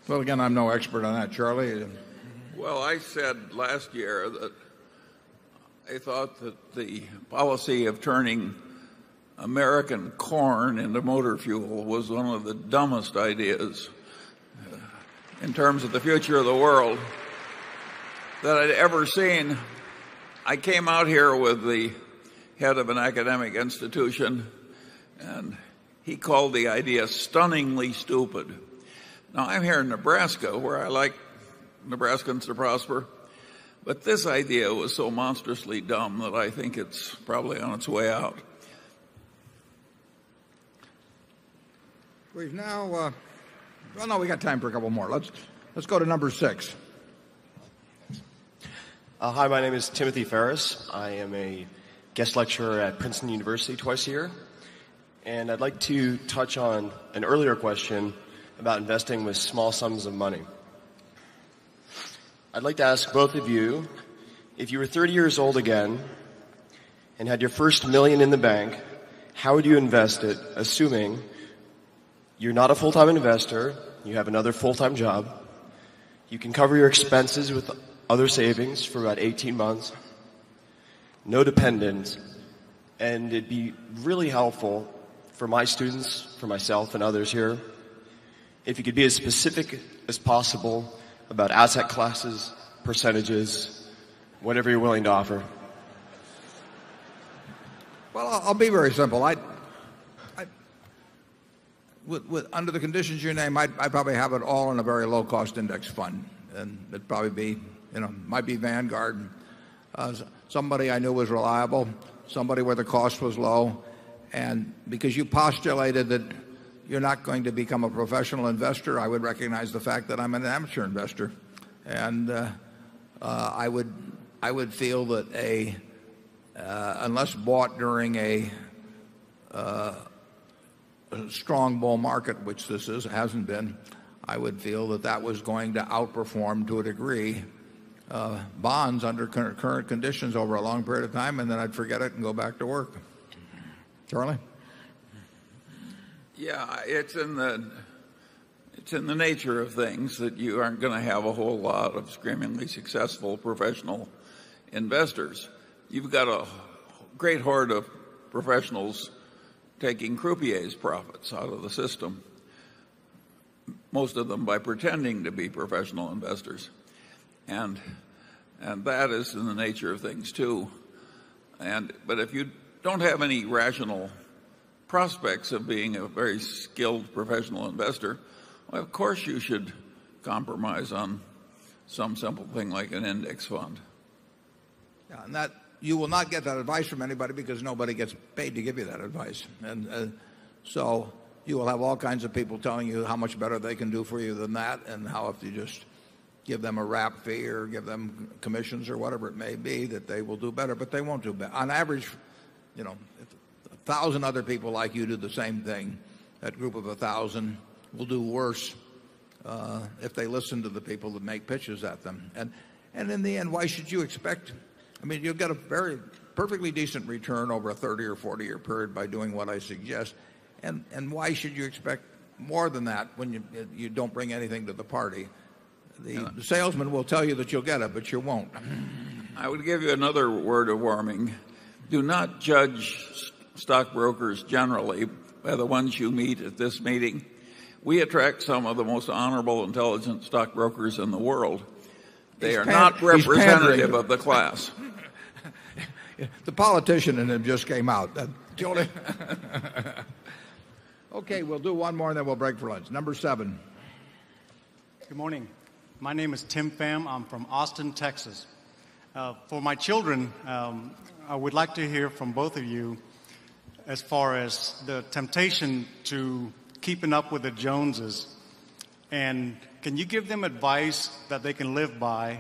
Well, again, I'm no expert on that, Charlie. Well, I said last year that I thought that the policy of turning American corn into motor fuel was one of the dumbest ideas in terms of the future of the world that I'd ever seen. I came out here with the head of an academic institution and he called the idea stunningly stupid. Now I'm here in Nebraska where I like Nebraskans to prosper. But this idea was so monstrously dumb that I think it's probably on its way out. We've now well, now we've got time for a couple more. Let's go to number 6. Hi. My name is Timothy Farris. I am a guest lecturer at Princeton University twice a year. And I'd like to touch on an earlier question about investing with small sums of money. I'd like to ask both of you, if you were 30 years old again and had your first million in the bank, how would you invest it assuming you're not a full time investor, you have another full time job, you can cover your expenses with other savings for about 18 months, no dependents and it'd be really helpful for my students, for myself and others here, If you could be as specific as possible about asset classes, percentages, whatever you're willing to offer. Well, I'll be very simple. Under the conditions you name, I probably have it all in a very low cost index fund. And it'd probably be might be Vanguard, somebody I knew was reliable, somebody where the cost was low. And because you postulated that you're not going to become a professional investor, I would recognize the fact that I'm an amateur investor. And I would feel that unless bought during a strong bull market, which this is, it hasn't been, I would feel that that was going to outperform to a degree bonds under current conditions over a long period of time and then I'd forget it and go back to work. Charlie? Yes. It's in the nature of things that you aren't going to have a whole lot of extremely successful professional investors. You've got a great hoard of professionals taking Croupier's profits out of the system, Most of them by pretending to be professional investors. And that is in the nature of things too. And but if you don't have any rational prospects of being a very skilled professional investor, of course, you should compromise on some simple thing like an index fund. Yes. And that you will not get that advice from anybody because nobody gets paid to give you that advice. And so you will have all kinds of people telling you how much better they can do for you than that and how if you just give them a wrap fee or give them commissions or whatever it may be that they will do better, but they won't do better. On average, 1,000 other people like you do the same thing. That group of 1,000 will do worse if they listen to the people that make pitches at them. And in the end, why should you expect I mean, you'll get a very perfectly decent return over a 30 or 40 year period by doing what I suggest. And why should you expect more than that when you don't bring anything to the party? The salesman will tell you that you'll get it, but you won't. I would give you another word of warning. Do not judge stockbrokers generally by the ones you meet at this meeting. We attract some of the most honorable intelligent stockbrokers in the world. They are not representative of the class. The politician and him just came out. Okay. We'll do one more, and then we'll break for lunch. Number 7. Good morning. My name is Tim Pham. I'm from Austin, Texas. For my children, I would like to hear from both of you as far as the temptation to keeping up with the Joneses. And can you give them advice that they can live by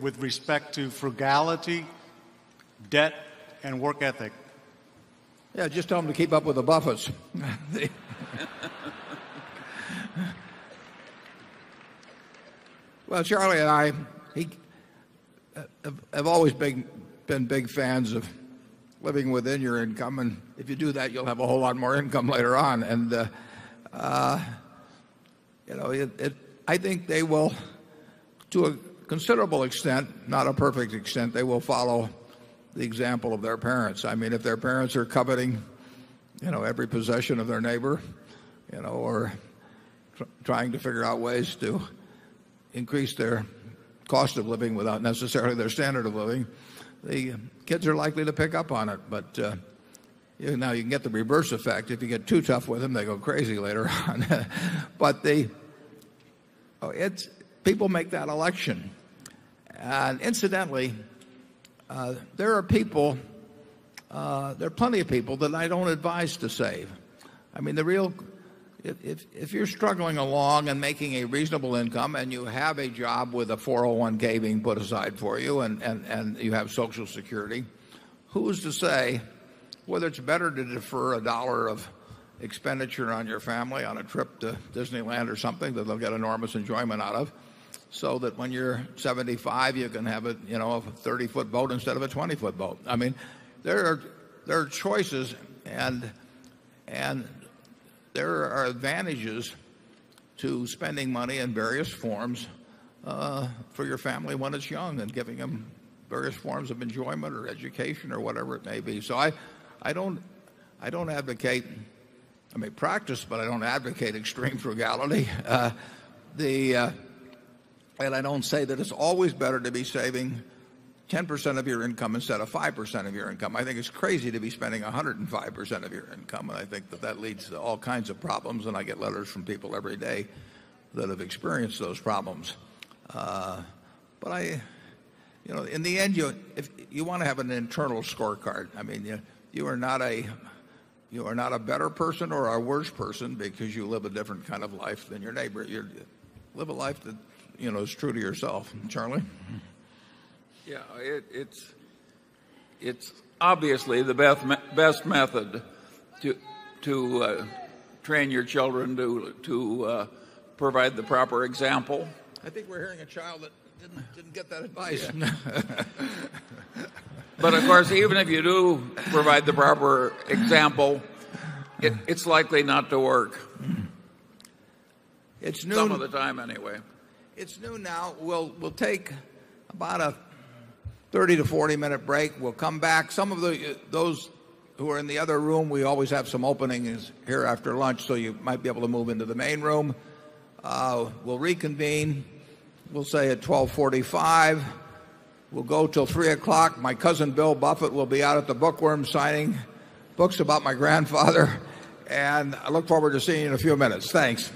with respect to frugality, debt and work ethic? Yes, just tell them to keep up with the buffers. Well, Charlie and I have always been big fans of living within your income. And if you do that, you'll have a whole lot more income later on. And I think they will to a considerable extent, not a perfect extent, they will follow the example of their parents. I mean, if their parents are coveting every possession of their neighbor or trying to figure out ways to increase their cost of living without necessarily their standard of living. The kids are likely to pick up on it. But now you can get the reverse effect. If you get too tough with them, they go crazy later on. But the oh, it's people make that election. And incidentally, there are people, there are plenty of people that I don't advise to save. I mean, the real if you're struggling along and making a reasonable income and you have a job with a 401 ks being put aside for you and you have Social Security, who's to say whether it's better to defer a dollar of expenditure on your family on a trip to Disneyland or something that they'll get enormous enjoyment out of So that when you're 75, you can have a 30 foot boat instead of a 20 foot boat. I mean, there are choices and there are advantages to spending money in various forms for your family when it's young and giving them various forms of enjoyment or education or whatever it may be. So I don't advocate I may practice, but I don't advocate extreme frugality. The and I don't say that it's always better to be saving 10% of your income instead of 5% of your income. I think it's crazy to be spending 105% of your income. And I think that leads to all kinds of problems. And I get letters from people every day that have experienced those problems. But in the end, you want to have an internal scorecard. I mean, you are not a better person or a worse person because you live a different kind of life than your neighbor. You live a life that is true to yourself. Charlie? Yeah. It's it's obviously the best best method to train your children to provide the proper example. I think we're hearing a child that didn't get that advice. But of course, even if you do provide the proper example, it's likely not to work. It's new. Some of the time anyway. It's new now. We'll take about a 30 to 40 minute break. We'll come back. Some of those who are in the other room, we always have some openings here after lunch, so you might be able to move into the main room. We'll reconvene, we'll say, at 12:45. We'll go till 3 My cousin Bill Buffett will be out at the bookworm signing books about my grandfather. And I look forward to seeing you in a few minutes. Thanks.